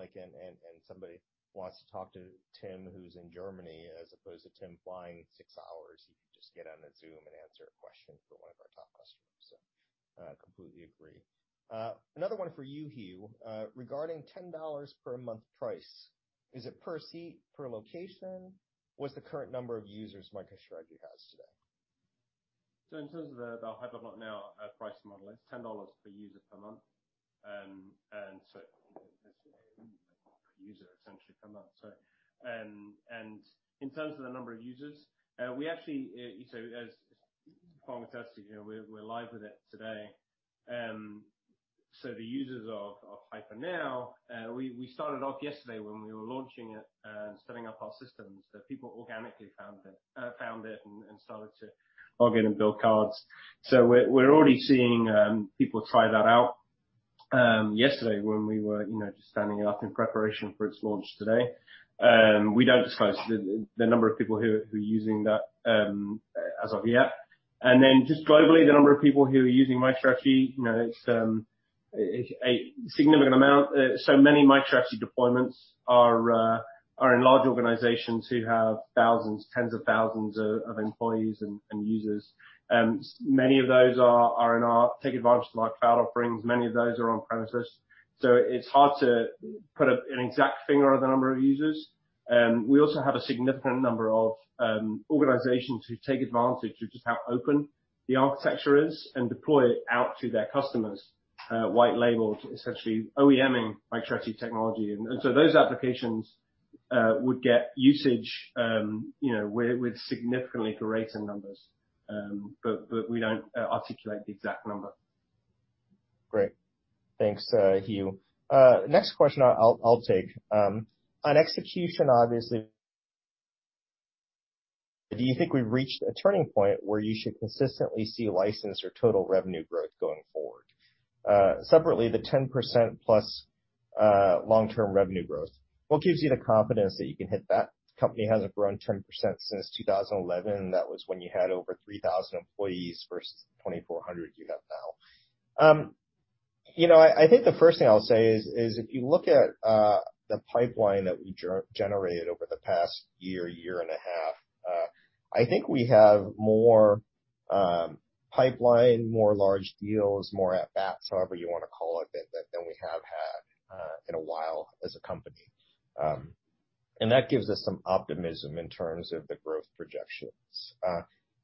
Somebody wants to talk to Tim who's in Germany, as opposed to Tim flying six hours, he can just get on a Zoom and answer a question for one of our top customers. Completely agree. Another one for you, Hugh. Regarding $10 per month price, is it per seat, per location? What's the current number of users MicroStrategy has today? In terms of the HyperNow price model, it's $10 per user per month. Per user, essentially per month. In terms of the number of users, as Phong attested, we're live with it today. The users of HyperNow, we started off yesterday when we were launching it and setting up our systems, that people organically found it and started to log in and build cards. We're already seeing people try that out yesterday when we were just standing it up in preparation for its launch today. We don't disclose the number of people who are using that as of yet. Globally, the number of people who are using MicroStrategy, it's a significant amount. Many MicroStrategy deployments are in large organizations who have thousands, tens of thousands of employees and users. Many of those take advantage of our cloud offerings. Many of those are on-premises. It's hard to put an exact finger on the number of users. We also have a significant number of organizations who take advantage of just how open the architecture is and deploy it out to their customers, white-labeled, essentially OEM-ing MicroStrategy technology. Those applications would get usage with significantly greater numbers. We don't articulate the exact number. Great. Thanks, Hugh. Next question, I'll take. On execution, obviously, do you think we've reached a turning point where you should consistently see license or total revenue growth going forward? Separately, the 10% plus long-term revenue growth, what gives you the confidence that you can hit that? The company hasn't grown 10% since 2011. That was when you had over 3,000 employees versus the 2,400 you have now. I think the first thing I'll say is if you look at the pipeline that we generated over the past year and a half, I think we have more pipeline, more large deals, more at-bats, however you want to call it, than we have had in a while as a company. That gives us some optimism in terms of the growth projections.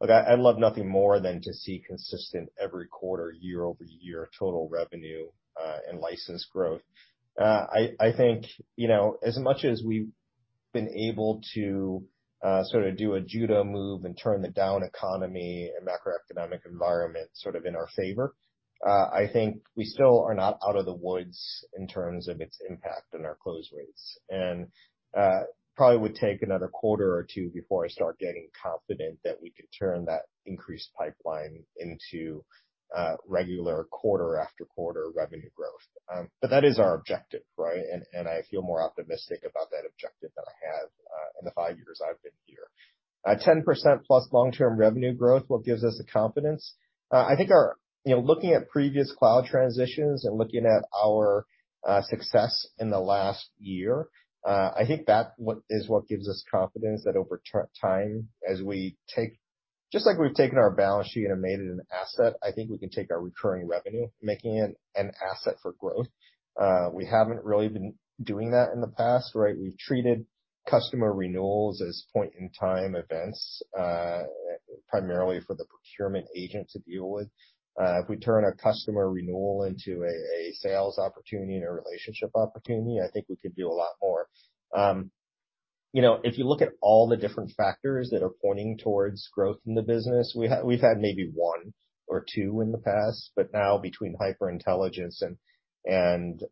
Look, I love nothing more than to see consistent every quarter, year-over-year total revenue and license growth. I think, as much as we've been able to sort of do a judo move and turn the down economy and macroeconomic environment sort of in our favor. I think we still are not out of the woods in terms of its impact on our close rates. Probably would take another quarter or two before I start getting confident that we could turn that increased pipeline into regular quarter after quarter revenue growth. That is our objective, right? I feel more optimistic about that objective than I have in the five years I've been here. 10% plus long-term revenue growth, what gives us the confidence? I think looking at previous cloud transitions and looking at our success in the last year, I think that is what gives us confidence that over time, just like we've taken our balance sheet and made it an asset, I think we can take our recurring revenue, making it an asset for growth. We haven't really been doing that in the past, right? We've treated customer renewals as point-in-time events, primarily for the procurement agent to deal with. If we turn a customer renewal into a sales opportunity and a relationship opportunity, I think we could do a lot more. If you look at all the different factors that are pointing towards growth in the business, we've had maybe one or two in the past, but now between HyperIntelligence and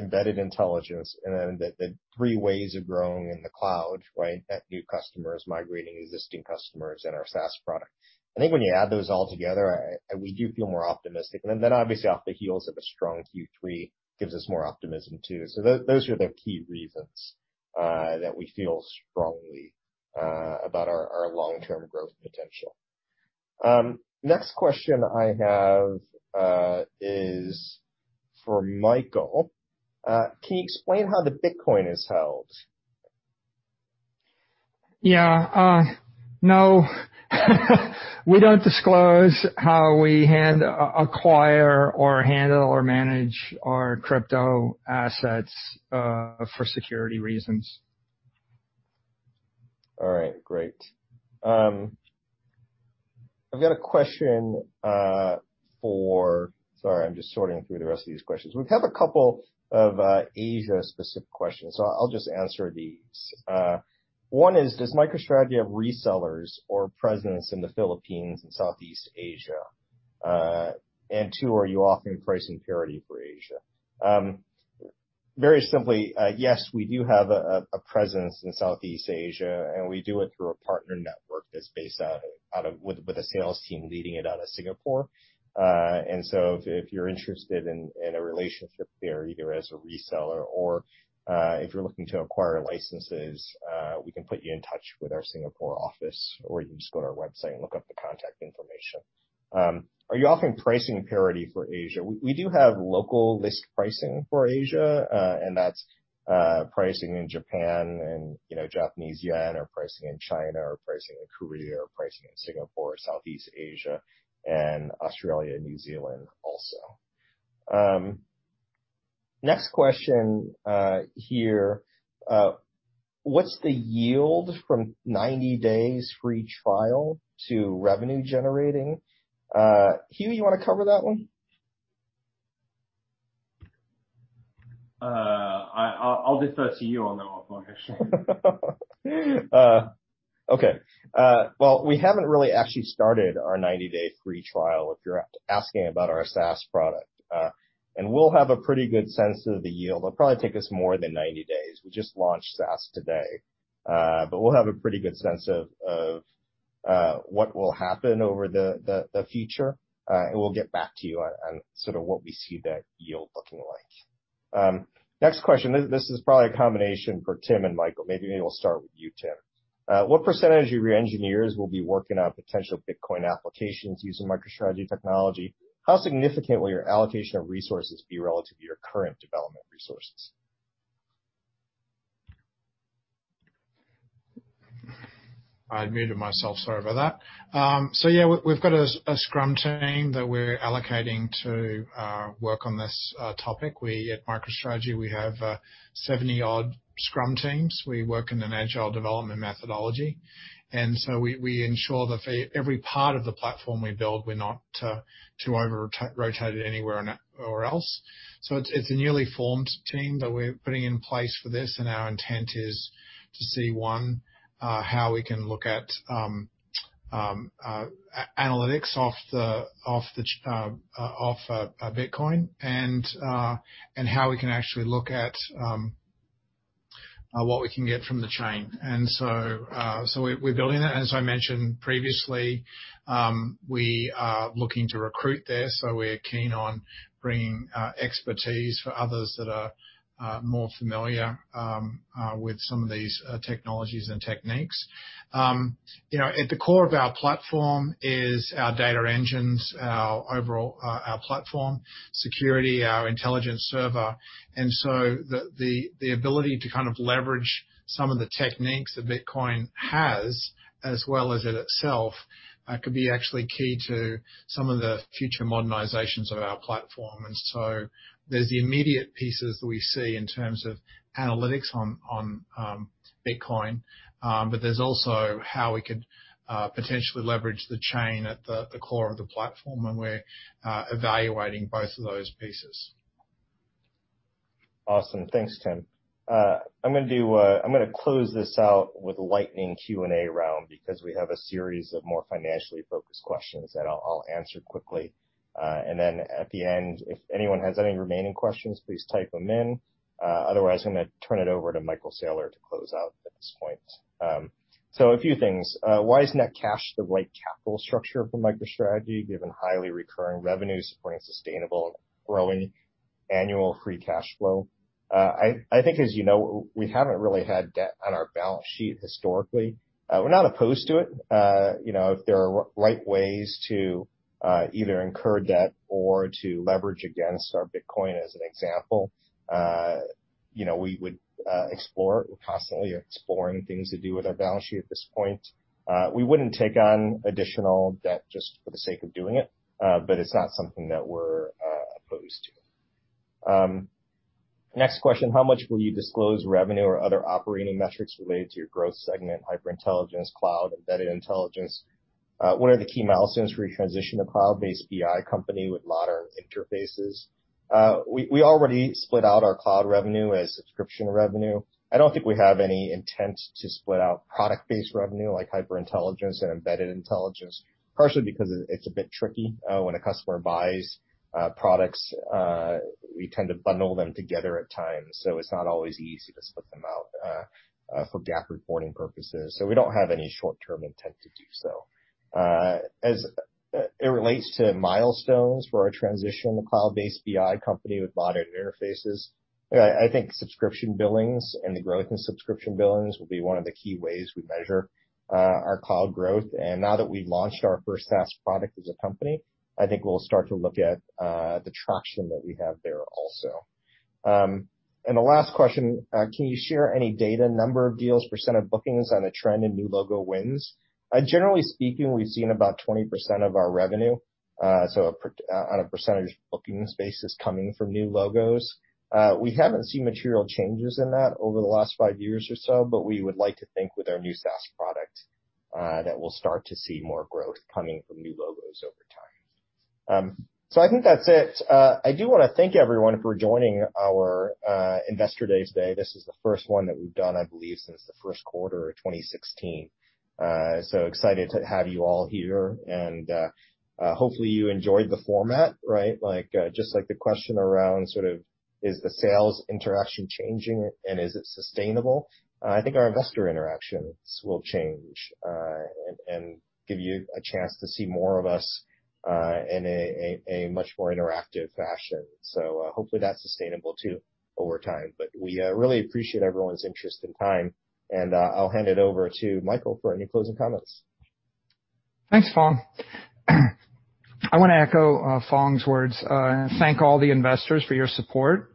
embedded intelligence and then the three ways of growing in the cloud, right? Net new customers, migrating existing customers, and our SaaS product. I think when you add those all together, we do feel more optimistic. Obviously off the heels of a strong Q3 gives us more optimism too. Those are the key reasons that we feel strongly about our long-term growth potential. Next question I have is for Michael. Can you explain how the Bitcoin is held? Yeah. No. We don't disclose how we acquire or handle or manage our crypto assets for security reasons. All right, great. I've got a question. Sorry, I am just sorting through the rest of these questions. We have a couple of Asia-specific questions. I will just answer these. One is, does MicroStrategy have resellers or presence in the Philippines and Southeast Asia? Two, are you offering pricing parity for Asia? Very simply, yes, we do have a presence in Southeast Asia, and we do it through a partner network that is based out of, with a sales team leading it out of Singapore. If you are interested in a relationship there, either as a reseller or if you are looking to acquire licenses, we can put you in touch with our Singapore office, or you can just go to our website and look up the contact information. Are you offering pricing parity for Asia? We do have local list pricing for Asia, and that's pricing in Japan and Japanese yen, or pricing in China, or pricing in Korea, or pricing in Singapore, Southeast Asia, and Australia and New Zealand also. Next question here. What's the yield from 90 days free trial to revenue generating? Hugh, you want to cover that one? I'll defer to you on that one, actually. Well, we haven't really actually started our 90-day free trial, if you're asking about our SaaS product. We'll have a pretty good sense of the yield. It'll probably take us more than 90 days. We just launched SaaS today. We'll have a pretty good sense of what will happen over the future. We'll get back to you on sort of what we see that yield looking like. Next question. This is probably a combination for Tim and Michael. Maybe we'll start with you, Tim. What percentage of your engineers will be working on potential Bitcoin applications using MicroStrategy technology? How significant will your allocation of resources be relative to your current development resources? I muted myself. Sorry about that. Yeah, we've got a Scrum team that we're allocating to work on this topic. We at MicroStrategy, we have 70 odd Scrum teams. We work in an agile development methodology. We ensure that for every part of the platform we build, we're not too over-rotated anywhere or else. It's a newly formed team that we're putting in place for this, and our intent is to see, one, how we can look at analytics off of Bitcoin and how we can actually look at what we can get from the chain. We're building that. As I mentioned previously, we are looking to recruit there, so we're keen on bringing expertise for others that are more familiar with some of these technologies and techniques. At the core of our platform is our data engines, our platform security, our Intelligence Server. The ability to kind of leverage some of the techniques that Bitcoin has as well as it itself could be actually key to some of the future modernizations of our platform. There's the immediate pieces that we see in terms of analytics on Bitcoin. There's also how we could potentially leverage the chain at the core of the platform, and we're evaluating both of those pieces. Awesome. Thanks, Tim. I'm going to close this out with a lightning Q&A round because we have a series of more financially focused questions that I'll answer quickly. At the end, if anyone has any remaining questions, please type them in. Otherwise, I'm going to turn it over to Michael Saylor to close out at this point. A few things. Why is net cash the right capital structure for MicroStrategy given highly recurring revenue supporting sustainable and growing annual free cash flow? I think, as you know, we haven't really had debt on our balance sheet historically. We're not opposed to it. If there are right ways to either incur debt or to leverage against our Bitcoin, as an example, we would explore it. We're constantly exploring things to do with our balance sheet at this point. We wouldn't take on additional debt just for the sake of doing it, but it's not something that we're opposed to. Next question, how much will you disclose revenue or other operating metrics related to your growth segment, HyperIntelligence, cloud, embedded intelligence? What are the key milestones for your transition to cloud-based BI company with modern interfaces? We already split out our cloud revenue as subscription revenue. I don't think we have any intent to split out product-based revenue like HyperIntelligence and embedded intelligence, partially because it's a bit tricky. When a customer buys products, we tend to bundle them together at times, so it's not always easy to split them out for GAAP reporting purposes. We don't have any short-term intent to do so. As it relates to milestones for our transition to cloud-based BI company with modern interfaces, I think subscription billings and the growth in subscription billings will be one of the key ways we measure our cloud growth. Now that we've launched our first SaaS product as a company, I think we'll start to look at the traction that we have there also. The last question, can you share any data, number of deals, % of bookings on a trend in new logo wins? Generally speaking, we've seen about 20% of our revenue, so on a percentage bookings basis coming from new logos. We haven't seen material changes in that over the last five years or so, but we would like to think with our new SaaS product, that we'll start to see more growth coming from new logos over time. I think that's it. I do want to thank everyone for joining our Investor Days today. This is the first one that we've done, I believe, since the first quarter of 2016. Excited to have you all here and, hopefully, you enjoyed the format, right? Just like the question around sort of is the sales interaction changing and is it sustainable? I think our investor interactions will change, and give you a chance to see more of us in a much more interactive fashion. Hopefully, that's sustainable too over time. We really appreciate everyone's interest and time, and I'll hand it over to Michael for any closing comments. Thanks, Phong. I want to echo Phong's words, thank all the investors for your support.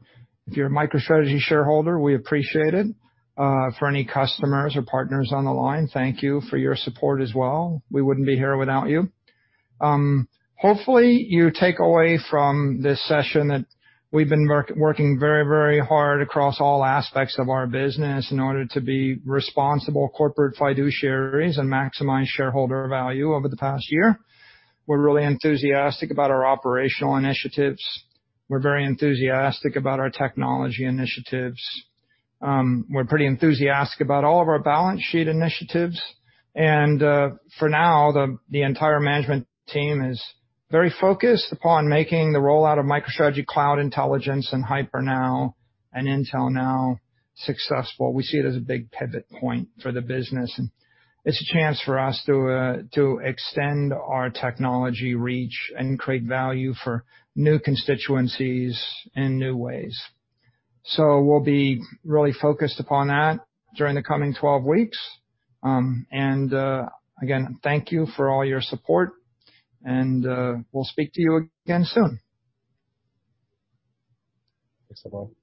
If you're a MicroStrategy shareholder, we appreciate it. For any customers or partners on the line, thank you for your support as well. We wouldn't be here without you. Hopefully, you take away from this session that we've been working very hard across all aspects of our business in order to be responsible corporate fiduciaries and maximize shareholder value over the past year. We're really enthusiastic about our operational initiatives. We're very enthusiastic about our technology initiatives. We're pretty enthusiastic about all of our balance sheet initiatives. For now, the entire management team is very focused upon making the rollout of MicroStrategy Cloud Intelligence and HyperNow and Intel.Now successful. We see it as a big pivot point for the business, and it's a chance for us to extend our technology reach and create value for new constituencies in new ways. We'll be really focused upon that during the coming 12 weeks. Again, thank you for all your support, and we'll speak to you again soon. Thanks, everyone.